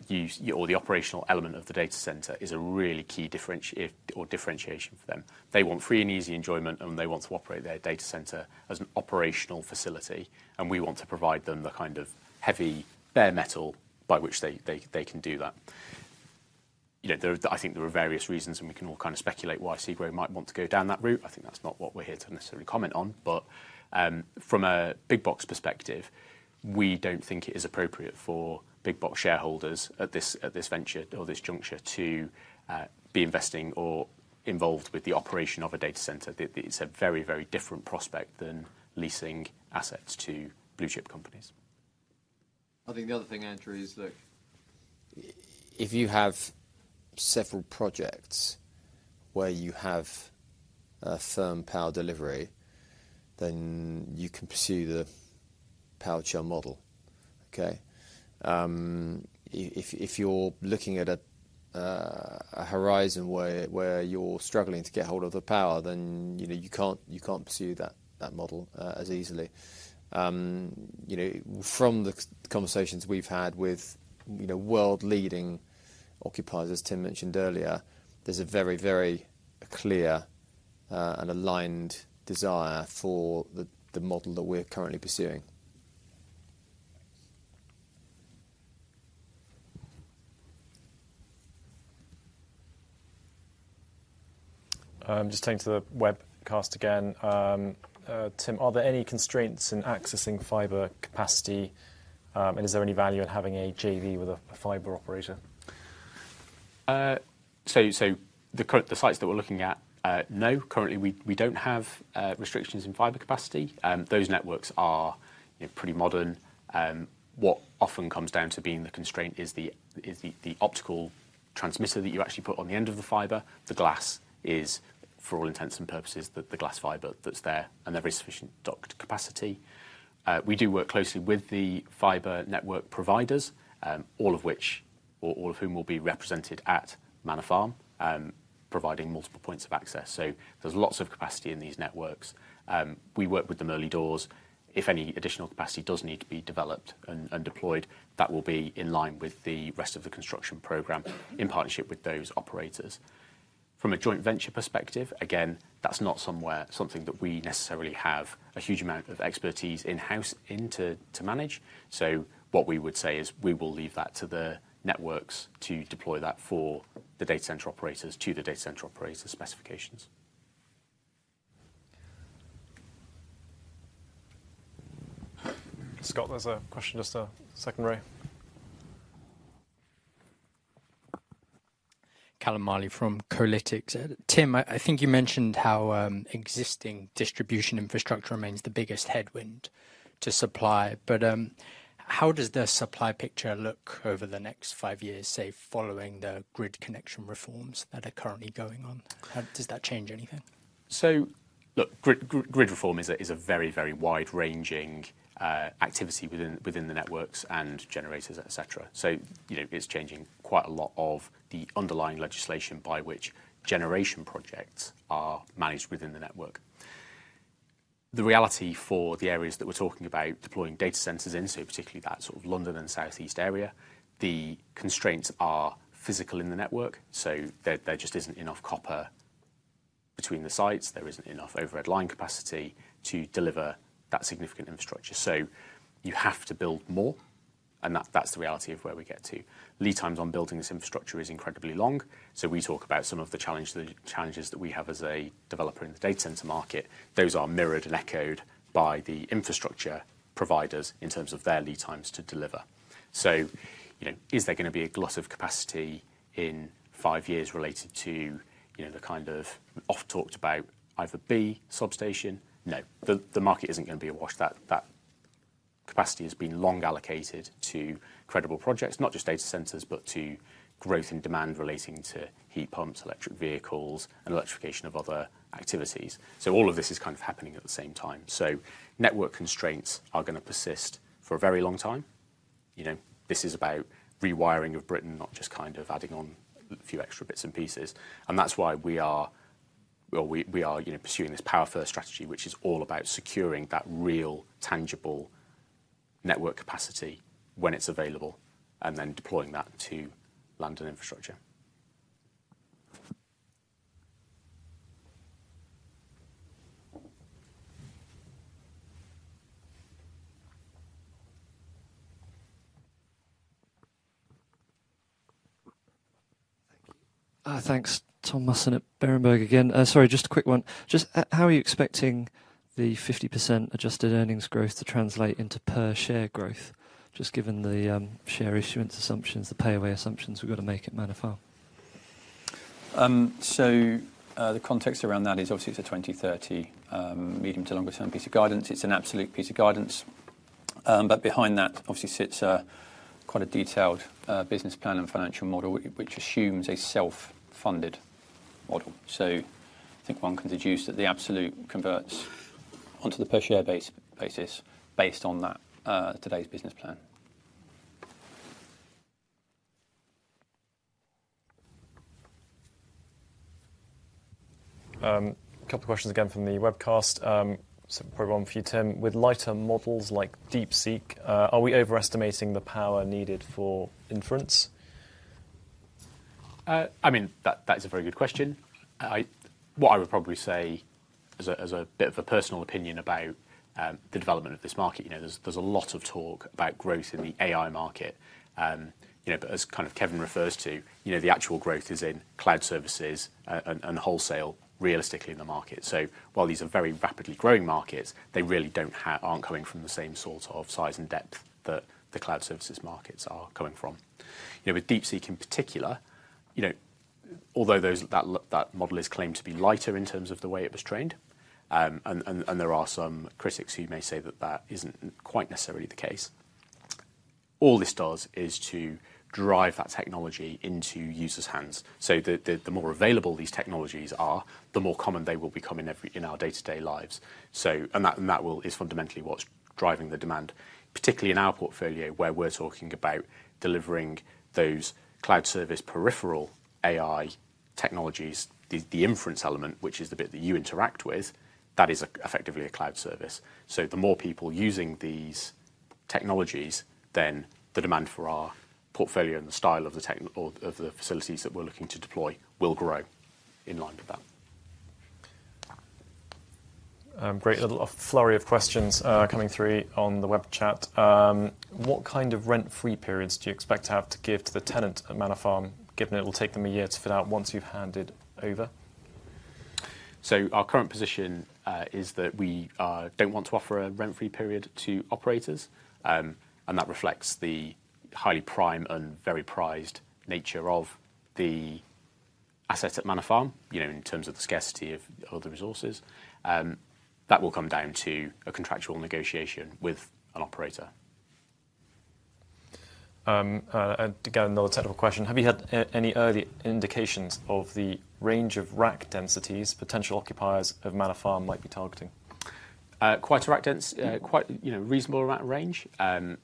use or the operational element of the data center is a really key differentiation for them. They want free and easy enjoyment, and they want to operate their data center as an operational facility. We want to provide them the kind of heavy bare metal by which they can do that. I think there are various reasons, and we can all kind of speculate why Segro might want to go down that route. I think that is not what we are here to necessarily comment on. From a Big Box perspective, we do not think it is appropriate for Big Box shareholders at this venture or this juncture to be investing or involved with the operation of a data center. It is a very, very different prospect than leasing assets to blue chip companies. I think the other thing, Andrew, is that if you have several projects where you have firm power delivery, then you can pursue the powered shell model. Okay? If you are looking at a horizon where you are struggling to get hold of the power, then you cannot pursue that model as easily. From the conversations we've had with world-leading occupiers, as Tim mentioned earlier, there's a very, very clear and aligned desire for the model that we're currently pursuing. Just taking to the webcast again. Tim, are there any constraints in accessing fiber capacity? Is there any value in having a JV with a fiber operator? The sites that we're looking at, no. Currently, we don't have restrictions in fiber capacity. Those networks are pretty modern. What often comes down to being the constraint is the optical transmitter that you actually put on the end of the fiber. The glass is, for all intents and purposes, the glass fiber that's there, and there is sufficient docked capacity. We do work closely with the fiber network providers, all of whom will be represented at Manor Farm, providing multiple points of access. There is lots of capacity in these networks. We work with them early doors. If any additional capacity does need to be developed and deployed, that will be in line with the rest of the construction program in partnership with those operators. From a joint venture perspective, again, that is not something that we necessarily have a huge amount of expertise in-house to manage. What we would say is we will leave that to the networks to deploy that for the data center operators to the data center operator specifications. Scott, there is a question just a second row. Callum Marley from Kolytics. Tim, I think you mentioned how existing distribution infrastructure remains the biggest headwind to supply. How does the supply picture look over the next five years, say, following the grid connection reforms that are currently going on? Does that change anything? Look, grid reform is a very, very wide-ranging activity within the networks and generators, etc. It is changing quite a lot of the underlying legislation by which generation projects are managed within the network. The reality for the areas that we are talking about deploying data centers into, particularly that sort of London and Southeast area, the constraints are physical in the network. There just is not enough copper between the sites. There is not enough overhead line capacity to deliver that significant infrastructure. You have to build more. That is the reality of where we get to. Lead times on building this infrastructure is incredibly long. We talk about some of the challenges that we have as a developer in the data center market. Those are mirrored and echoed by the infrastructure providers in terms of their lead times to deliver. Is there going to be a glut of capacity in five years related to the kind of oft-talked about either B substation? No. The market is not going to be awash. That capacity has been long allocated to credible projects, not just data centers, but to growth in demand relating to heat pumps, electric vehicles, and electrification of other activities. All of this is kind of happening at the same time. Network constraints are going to persist for a very long time. This is about rewiring of Britain, not just kind of adding on a few extra bits and pieces. That is why we are pursuing this power first strategy, which is all about securing that real tangible network capacity when it is available and then deploying that to London infrastructure. Thank you. Thanks, Tom Watson at Berenberg again. Sorry, just a quick one. Just how are you expecting the 50% adjusted earnings growth to translate into per share growth, just given the share issuance assumptions, the payaway assumptions we've got to make at Manor Farm? The context around that is obviously it's a 2030 medium to longer-term piece of guidance. It's an absolute piece of guidance. Behind that, obviously, sits quite a detailed business plan and financial model which assumes a self-funded model. I think one can deduce that the absolute converts onto the per share basis based on that today's business plan. A couple of questions again from the webcast. Probably one for you, Tim. With lighter models like DeepSeek, are we overestimating the power needed for inference? I mean, that is a very good question. What I would probably say as a bit of a personal opinion about the development of this market, there's a lot of talk about growth in the AI market. As kind of Kevin refers to, the actual growth is in cloud services and wholesale realistically in the market. While these are very rapidly growing markets, they really aren't coming from the same sort of size and depth that the cloud services markets are coming from. With DeepSeek in particular, although that model is claimed to be lighter in terms of the way it was trained, and there are some critics who may say that that isn't quite necessarily the case, all this does is to drive that technology into users' hands. The more available these technologies are, the more common they will become in our day-to-day lives. That is fundamentally what's driving the demand, particularly in our portfolio where we're talking about delivering those cloud service peripheral AI technologies, the inference element, which is the bit that you interact with, that is effectively a cloud service. The more people using these technologies, then the demand for our portfolio and the style of the facilities that we're looking to deploy will grow in line with that. Great little flurry of questions coming through on the web chat. What kind of rent-free periods do you expect to have to give to the tenant at Manor Farm, given it will take them a year to fill out once you've handed over? Our current position is that we don't want to offer a rent-free period to operators. That reflects the highly prime and very prized nature of the asset at Manor Farm in terms of the scarcity of the resources. That will come down to a contractual negotiation with an operator. To get another technical question, have you had any early indications of the range of rack densities potential occupiers of Manor Farm might be targeting? Quite a reasonable range. From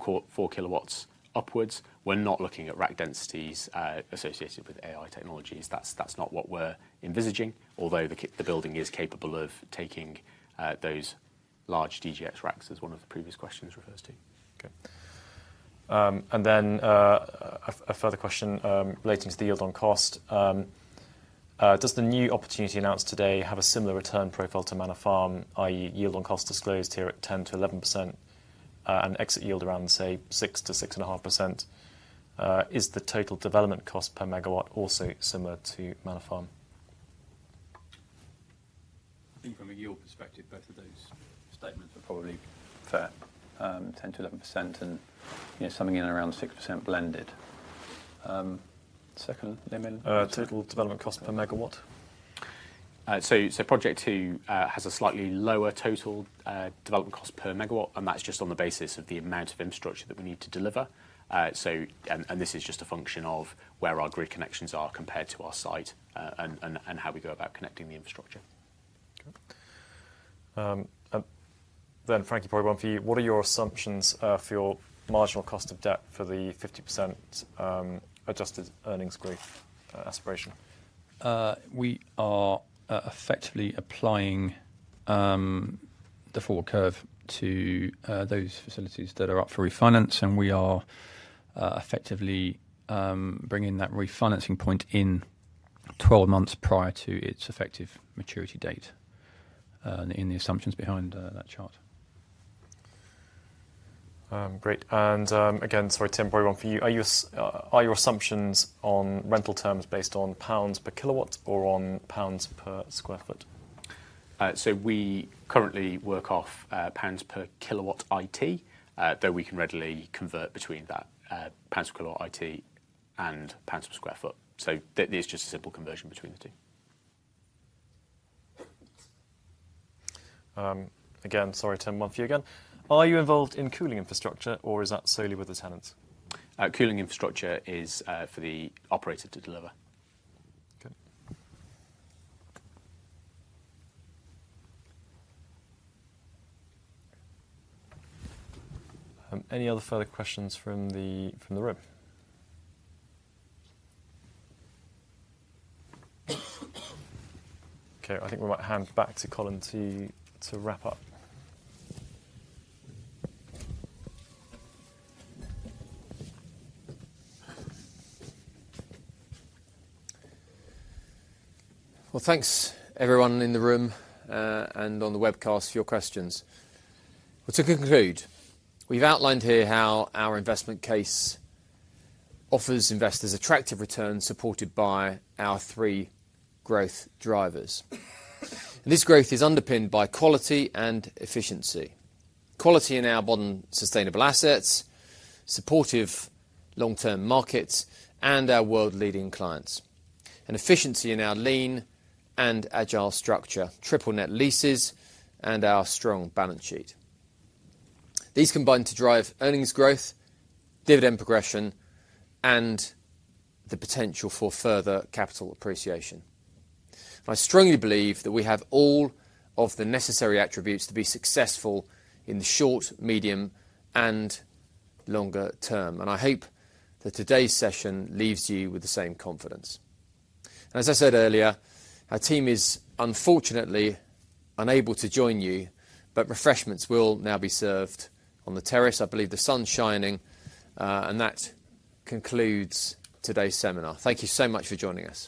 4 kilowatts upwards, we're not looking at rack densities associated with AI technologies. That's not what we're envisaging, although the building is capable of taking those large DGX racks as one of the previous questions refers to. Okay. A further question relating to the yield on cost. Does the new opportunity announced today have a similar return profile to Manor Farm, i.e., yield on cost disclosed here at 10-11% and exit yield around, say, 6-6.5%? Is the total development cost per megawatt also similar to Manor Farm? I think from a yield perspective, both of those statements are probably fair. 10-11% and something in around 6% blended. Second, Tim. Total development cost per megawatt. Project two has a slightly lower total development cost per megawatt, and that is just on the basis of the amount of infrastructure that we need to deliver. This is just a function of where our grid connections are compared to our site and how we go about connecting the infrastructure. Okay. Frankie, probably one for you. What are your assumptions for your marginal cost of debt for the 50% adjusted earnings growth aspiration? We are effectively applying the forward curve to those facilities that are up for refinance, and we are effectively bringing that refinancing point in 12 months prior to its effective maturity date in the assumptions behind that chart. Great. Again, sorry, Tim, probably one for you. Are your assumptions on rental terms based on pounds per kilowatt or on pounds per sq ft? We currently work off pounds per kilowatt IT, though we can readily convert between that pounds per kilowatt IT and pounds per sq ft. It is just a simple conversion between the two. Again, sorry, Tim, one for you again. Are you involved in cooling infrastructure, or is that solely with the tenants? Cooling infrastructure is for the operator to deliver. Okay. Any other further questions from the room? Okay. I think we might hand back to Colin to wrap up. Thanks, everyone in the room and on the webcast for your questions. To conclude, we've outlined here how our investment case offers investors attractive returns supported by our three growth drivers. This growth is underpinned by quality and efficiency. Quality in our modern sustainable assets, supportive long-term markets, and our world-leading clients. Efficiency in our lean and agile structure, triple-net leases, and our strong balance sheet. These combine to drive earnings growth, dividend progression, and the potential for further capital appreciation. I strongly believe that we have all of the necessary attributes to be successful in the short, medium, and longer term. I hope that today's session leaves you with the same confidence. As I said earlier, our team is unfortunately unable to join you, but refreshments will now be served on the terrace. I believe the sun's shining, and that concludes today's seminar. Thank you so much for joining us.